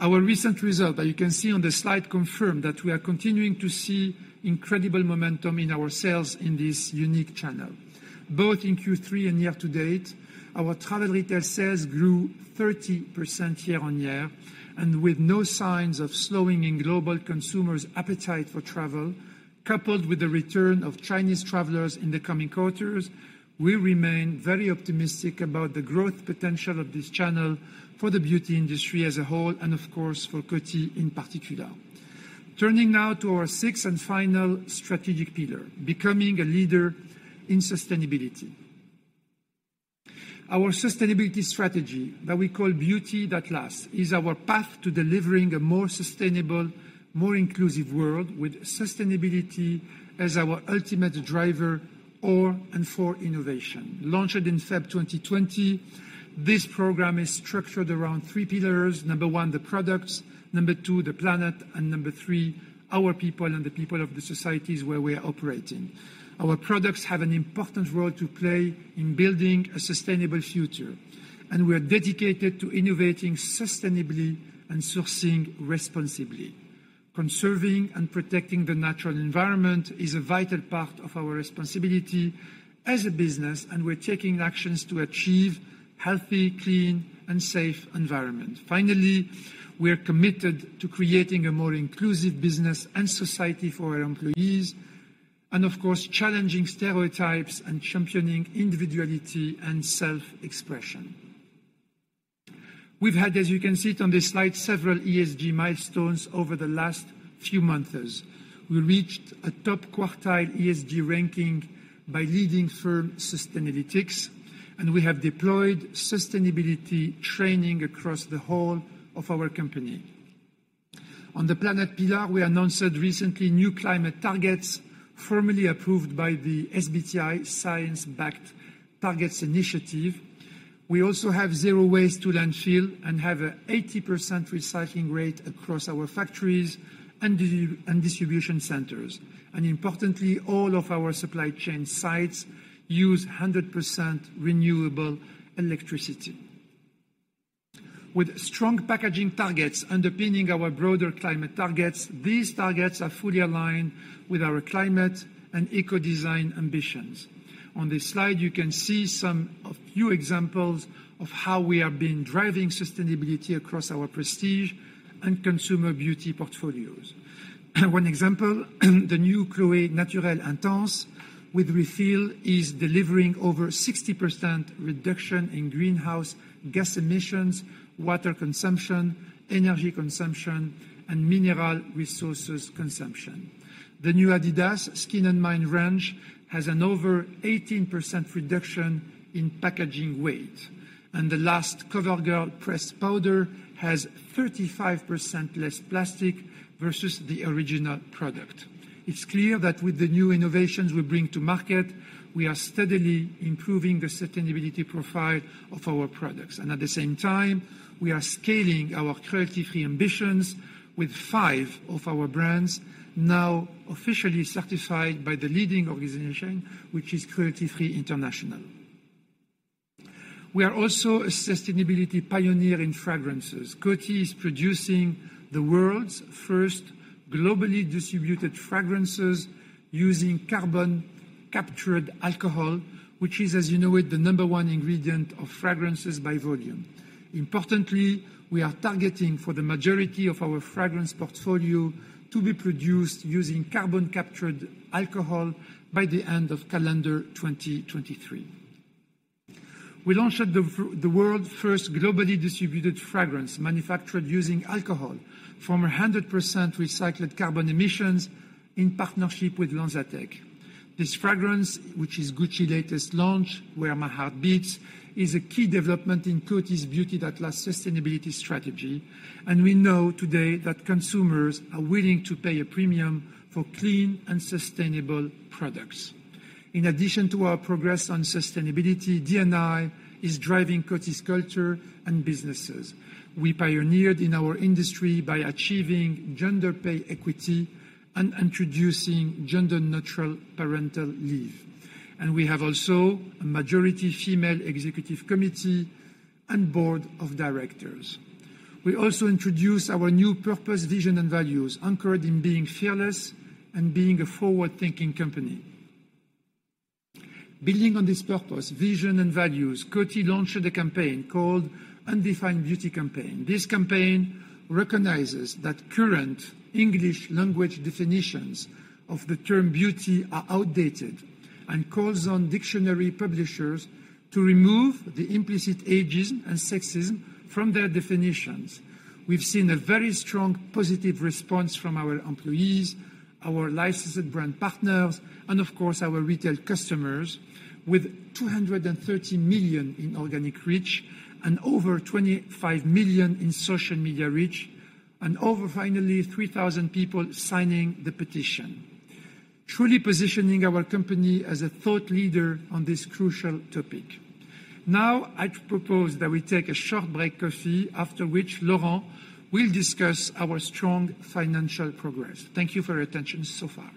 Our recent result that you can see on the slide, confirm that we are continuing to see incredible momentum in our sales in this unique channel. Both in Q3 and year to date, our travel retail sales grew 30% year-on-year. With no signs of slowing in global consumers' appetite for travel, coupled with the return of Chinese travelers in the coming quarters, we remain very optimistic about the growth potential of this channel for the beauty industry as a whole, and of course, for Coty in particular. Turning now to our sixth and final strategic pillar, becoming a leader in sustainability. Our sustainability strategy, that we call Beauty That Lasts, is our path to delivering a more sustainable, more inclusive world, with sustainability as our ultimate driver, or/and for innovation. Launched in February 2020, this program is structured around three pillars: number one, the products, number two, the planet, number three, our people and the people of the societies where we are operating. Our products have an important role to play in building a sustainable future. We are dedicated to innovating sustainably and sourcing responsibly. Conserving and protecting the natural environment is a vital part of our responsibility as a business. We're taking actions to achieve healthy, clean, and safe environment. Finally, we are committed to creating a more inclusive business and society for our employees, and of course, challenging stereotypes and championing individuality and self-expression. We've had, as you can see it on this slide, several ESG milestones over the last few months. We reached a top quartile ESG ranking by leading firm Sustainalytics. We have deployed sustainability training across the whole of our company. On the planet pillar, we announced recently new climate targets, formally approved by the SBTi, Science Based Targets initiative. We also have zero waste to landfill and have a 80% recycling rate across our factories and distribution centers. Importantly, all of our supply chain sites use 100% renewable electricity. With strong packaging targets underpinning our broader climate targets, these targets are fully aligned with our climate and eco-design ambitions. On this slide, you can see few examples of how we have been driving sustainability across our prestige and consumer beauty portfolios. One example, the new Chloé Naturelle Intense with refill, is delivering over 60% reduction in greenhouse gas emissions, water consumption, energy consumption, and mineral resources consumption. The new adidas Skin and Mind range has an over 18% reduction in packaging weight, and the last COVERGIRL pressed powder has 35% less plastic versus the original product. It's clear that with the new innovations we bring to market, we are steadily improving the sustainability profile of our products, and at the same time, we are scaling our cruelty-free ambitions with five of our brands now officially certified by the leading organization, which is Cruelty Free International. We are also a sustainability pioneer in fragrances. Coty is producing the world's first globally distributed fragrances using carbon-captured alcohol, which is, as you know it, the number one ingredient of fragrances by volume. Importantly, we are targeting for the majority of our fragrance portfolio to be produced using carbon-captured alcohol by the end of calendar 2023. We launched the world's first globally distributed fragrance, manufactured using alcohol from 100% recycled carbon emissions in partnership with Lonza. This fragrance, which is Gucci latest launch, Where My Heart Beats, is a key development in Coty's Beauty That Lasts sustainability strategy, and we know today that consumers are willing to pay a premium for clean and sustainable products. In addition to our progress on sustainability, D&I is driving Coty's culture and businesses. We pioneered in our industry by achieving gender pay equity and introducing gender-neutral parental leave, and we have also a majority female executive committee and board of directors. We also introduced our new purpose, vision, and values, anchored in being fearless and being a forward-thinking company. Building on this purpose, vision, and values, Coty launched a campaign called Undefined Beauty Campaign. This campaign recognizes that current English language definitions of the term beauty are outdated, and calls on dictionary publishers to remove the implicit ageism and sexism from their definitions. We've seen a very strong, positive response from our employees, Our licensed brand partners, and of course, our retail customers, with 230 million in organic reach and over 25 million in social media reach, and over finally, 3,000 people signing the petition, truly positioning our company as a thought leader on this crucial topic. I'd propose that we take a short break, coffee, after which Laurent will discuss our strong financial progress. Thank you for your attention so far.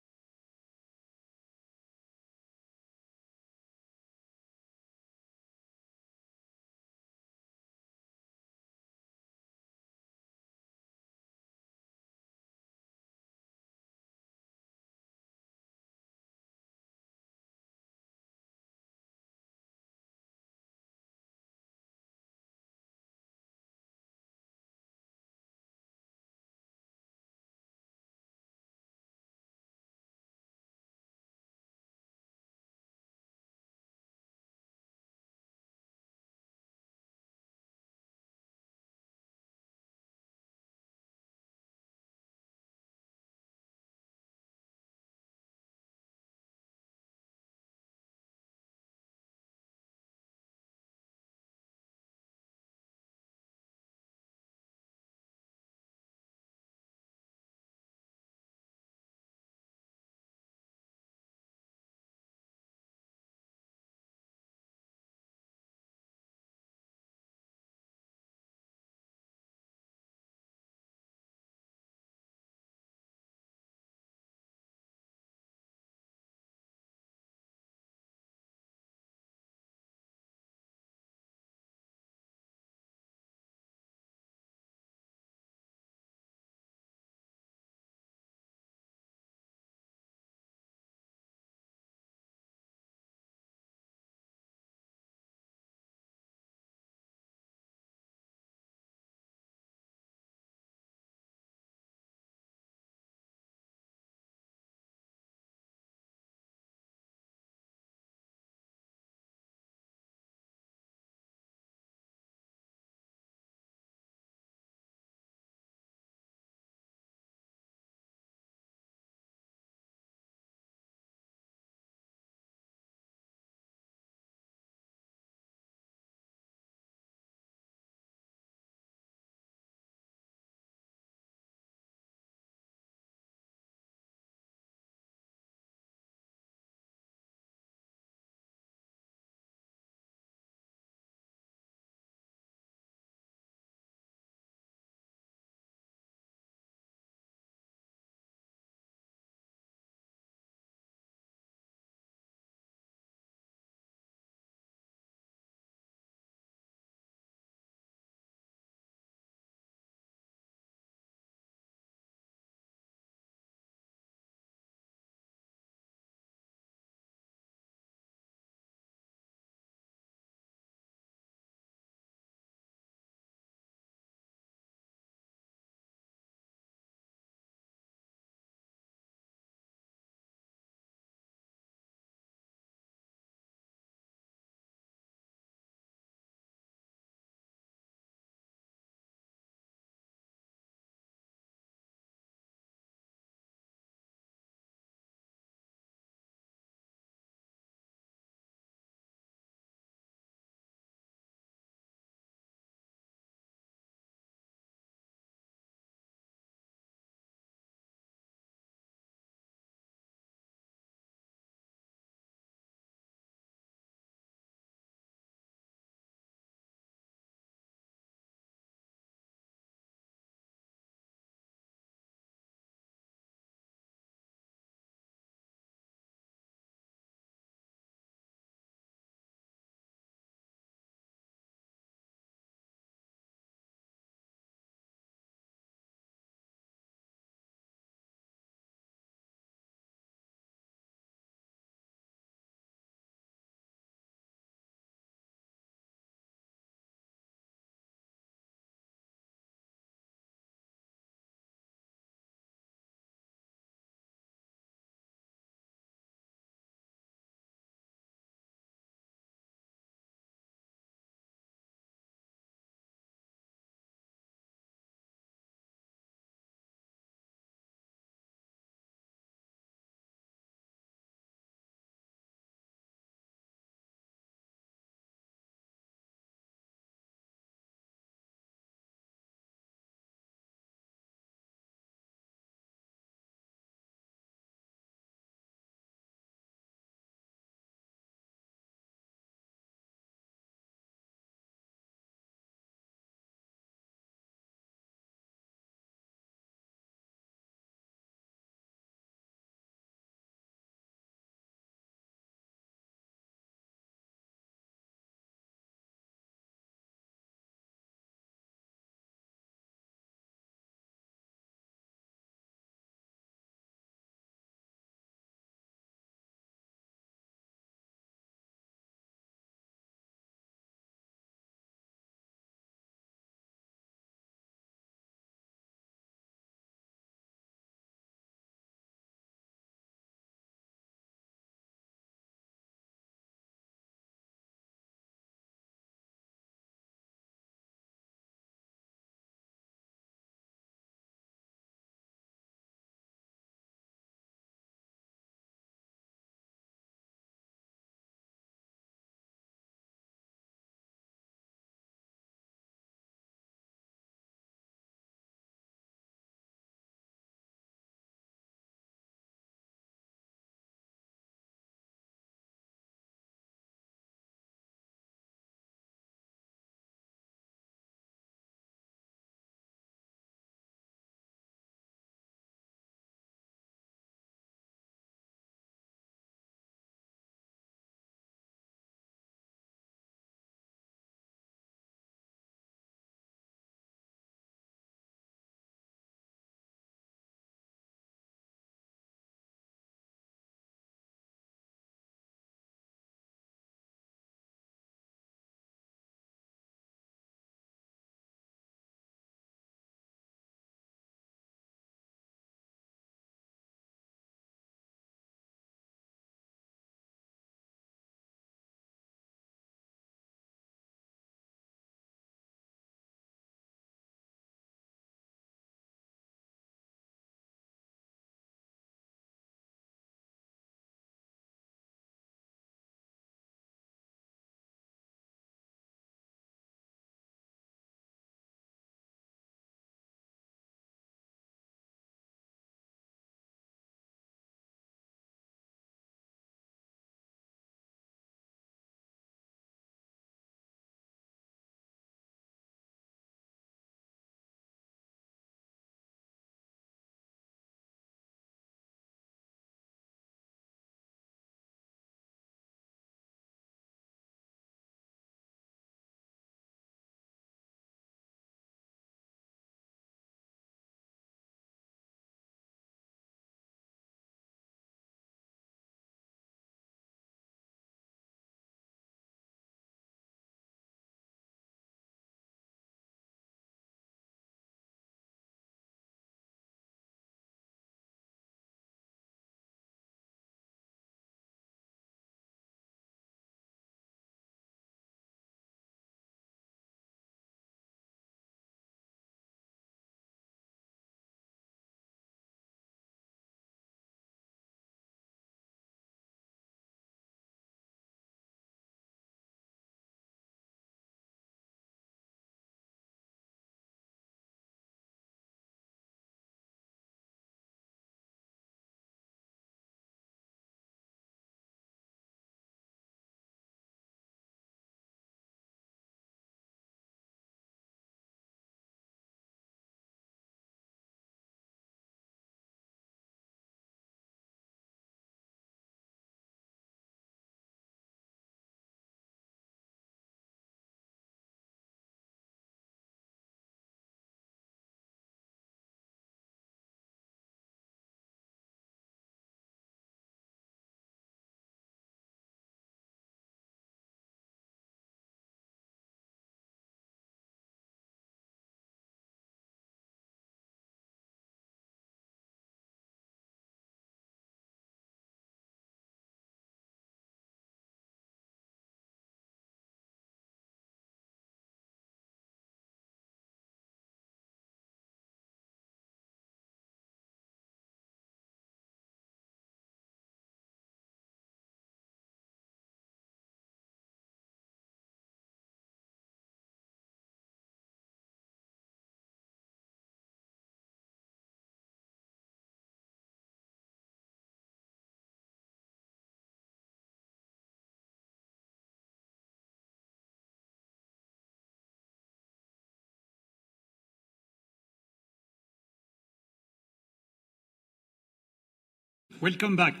Welcome back.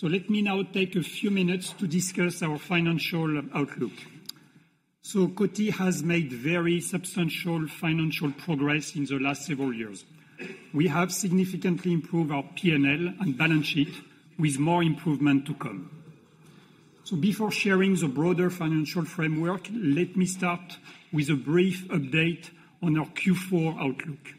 Let me now take a few minutes to discuss our financial outlook. Coty has made very substantial finanancial progress in the last several years. We have significantly improved our P&L and balance sheet with more improvement to come. Before sharing the broader financial framework, let me start with a brief update on our Q4 outlook.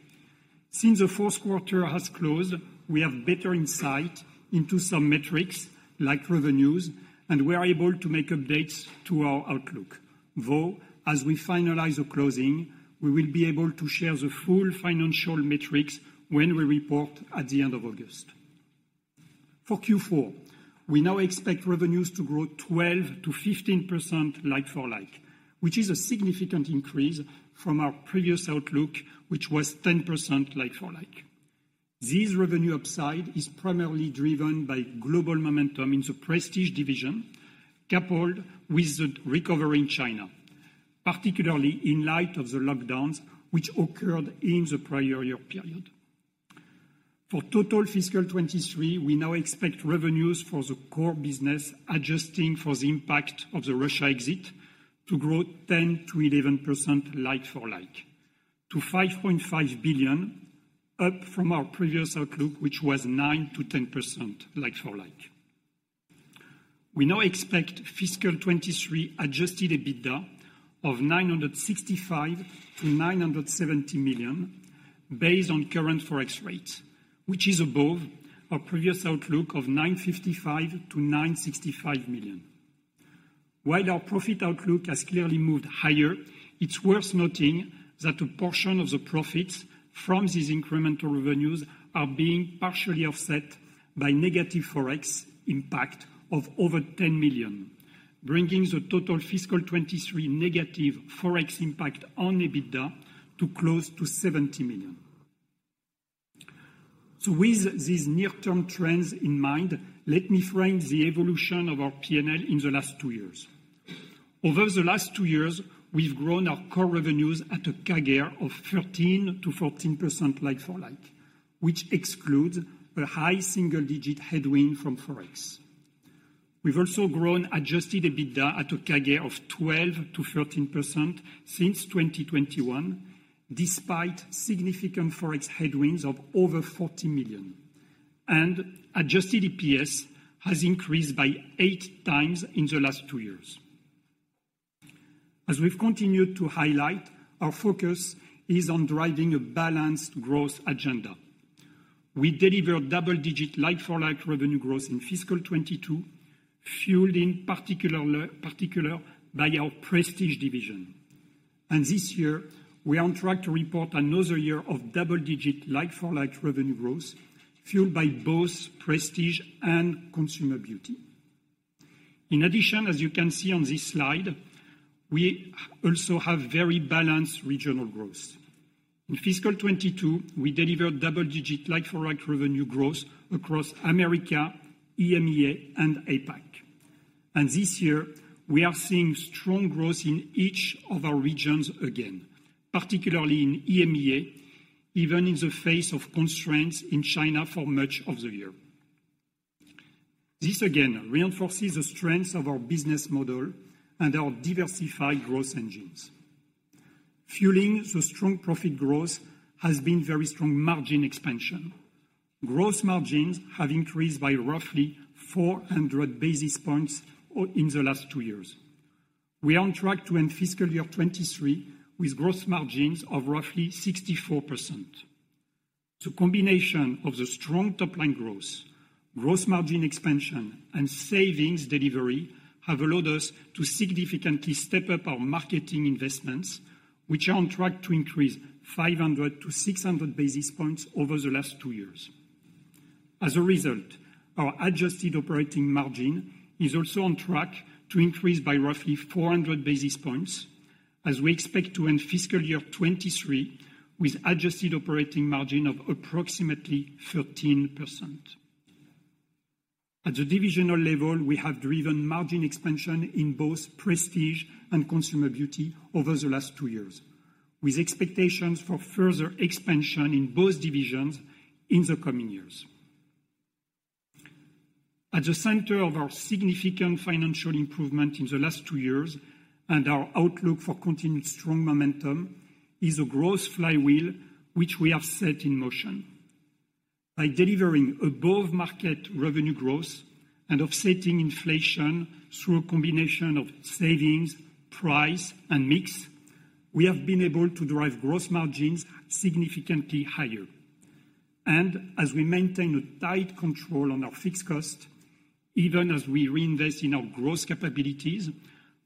Since the fourth quarter has closed, we have better insight into some metrics, like revenues, and we are able to make updates to our outlook, though, as we finalize the closing, we will be able to share the full financial metrics when we report at the end of August. For Q4, we now expect revenues to grow 12%-15% like-for-like, which is a significant increase from our previous outlook, which was 10% like-for-like. This revenue upside is primarily driven by global momentum in the prestige division, coupled with the recovery in China, particularly in light of the lockdowns which occurred in the prior year period. For total fiscal 2023, we now expect revenues for the core business, adjusting for the impact of the Russia exit, to grow 10%-11% like-for-like, to $5.5 billion, up from our previous outlook, which was 9%-10% like-for-like. We now expect fiscal 2023 adjusted EBITDA of $965 million-$970 million, based on current Forex rates, which is above our previous outlook of $955 million-$965 million. While our profit outlook has clearly moved higher, it's worth noting that a portion of the profits from these incremental revenues are being partially offset by negative Forex impact of over $10 million, bringing the total fiscal 2023 negative Forex impact on EBITDA to close to $70 million. With these near-term trends in mind, let me frame the evolution of our P&L in the last two years. Over the last two years, we've grown our core revenues at a CAGR of 13%-14% like-for-like, which excludes a high single-digit headwind from Forex. We've also grown adjusted EBITDA at a CAGR of 12%-13% since 2021, despite significant Forex headwinds of over $40 million, and adjusted EPS has increased by eight times in the last two years. As we've continued to highlight, our focus is on driving a balanced growth agenda. We delivered double-digit like-for-like revenue growth in fiscal 2022, fueled in particular by our prestige division. This year, we are on track to report another year of double-digit like-for-like revenue growth, fueled by both prestige and consumer beauty. In addition, as you can see on this slide, we also have very balanced regional growth. In fiscal 2022, we delivered double-digit like-for-like revenue growth across America, EMEA, and APAC. This year, we are seeing strong growth in each of our regions again, particularly in EMEA, even in the face of constraints in China for much of the year. This again reinforces the strength of our business model and our diversified growth engines. Fueling the strong profit growth has been very strong margin expansion. Gross margins have increased by roughly 400 basis points in the last two years. We are on track to end fiscal year 2023 with gross margins of roughly 64%. The combination of the strong top-line growth, gross margin expansion, and savings delivery have allowed us to significantly step up our marketing investments, which are on track to increase 500 to 600 basis points over the last two years. As a result, our adjusted operating margin is also on track to increase by roughly 400 basis points, as we expect to end fiscal year 2023 with adjusted operating margin of approximately 13%. At the divisional level, we have driven margin expansion in both prestige and consumer beauty over the last two years, with expectations for further expansion in both divisions in the coming years. At the center of our significant financial improvement in the last two years, and our outlook for continued strong momentum, is a growth flywheel, which we have set in motion. By delivering above-market revenue growth and offsetting inflation through a combination of savings, price, and mix, we have been able to drive gross margins significantly higher. As we maintain a tight control on our fixed cost, even as we reinvest in our growth capabilities,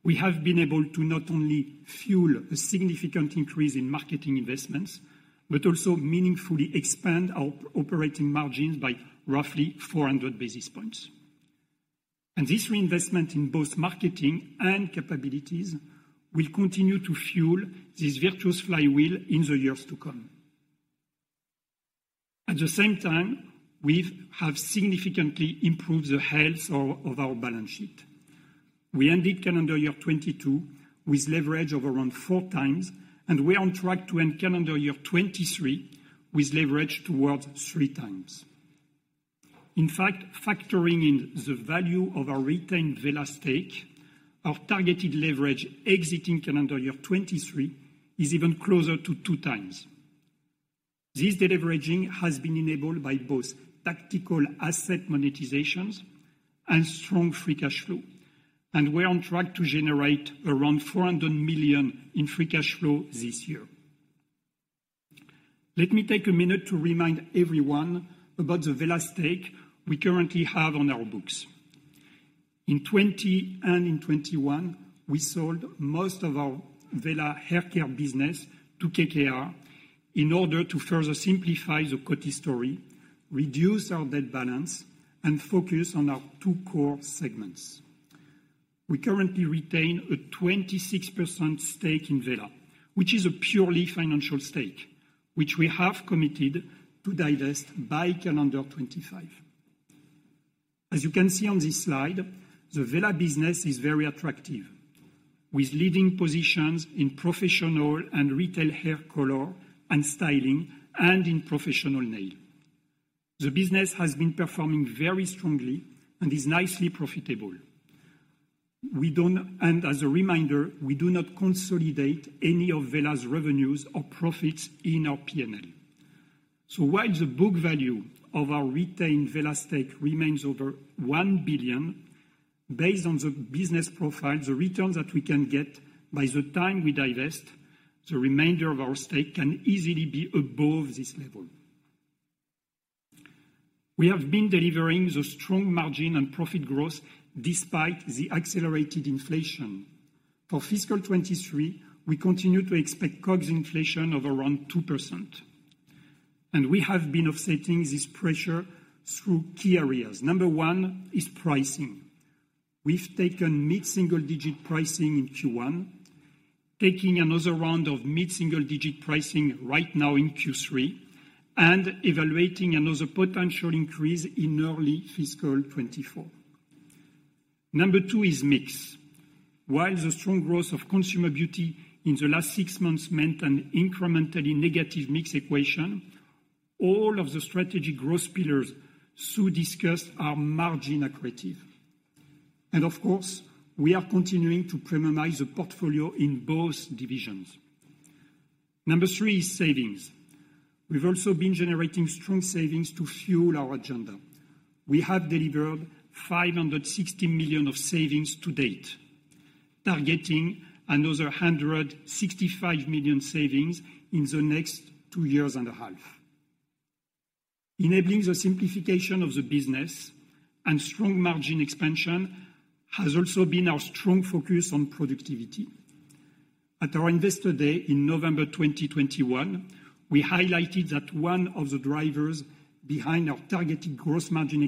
we have been able to not only fuel a significant increase in marketing investments, but also meaningfully expand our operating margins by roughly 400 basis points. This reinvestment in both marketing and capabilities will continue to fuel this virtuous flywheel in the years to come. At the same time, we've significantly improved the health of our balance sheet. We ended calendar year 2022 with leverage of around four times, and we're on track to end calendar year 2023 with leverage towards three times. In fact, factoring in the value of our retained Wella stake, our targeted leverage exiting calendar year 2023 is even closer to two times. This deleveraging has been enabled by both tactical asset monetizations and strong free cash flow, and we're on track to generate around $400 million in free cash flow this year. Let me take a minute to remind everyone about the Wella stake we currently have on our books. In 2020 and in 2021, we sold most of our Wella Hair Care business to KKR in order to further simplify the Coty story, reduce our debt balance, and focus on our two core segments. We currently retain a 26% stake in Wella, which is a purely financial stake, which we have committed to divest by calendar 2025. As you can see on this slide, the Wella business is very attractive, with leading positions in professional and retail hair color and styling, and in professional nail. The business has been performing very strongly and is nicely profitable. We don't and as a reminder, we do not consolidate any of Wella's revenues or profits in our P&L. While the book value of our retained Wella stake remains over $1 billion, based on the business profile, the return that we can get by the time we divest, the remainder of our stake can easily be above this level. We have been delivering the strong margin and profit growth despite the accelerated inflation. For fiscal 2023, we continue to expect COGS inflation of around 2%, we have been offsetting this pressure through key areas. Number one is pricing. We've taken mid-single-digit pricing in Q1, taking another round of mid-single-digit pricing right now in Q3, and evaluating another potential increase in early fiscal 24. Number two is mix. While the strong growth of consumer beauty in the last six months meant an incrementally negative mix equation, all of the strategic growth pillars Sue discussed are margin accretive. Of course, we are continuing to premiumize the portfolio in both divisions. Number three is savings. We've also been generating strong savings to fuel our agenda. We have delivered $560 million of savings to date, targeting another $165 million savings in the next two years and a half. Enabling the simplification of the business and strong margin expansion has also been our strong focus on productivity. At our Investor Day in November 2021, we highlighted that one of the drivers behind our targeted gross margin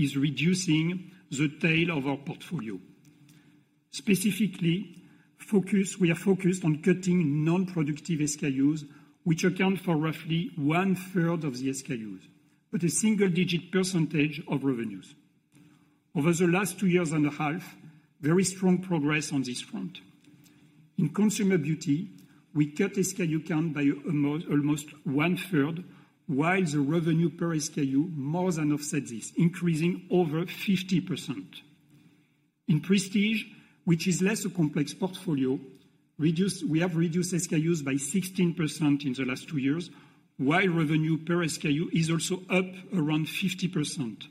expansion is reducing the tail of our portfolio. Specifically, we are focused on cutting non-productive SKUs, which account for roughly one-third of the SKUs, but a single-digit % of revenues. Over the last two years and a half, very strong progress on this front. In consumer beauty, we cut SKU count by almost one-third, while the revenue per SKU more than offset this, increasing over 50%. In prestige, which is less a complex portfolio, we have reduced SKUs by 16% in the last two years, while revenue per SKU is also up around 50%,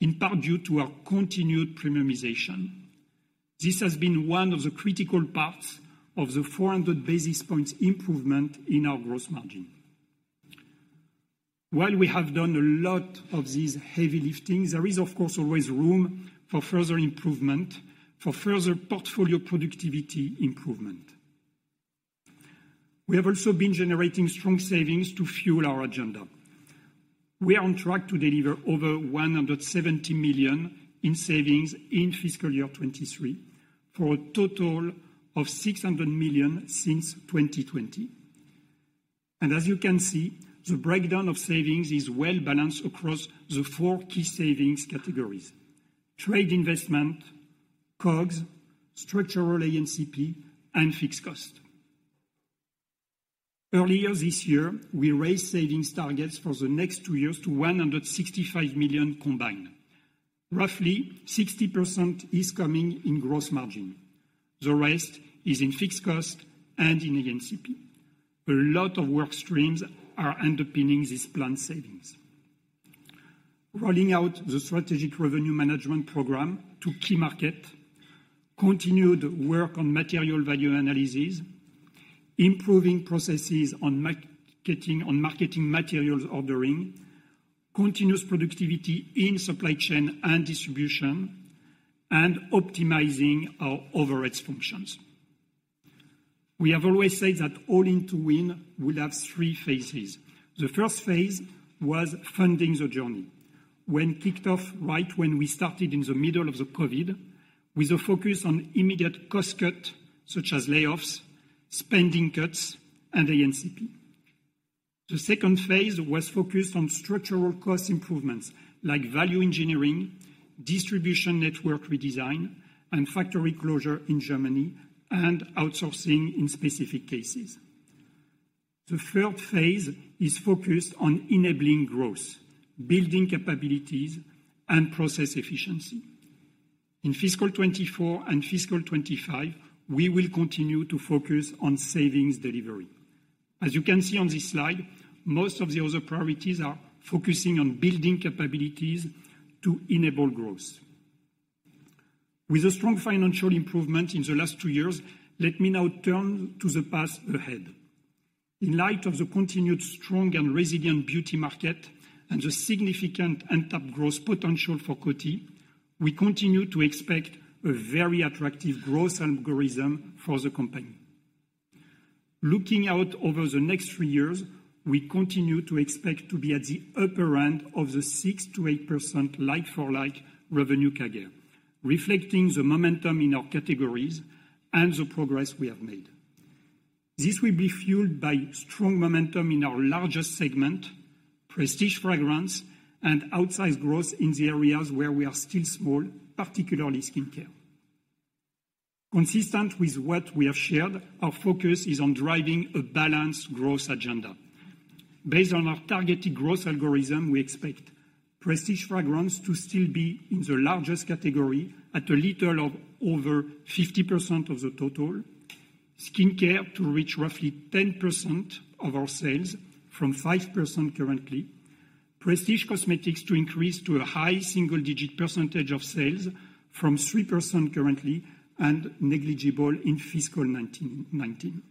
in part due to our continued premiumization. This has been one of the critical parts of the 400 basis points improvement in our gross margin. While we have done a lot of this heavy lifting, there is, of course, always room for further improvement, for further portfolio productivity improvement. We have also been generating strong savings to fuel our agenda. We are on track to deliver over $170 million in savings in fiscal year 2023, for a total of $600 million since 2020. As you can see, the breakdown of savings is well-balanced across the four key savings categories: trade investment, COGS, structural ANCP, and fixed cost. Earlier this year, we raised savings targets for the next two years to $165 million combined. Roughly 60% is coming in gross margin. The rest is in fixed cost and in ANCP. A lot of work streams are underpinning these planned savings. Rolling out the strategic revenue management program to key market, continued work on material value analysis, improving processes on marketing, on marketing materials ordering, continuous productivity in supply chain and distribution, and optimizing our overheads functions. We have always said that All In to Win would have three phases. The first phase was funding the journey, when kicked off right when we started in the middle of the COVID, with a focus on immediate cost cut, such as layoffs, spending cuts, and ANCP. The second phase was focused on structural cost improvements, like value engineering, distribution network redesign, and factory closure in Germany, and outsourcing in specific cases. The third phase is focused on enabling growth, building capabilities, and process efficiency. In fiscal 2024 and fiscal 2025, we will continue to focus on savings delivery. As you can see on this slide, most of the other priorities are focusing on building capabilities to enable growth. With a strong financial improvement in the last two years, let me now turn to the path ahead. In light of the continued strong and resilient beauty market and the significant untapped growth potential for Coty, we continue to expect a very attractive growth algorithm for the company. Looking out over the next three years, we continue to expect to be at the upper end of the 6%-8% like-for-like revenue CAGR, reflecting the momentum in our categories and the progress we have made. This will be fueled by strong momentum in our largest segment, prestige fragrance, and outsized growth in the areas where we are still small, particularly skincare. Consistent with what we have shared, our focus is on driving a balanced growth agenda. Based on our targeted growth algorithm, we expect prestige fragrance to still be in the largest category at a little of over 50% of the total, skincare to reach roughly 10% of our sales from 5% currently, prestige cosmetics to increase to a high single-digit percentage of sales from 3% currently, and negligible in fiscal 2019.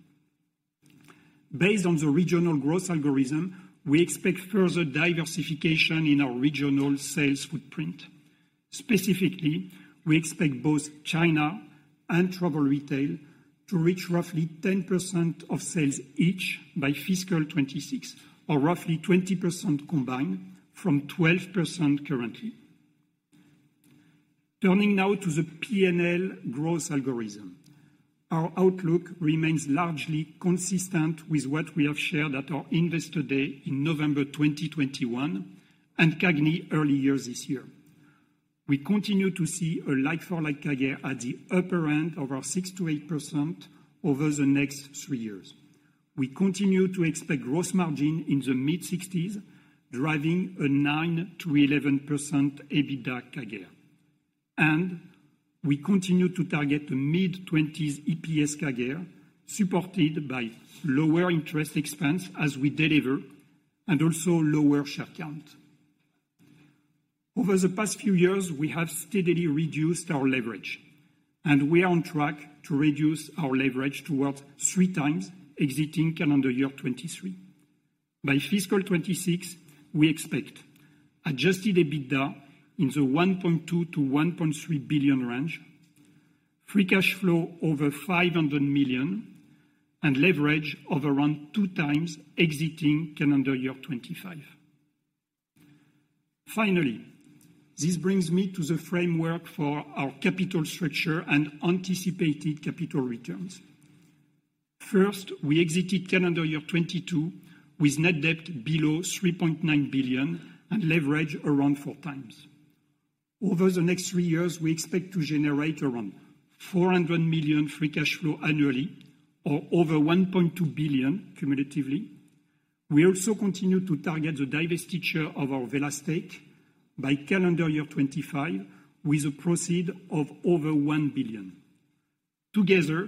Based on the regional growth algorithm, we expect further diversification in our regional sales footprint. Specifically, we expect both China and travel retail to reach roughly 10% of sales each by fiscal 2026, or roughly 20% combined from 12% currently. Turning now to the P&L growth algorithm, our outlook remains largely consistent with what we have shared at our Investor Day in November 2021 and CAGNY earlier this year. We continue to see a like-for-like CAGR at the upper end of our 6%-8% over the next three years. We continue to expect gross margin in the mid-sixties, driving a 9%-11% EBITDA CAGR. We continue to target a mid-twenties EPS CAGR, supported by lower interest expense as we deliver and also lower share count. Over the past few years, we have steadily reduced our leverage, and we are on track to reduce our leverage towards three times exiting calendar year 2023. By fiscal 2026, we expect adjusted EBITDA in the $1.2 billion-$1.3 billion range, free cash flow over $500 million, and leverage of around two times exiting calendar year 2025. Finally, this brings me to the framework for our capital structure and anticipated capital returns. We exited calendar year 2022 with net debt below $3.9 billion and leverage around four times. Over the next three years, we expect to generate around $400 million free cash flow annually or over $1.2 billion cumulatively. We also continue to target the divestiture of our Wella stake by calendar year 2025, with a proceed of over $1 billion. Together,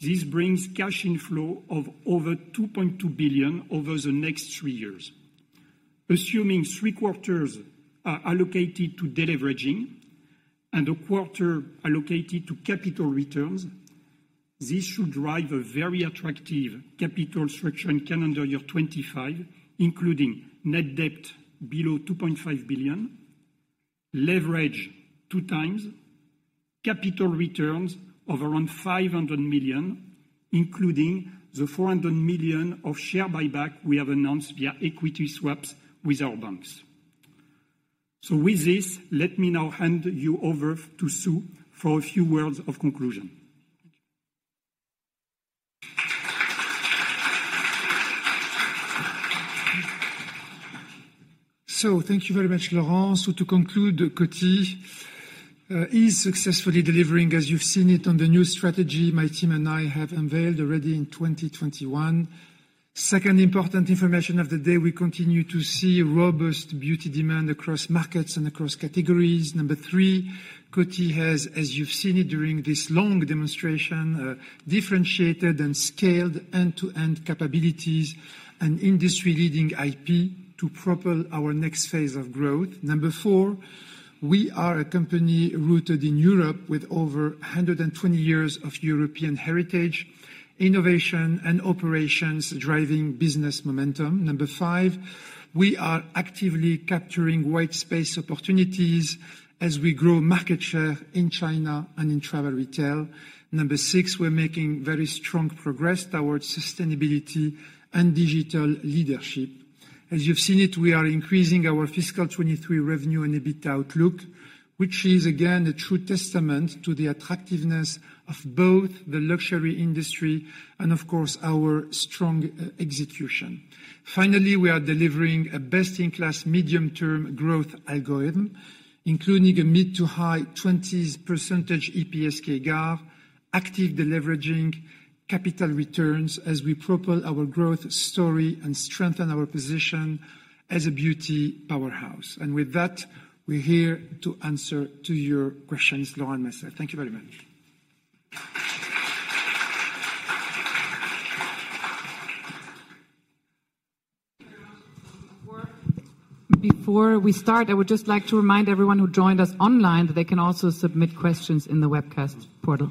this brings cash inflow of over $2.2 billion over the next three years. Assuming three quarters are allocated to deleveraging and a quarter allocated to capital returns, this should drive a very attractive capital structure in calendar year 2025, including net debt below $2.5 billion, leverage two times, capital returns of around $500 million, including the $400 million of share buyback we have announced via equity swaps with our banks. With this, let me now hand you over to Sue for a few words of conclusion. Thank you very much, Laurent. To conclude, Coty is successfully delivering, as you've seen it, on the new strategy my team and I have unveiled already in 2021. Second important information of the day, we continue to see robust beauty demand across markets and across categories. Number three, Coty has, as you've seen it during this long demonstration, differentiated and scaled end-to-end capabilities and industry-leading IP to propel our next phase of growth. Number four, we are a company rooted in Europe with over 120 years of European heritage, innovation, and operations driving business momentum. Number five, we are actively capturing white space opportunities as we grow market share in China and in travel retail. Number six, we're making very strong progress towards sustainability and digital leadership. as you've seen it, we are increasing our fiscal 23 revenue and EBITDA outlook, which is, again, a true testament to the attractiveness of both the luxury industry and, of course, our strong execution. Finally, we are delivering a best-in-class medium-term growth algorithm, including a mid to high 20 percentage EPS growth, active deleveraging, capital returns as we propel our growth story and strengthen our position as a beauty powerhouse. With that, we're here to answer to your questions, Laurent and myself. Thank you very much. Before we start, I would just like to remind everyone who joined us online that they can also submit questions in the webcast portal.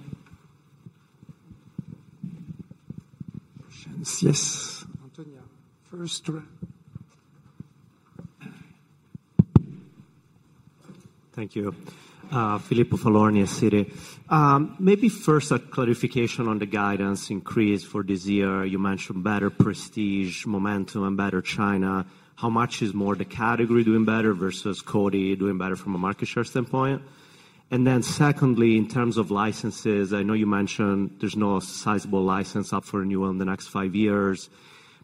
Questions, yes. Antonia, first row. Thank you. Filippo Falorni, Citi. Maybe first a clarification on the guidance increase for this year. You mentioned better prestige, momentum, and better China. How much is more the category doing better versus Coty doing better from a market share standpoint? Then secondly, in terms of licenses, I know you mentioned there's no sizable license up for renewal in the next five years,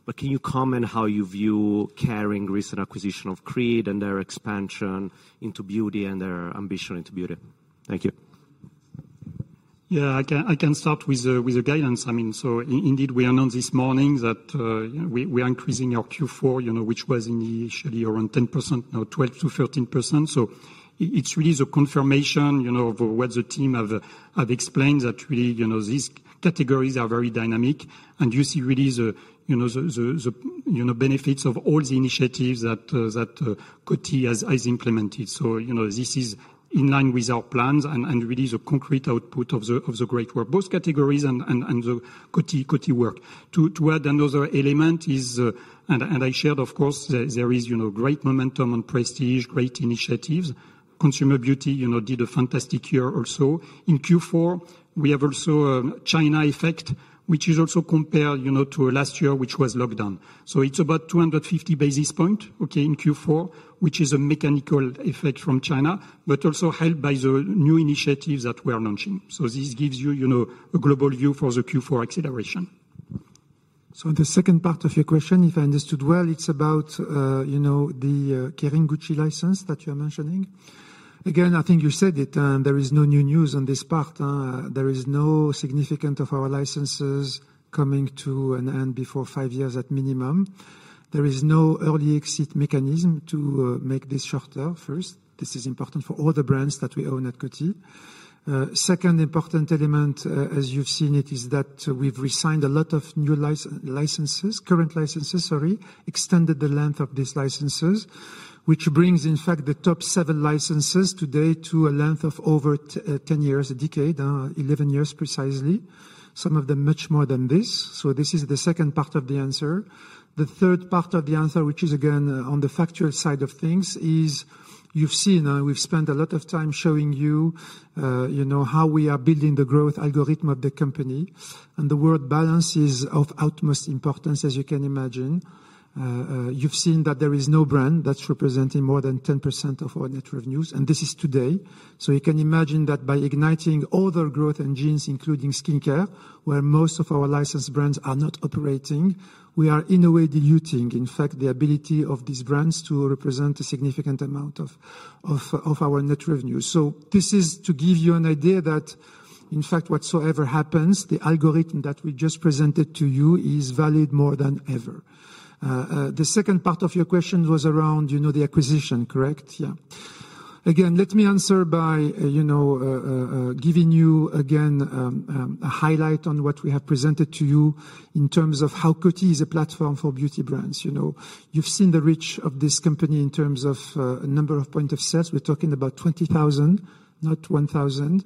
but can you comment how you view Kering recent acquisition of Creed and their expansion into beauty and their ambition into beauty? Thank you. Yeah, I can start with the guidance. I mean, indeed, we announced this morning that we are increasing our Q4, you know, which was initially around 10%, now 12%-13%. It's really the confirmation, you know, of what the team have explained, that really, you know, these categories are very dynamic. You see really the, you know, the benefits of all the initiatives that Coty has implemented. This is in line with our plans and really the concrete output of the great work, both categories and the Coty work. To add another element is, and I shared, of course, there is, you know, great momentum on prestige, great initiatives. Consumer Beauty, you know, did a fantastic year also. In Q4, we have also China effect, which is also compared, you know, to last year, which was lockdown. It's about 250 basis point, okay, in Q4, which is a mechanical effect from China, but also helped by the new initiatives that we are launching. This gives you know, a global view for the Q4 acceleration. The second part of your question, if I understood well, it's about, you know, the Kering Gucci license that you're mentioning. Again, I think you said it, there is no new news on this part. There is no significant of our licenses coming to an end before five years at minimum. There is no early exit mechanism to make this shorter, first. This is important for all the brands that we own at Coty. Second important element, as you've seen it, is that we've resigned a lot of new licenses, current licenses, sorry, extended the length of these licenses, which brings, in fact, the top seven licenses today to a length of over 10 years, a decade, 11 years, precisely. Some of them much more than this. This is the second part of the answer. The third part of the answer, which is again, on the factual side of things, is you've seen, we've spent a lot of time showing you know, how we are building the growth algorithm of the company, and the word balance is of utmost importance, as you can imagine. You've seen that there is no brand that's representing more than 10% of our net revenues. This is today. You can imagine that by igniting all the growth engines, including skincare, where most of our licensed brands are not operating, we are in a way diluting, in fact, the ability of these brands to represent a significant amount of our net revenue. This is to give you an idea that, in fact, whatsoever happens, the algorithm that we just presented to you is valid more than ever. The second part of your question was around, you know, the acquisition, correct? Yeah. Again, let me answer by, you know, giving you again a highlight on what we have presented to you in terms of how Coty is a platform for beauty brands. You know, you've seen the reach of this company in terms of number of point of sales. We're talking about 20,000, not 1,000.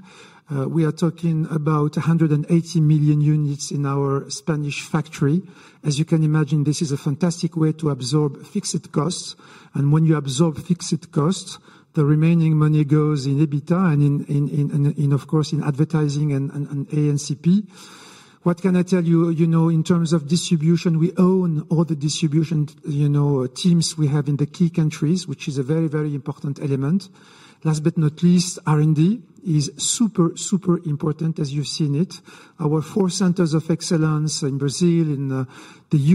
We are talking about 180 million units in our Spanish factory. As you can imagine, this is a fantastic way to absorb fixed costs. When you absorb fixed costs, the remaining money goes in EBITDA and in, of course, in advertising and ANCP. What can I tell you? You know, in terms of distribution, we own all the distribution, you know, teams we have in the key countries, which is a very, very important element. Last but not least, R&D is super important, as you've seen it. Our four centers of excellence in Brazil, in the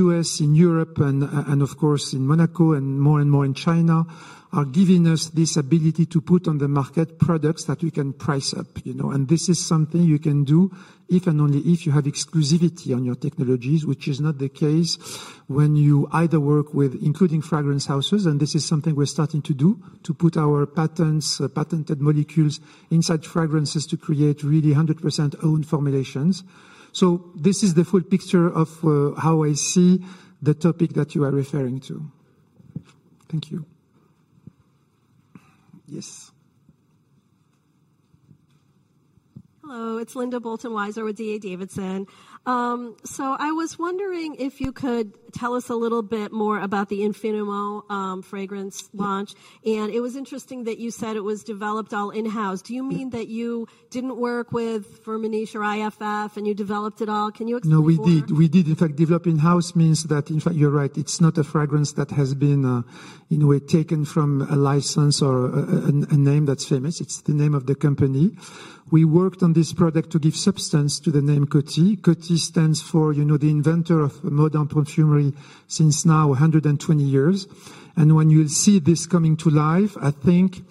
U.S. in Europe, and, of course, in Monaco, and more and more in China, are giving us this ability to put on the market products that we can price up, you know. This is something you can do if and only if you have exclusivity on your technologies, which is not the case when you either work with including fragrance houses, and this is something we're starting to do, to put our patterns, patented molecules inside fragrances to create really 100% own formulations. This is the full picture of how I see the topic that you are referring to. Thank you. Yes. Hello, it's Linda Bolton-Weiser with D.A. Davidson. I was wondering if you could tell us a little bit more about the Infiniment fragrance launch. It was interesting that you said it was developed all in-house. Do you mean that you didn't work with Firmenich or IFF, and you developed it all? Can you explain more? No, we did. In fact, develop in-house means that in fact, you're right, it's not a fragrance that has been in a way, taken from a license or a name that's famous. It's the name of the company. We worked on this product to give substance to the name Coty. Coty stands for, you know, the inventor of modern perfumery since now 120 years. When you see this coming to life, I think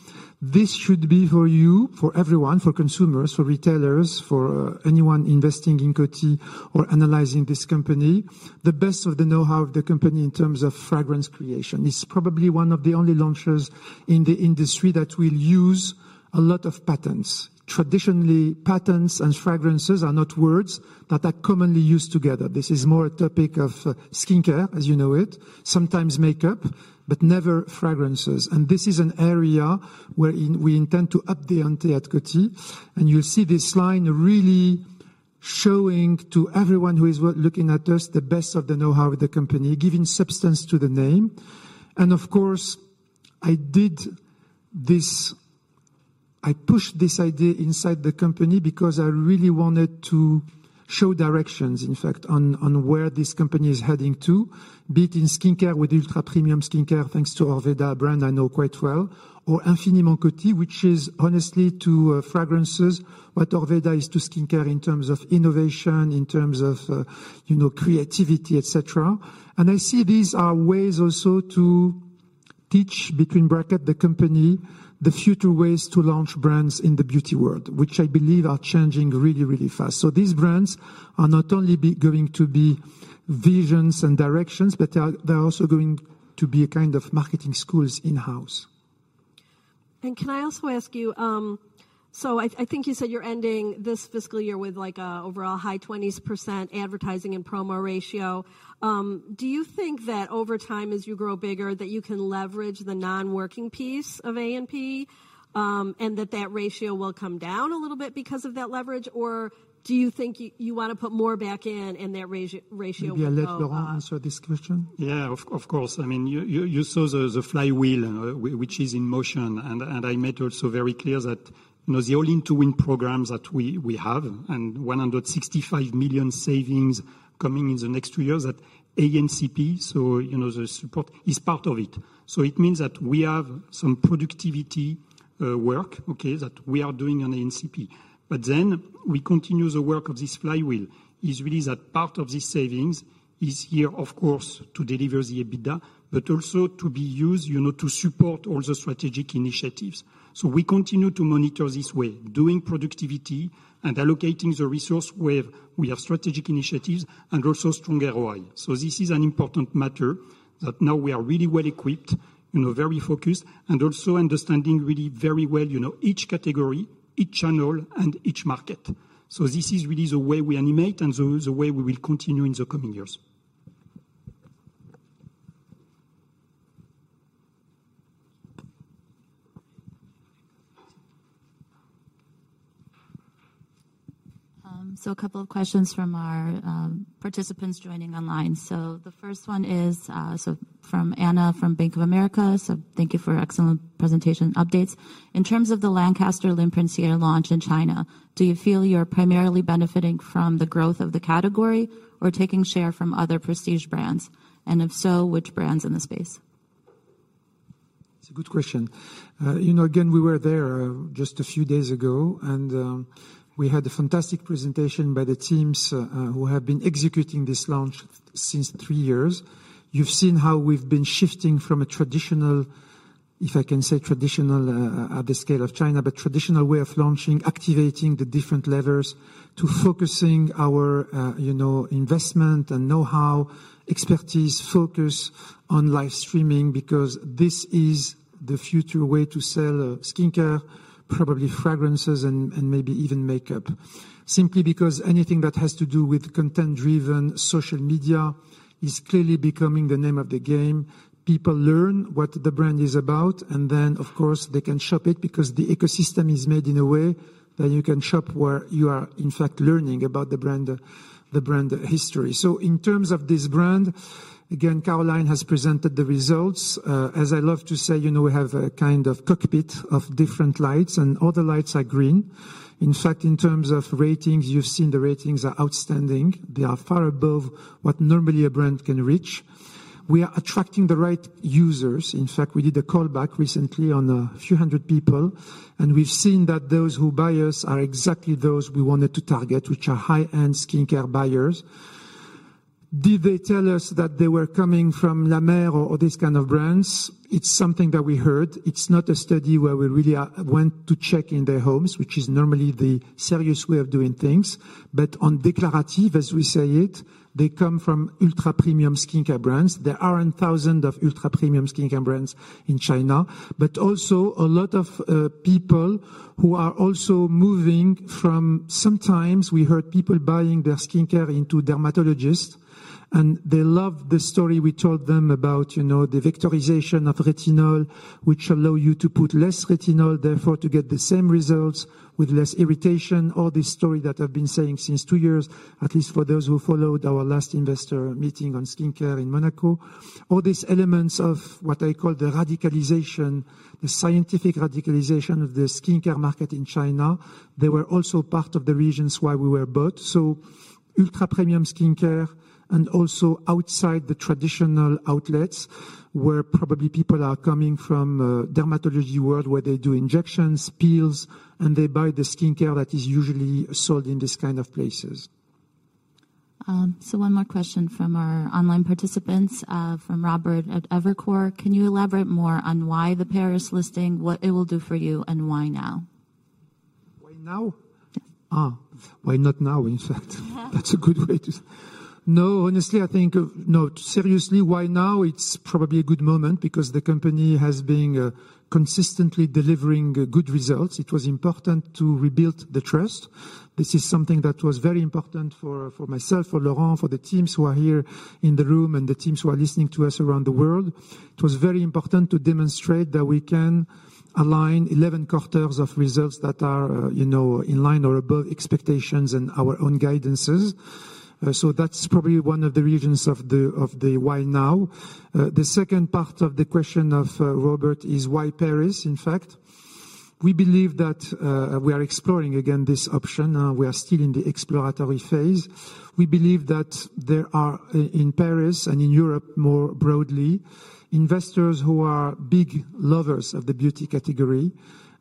this should be for you, for everyone, for consumers, for retailers, for anyone investing in Coty or analyzing this company, the best of the know-how of the company in terms of fragrance creation. It's probably one of the only launches in the industry that will use a lot of patents. Traditionally, patents and fragrances are not words that are commonly used together. This is more a topic of skincare, as you know it, sometimes makeup, but never fragrances. This is an area where we intend to up the ante at Coty, and you'll see this line really showing to everyone who is looking at us, the best of the know-how of the company, giving substance to the name. Of course, I pushed this idea inside the company because I really wanted to show directions, in fact, on where this company is heading to, be it in skincare, with ultra-premium skincare, thanks to Orveda brand I know quite well, or Infiniment Coty, which is honestly, to fragrances, what Orveda is to skincare in terms of innovation, in terms of, you know, creativity, et cetera. I see these are ways also to teach, between bracket, the company, the future ways to launch brands in the beauty world, which I believe are changing really, really fast. These brands are not only going to be visions and directions, but they're also going to be a kind of marketing schools in-house. Can I also ask you, I think you said you're ending this fiscal year with, like, a overall high 20 percentage advertising and promo ratio? Do you think that over time, as you grow bigger, that you can leverage the non-working piece of A&P, and that that ratio will come down a little bit because of that leverage? Or do you think you wanna put more back in, and that ratio will go up? Maybe I'll let Laurent answer this question. Of course. I mean, you saw the flywheel which is in motion, and I made also very clear that, you know, the All In to Win programs that we have, and $165 million savings coming in the next two years, that ANCP, you know, the support is part of it. It means that we have some productivity work that we are doing on ANCP. We continue the work of this flywheel is really that part of this savings is here, of course, to deliver the EBITDA, but also to be used, you know, to support all the strategic initiatives. We continue to monitor this way, doing productivity and allocating the resource where we have strategic initiatives and also strong ROI. This is an important matter, that now we are really well equipped, you know, very focused, and also understanding really very well, you know, each category, each channel, and each market. This is really the way we animate and the way we will continue in the coming years. A couple of questions from our participants joining online. The first one is from Anna, from Bank of America. Thank you for excellent presentation updates. In terms of the Lancaster Ligne Princière launch in China, do you feel you're primarily benefiting from the growth of the category or taking share from other prestige brands? If so, which brands in the space? It's a good question. you know, again, we were there, just a few days ago, and we had a fantastic presentation by the teams, who have been executing this launch since three years. You've seen how we've been shifting from a traditional, if I can say traditional, at the scale of China, but traditional way of launching, activating the different levers to focusing our, you know, investment and know-how, expertise, focus on live streaming, because this is the future way to sell, skincare, probably fragrances, and maybe even makeup. Simply because anything that has to do with content-driven social media is clearly becoming the name of the game. People learn what the brand is about, and then, of course, they can shop it, because the ecosystem is made in a way that you can shop where you are, in fact, learning about the brand, the brand history. In terms of this brand, again, Caroline has presented the results. As I love to say, you know, we have a kind of cockpit of different lights, and all the lights are green. In fact, in terms of ratings, you've seen the ratings are outstanding. They are far above what normally a brand can reach. We are attracting the right users. In fact, we did a call back recently on a few hundred people, and we've seen that those who buy us are exactly those we wanted to target, which are high-end skincare buyers. Did they tell us that they were coming from La Mer or these kind of brands? It's something that we heard. It's not a study where we really went to check in their homes, which is normally the serious way of doing things. On declarative, as we say it, they come from ultra-premium skincare brands. There aren't thousand of ultra-premium skincare brands in China, but also a lot of people who are also sometimes we heard people buying their skincare into dermatologists, and they love the story we told them about, you know, the vectorization of retinol, which allow you to put less retinol, therefore, to get the same results with less irritation, or the story that I've been saying since two years, at least for those who followed our last investor meeting on skincare in Monaco. All these elements of what I call the radicalization, the scientific radicalization of the skincare market in China, they were also part of the reasons why we were bought. Ultra-premium skincare and also outside the traditional outlets, where probably people are coming from, dermatology world, where they do injections, peels, and they buy the skincare that is usually sold in these kind of places. One more question from our online participants, from Robert at Evercore. Can you elaborate more on why the Paris listing, what it will do for you, and why now? Why now? Yes. Why not now, in fact? No, honestly, no, seriously, why now? It's probably a good moment because the company has been consistently delivering good results. It was important to rebuild the trust. This is something that was very important for myself, for Laurent, for the teams who are here in the room, and the teams who are listening to us around the world. It was very important to demonstrate that we can align 11 quarters of results that are, you know, in line or above expectations and our own guidances. That's probably one of the reasons of the why now. The second part of the question of Robert, is why Paris, in fact? We believe that we are exploring again this option. We are still in the exploratory phase. We believe that there are in Paris, and in Europe more broadly, investors who are big lovers of the beauty category,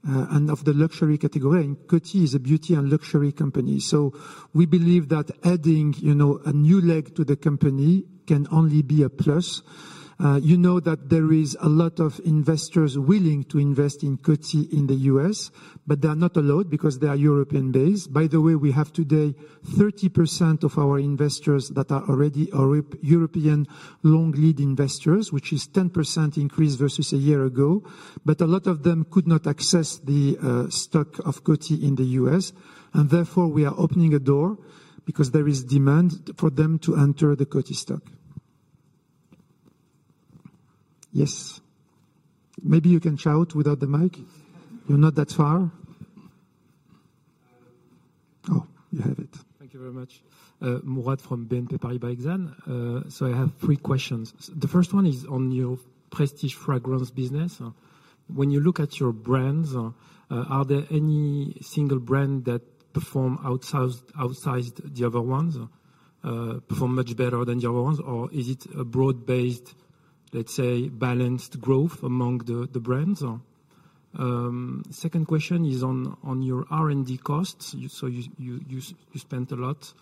and of the luxury category, and Coty is a beauty and luxury company. We believe that adding, you know, a new leg to the company can only be a plus. You know that there is a lot of investors willing to invest in Coty in the US, but they are not allowed because they are European-based. By the way, we have today 30% of our investors that are already European long-lead investors, which is 10% increase versus a year ago, but a lot of them could not access the stock of Coty in the US, and therefore, we are opening a door because there is demand for them to enter the Coty stock. Yes. Maybe you can shout without the mic. You're not that far. Oh, you have it. Thank you very much. Mourad from Exane BNP Paribas. I have three questions. The first one is on your prestige fragrance business. When you look at your brands, are there any single brand that perform outsized the other ones, perform much better than the other ones, or is it a broad-based, let's say, balanced growth among the brands? Second question is on your R&D costs. You spent a lot,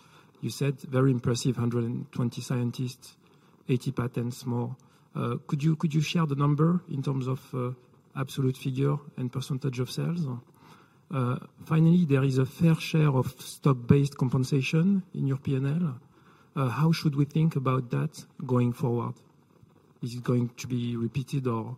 you said very impressive, 120 scientists, 80 patents more. Could you share the number in terms of absolute figure and percentage of sales? Finally, there is a fair share of stock-based compensation in your P&L. How should we think about that going forward? Is it going to be repeated, or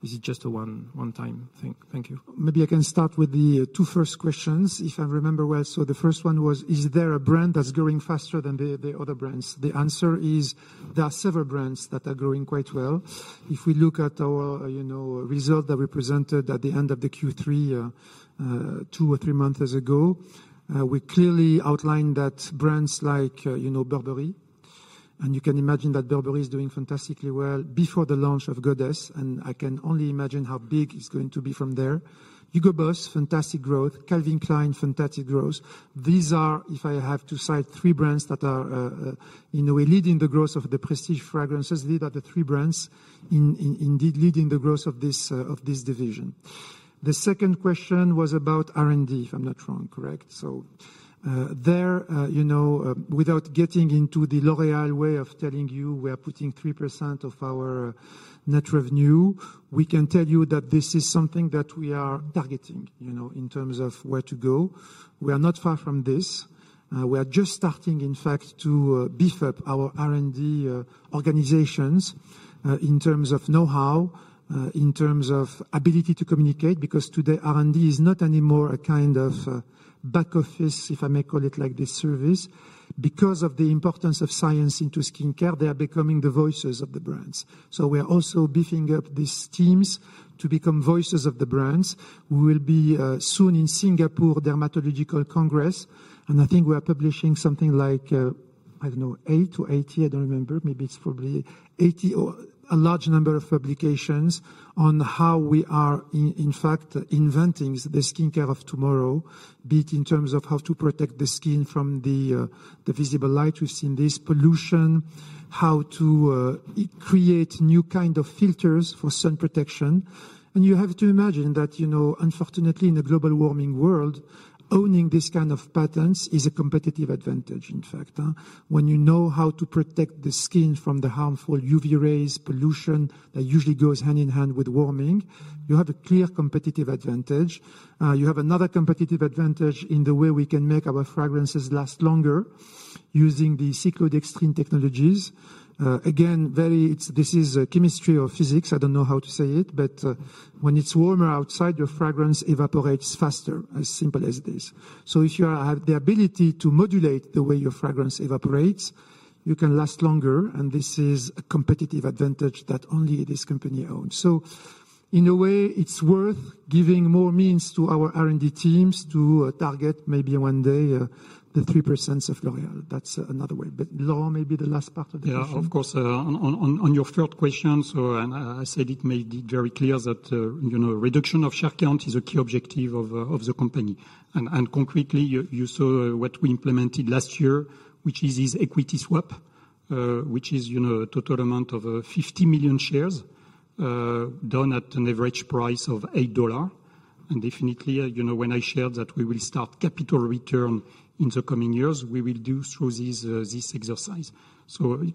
is it just a one-time thing? Thank you. Maybe I can start with the two first questions, if I remember well. The first one was: Is there a brand that's growing faster than the other brands? The answer is there are several brands that are growing quite well. If we look at our, you know, result that we presented at the end of the Q3, two or three months ago, we clearly outlined that brands like, you know, Burberry, and you can imagine that Burberry is doing fantastically well before the launch of Goddess, and I can only imagine how big it's going to be from there. Hugo Boss, fantastic growth. Calvin Klein, fantastic growth. These are, if I have to cite three brands that are, in a way, leading the growth of the prestige fragrances, these are the three brands indeed, leading the growth of this division. The second question was about R&D, if I'm not wrong, correct? There, you know, without getting into the L'Oréal way of telling you, we are putting 3% of our net revenue, we can tell you that this is something that we are targeting, you know, in terms of where to go. We are not far from this. We are just starting, in fact, to beef up our R&D organizations, in terms of know-how, in terms of ability to communicate, because today, R&D is not anymore a kind of back office, if I may call it like this, service. Because of the importance of science into skincare, they are becoming the voices of the brands. We are also beefing up these teams to become voices of the brands. We will be soon in Singapore Dermatological Congress, I think we are publishing something like, I don't know eight to 80, I don't remember. Maybe it's probably 80 or a large number of publications on how we are in fact, inventing the skincare of tomorrow, be it in terms of how to protect the skin from the visible light we see in this pollution. how to create new kind of filters for sun protection. You have to imagine that, you know, unfortunately, in a global warming world, owning this kind of patents is a competitive advantage, in fact, huh. When you know how to protect the skin from the harmful UV rays, pollution, that usually goes hand-in-hand with warming, you have a clear competitive advantage. You have another competitive advantage in the way we can make our fragrances last longer using the cyclodextrin technologies. Again, very, this is chemistry or physics, I don't know how to say it, but when it's warmer outside, your fragrance evaporates faster, as simple as it is. If you have the ability to modulate the way your fragrance evaporates, you can last longer, and this is a competitive advantage that only this company owns. In a way, it's worth giving more means to our R&D teams to target maybe one day the 3% of L'Oréal. That's another way, Laurent may be the last part of the question. Of course, on your third question, I said it made it very clear that, you know, reduction of share count is a key objective of the company. Concretely, you saw what we implemented last year, which is this equity swap, which is, you know, a total amount of 50 million shares done at an average price of $8. Definitely, you know, when I shared that we will start capital return in the coming years, we will do through this exercise.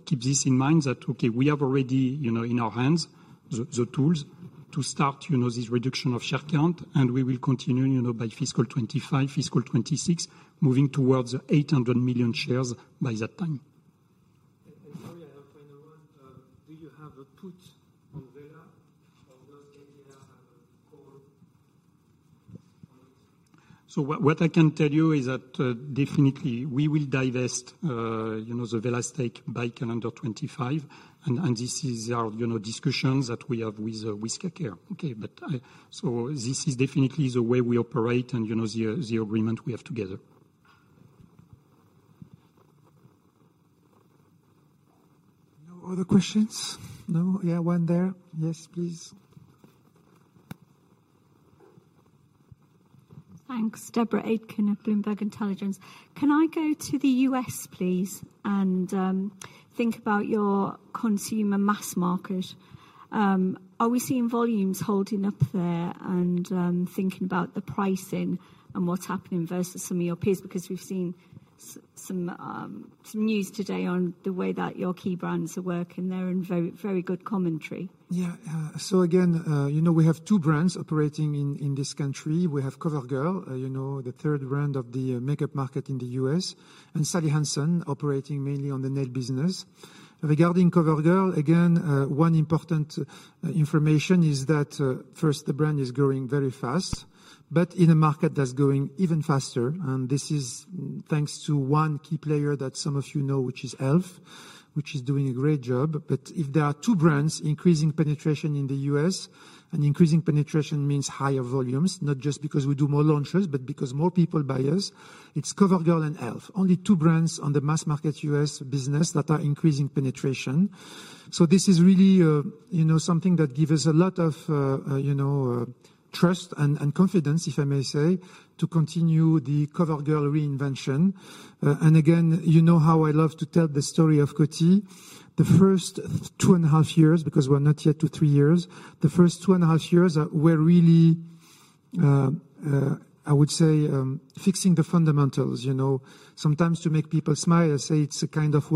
Keep this in mind that, okay, we have already, you know, in our hands, the tools to start, you know, this reduction of share count, we will continue, you know, by fiscal 25, fiscal 26, moving towards 800 million shares by that time. Sorry, I have final one. Do you have a put on Wella or those Wella have a core product? What I can tell you is that definitely we will divest, you know, the Wella stake by calendar 25, and this is our, you know, discussions that we have with skincare. This is definitely the way we operate and, you know, the agreement we have together. No other questions? No. Yeah, one there. Yes, please. Thanks. Deborah Aitken of Bloomberg Intelligence. Can I go to the U.S., please, and think about your consumer mass market? Are we seeing volumes holding up there and thinking about the pricing and what's happening versus some of your peers? We've seen some news today on the way that your key brands are working there, and very, very good commentary. Again, you know, we have two brands operating in this country. We have COVERGIRL, you know, the third brand of the makeup market in the U.S., and Sally Hansen, operating mainly on the nail business. Regarding COVERGIRL, again, one important information is that first, the brand is growing very fast, but in a market that's growing even faster, and this is thanks to one key player that some of you know, which is e.l.f. Beauty, which is doing a great job. If there are two brands increasing penetration in the U.S., and increasing penetration means higher volumes, not just because we do more launches, but because more people buy us, it's COVERGIRL and e.l.f. Beauty. Only two brands on the mass market U.S. business that are increasing penetration. This is really a, you know, something that give us a lot of, you know, trust and confidence, if I may say, to continue the COVERGIRL reinvention. Again, you know how I love to tell the story of Coty. The first two and a half years, because we're not yet to three years, the first two and a half years were really, I would say, fixing the fundamentals, you know. Sometimes to make people smile, I say it's a kind of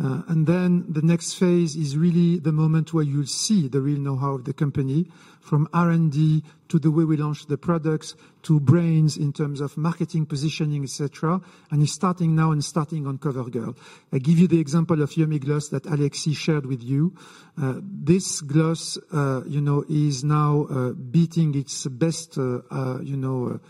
warm-up. Then, the next phase is really the moment where you'll see the real know-how of the company, from R&D, to the way we launch the products, to brains in terms of marketing, positioning, et cetera. It's starting now and starting on COVERGIRL. I give you the example of Yummy Gloss that Alexis shared with you. This gloss, you know, is now beating its best, you know,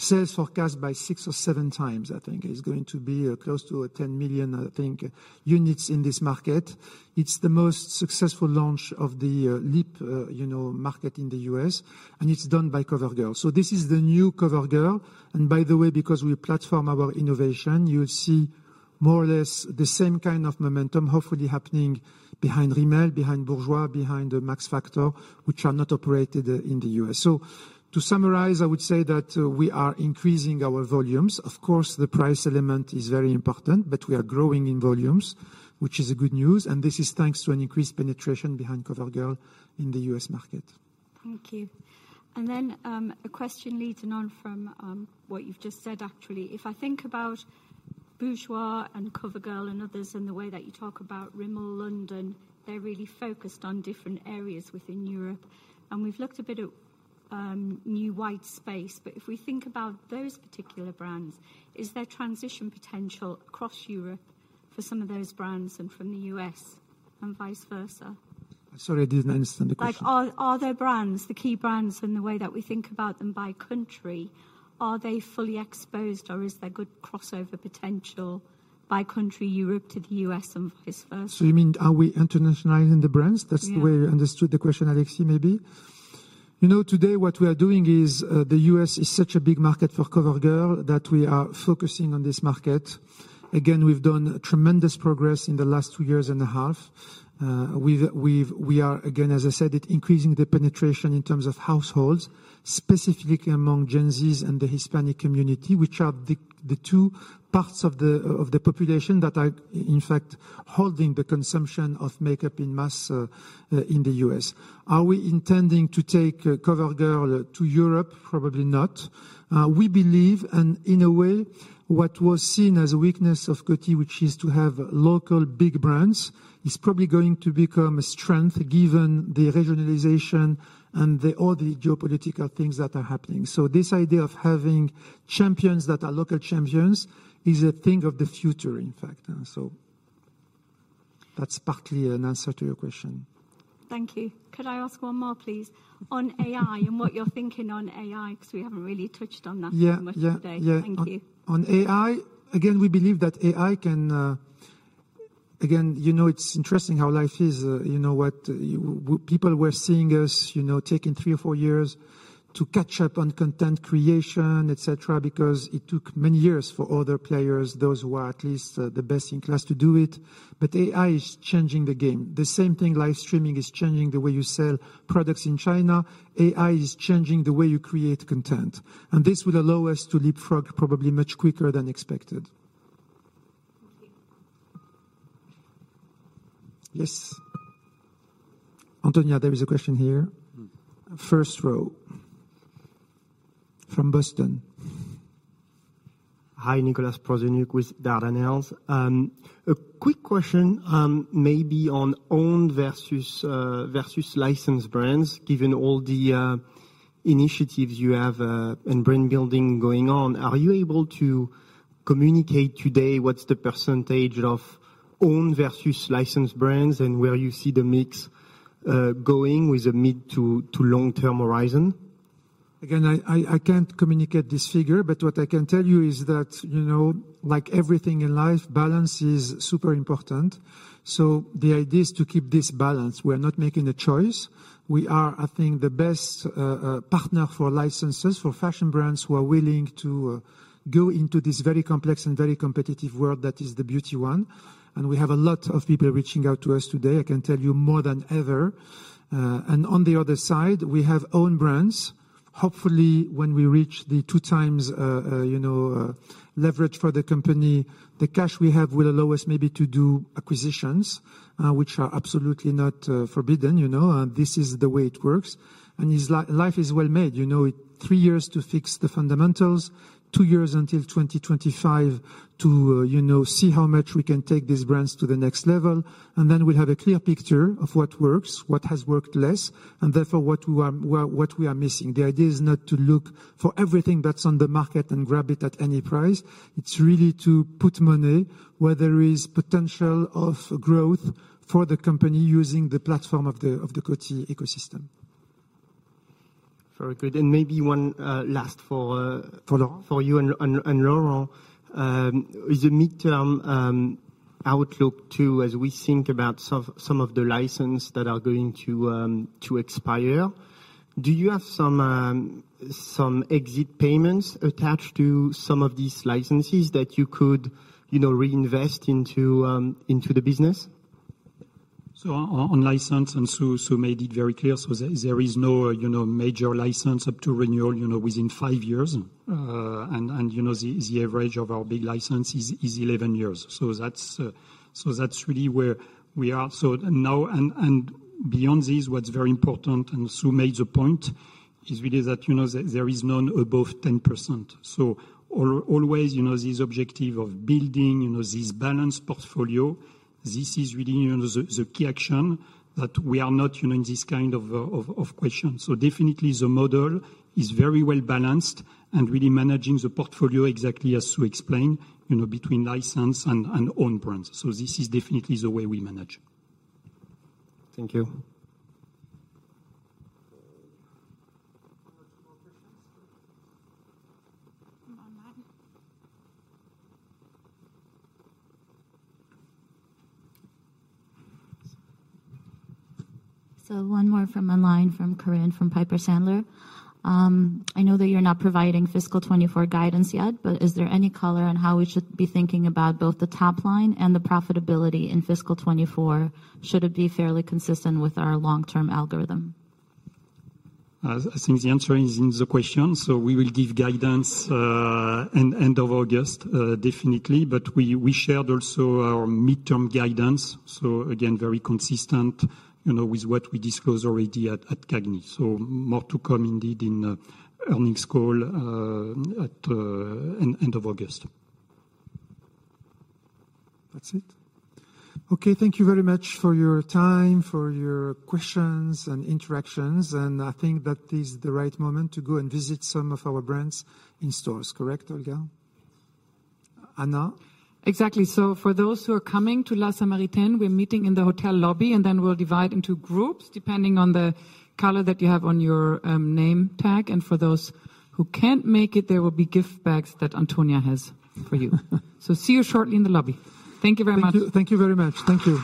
sales forecast by six or seven times, I think. It's going to be close to 10 million, I think, units in this market. It's the most successful launch of the lip, you know, market in the U.S., and it's done by COVERGIRL. This is the new COVERGIRL, and by the way, because we platform our innovation, you'll see more or less the same kind of momentum, hopefully happening behind Rimmel, behind Bourjois, behind the Max Factor, which are not operated in the U.S. To summarize, I would say that we are increasing our volumes. Of course, the price element is very important, but we are growing in volumes, which is a good news, and this is thanks to an increased penetration behind COVERGIRL in the U.S. market. Thank you. A question leading on from what you've just said, actually. If I think about Bourjois and COVERGIRL and others, and the way that you talk about Rimmel London, they're really focused on different areas within Europe. We've looked a bit at new white space, but if we think about those particular brands, is there transition potential across Europe for some of those brands and from the US and vice versa? Sorry, I didn't understand the question. Like, are there brands, the key brands in the way that we think about them by country, are they fully exposed or is there good crossover potential by country, Europe to the U.S. and vice versa? You mean, are we internationalizing the brands? Yeah. That's the way I understood the question, Alexis. Maybe. You know, today what we are doing is, the U.S. is such a big market for COVERGIRL, that we are focusing on this market. Again, we've done tremendous progress in the last two years and a half. We've, we are, again, as I said, it increasing the penetration in terms of households, specifically among Gen Zs and the Hispanic community, which are the two parts of the population that are, in fact, holding the consumption of makeup in mass, in the U.S. Are we intending to take, COVERGIRL to Europe? Probably not. We believe, and in a way, what was seen as a weakness of Coty, which is to have local big brands, is probably going to become a strength, given the regionalization and the, all the geopolitical things that are happening. This idea of having champions that are local champions is a thing of the future, in fact, and so that's partly an answer to your question. Thank you. Could I ask one more, please? On AI and what you're thinking on AI, because we haven't really touched on that much today. Yeah. Thank you. On AI, again, we believe that AI can. Again, you know, it's interesting how life is. You know what? People were seeing us, you know, taking three or four years to catch up on content creation, et cetera, because it took many years for other players, those who are at least, the best in class, to do it. AI is changing the game. The same thing, live streaming is changing the way you sell products in China. AI is changing the way you create content, and this will allow us to leapfrog probably much quicker than expected. Thank you. Yes. Antonia, there is a question here. First row from Boston. Hi, Nicolas Proszenuck with Dardanelle. A quick question, maybe on own versus versus licensed brands. Given all the initiatives you have and brand building going on, are you able to communicate today what's the percentage of own versus licensed brands, and where you see the mix going with the mid to long-term horizon? I can't communicate this figure, but what I can tell you is that, you know, like everything in life, balance is super important. The idea is to keep this balance. We are not making a choice. We are, I think, the best partner for licenses, for fashion brands who are willing to go into this very complex and very competitive world that is the beauty one. We have a lot of people reaching out to us today, I can tell you, more than ever. On the other side, we have own brands. Hopefully, when we reach the two times, you know, leverage for the company, the cash we have will allow us maybe to do acquisitions, which are absolutely not forbidden, you know, and this is the way it works. Life is well made, you know, it three years to fix the fundamentals, two years until 2025 to, you know, see how much we can take these brands to the next level, and then we'll have a clear picture of what works, what has worked less, and therefore, what we are missing. The idea is not to look for everything that's on the market and grab it at any price. It's really to put money where there is potential of growth for the company, using the platform of the Coty ecosystem. Very good. Maybe one last for. For Laurent? For you and Laurent. Is the midterm outlook, too, as we think about some of the license that are going to expire, do you have some exit payments attached to some of these licenses that you could, you know, reinvest into the business? On license, and Sue made it very clear, there is no, you know, major license up to renewal, you know, within five years. And, you know, the average of our big license is 11 years. That's, so that's really where we are. Now, and beyond this, what's very important, and Sue made the point, is really that, you know, there is none above 10%. Always, you know, this objective of building, you know, this balanced portfolio, this is really, you know, the key action, that we are not, you know, in this kind of question. Definitely, the model is very well-balanced and really managing the portfolio exactly as Sue explained, you know, between license and own brands. This is definitely the way we manage. Thank you. One or two more questions. Online. One more from online, from korinne, from Piper Sandler. I know that you're not providing fiscal 2024 guidance yet, but is there any color on how we should be thinking about both the top line and the profitability in fiscal 2024? Should it be fairly consistent with our long-term algorithm? I think the answer is in the question. We will give guidance in end of August, definitely. We shared also our midterm guidance. Again, very consistent, you know, with what we disclosed already at CAGNY. More to come indeed in the earnings call at end of August. That's it? Okay, thank you very much for your time, for your questions and interactions. I think that is the right moment to go and visit some of our brands in stores. Correct, Olga? Anna? Exactly. For those who are coming to La Samaritaine, we're meeting in the hotel lobby, and then we'll divide into groups, depending on the color that you have on your name tag. For those who can't make it, there will be gift bags that Antonia has for you. See you shortly in the lobby. Thank you very much. Thank you, thank you very much. Thank you.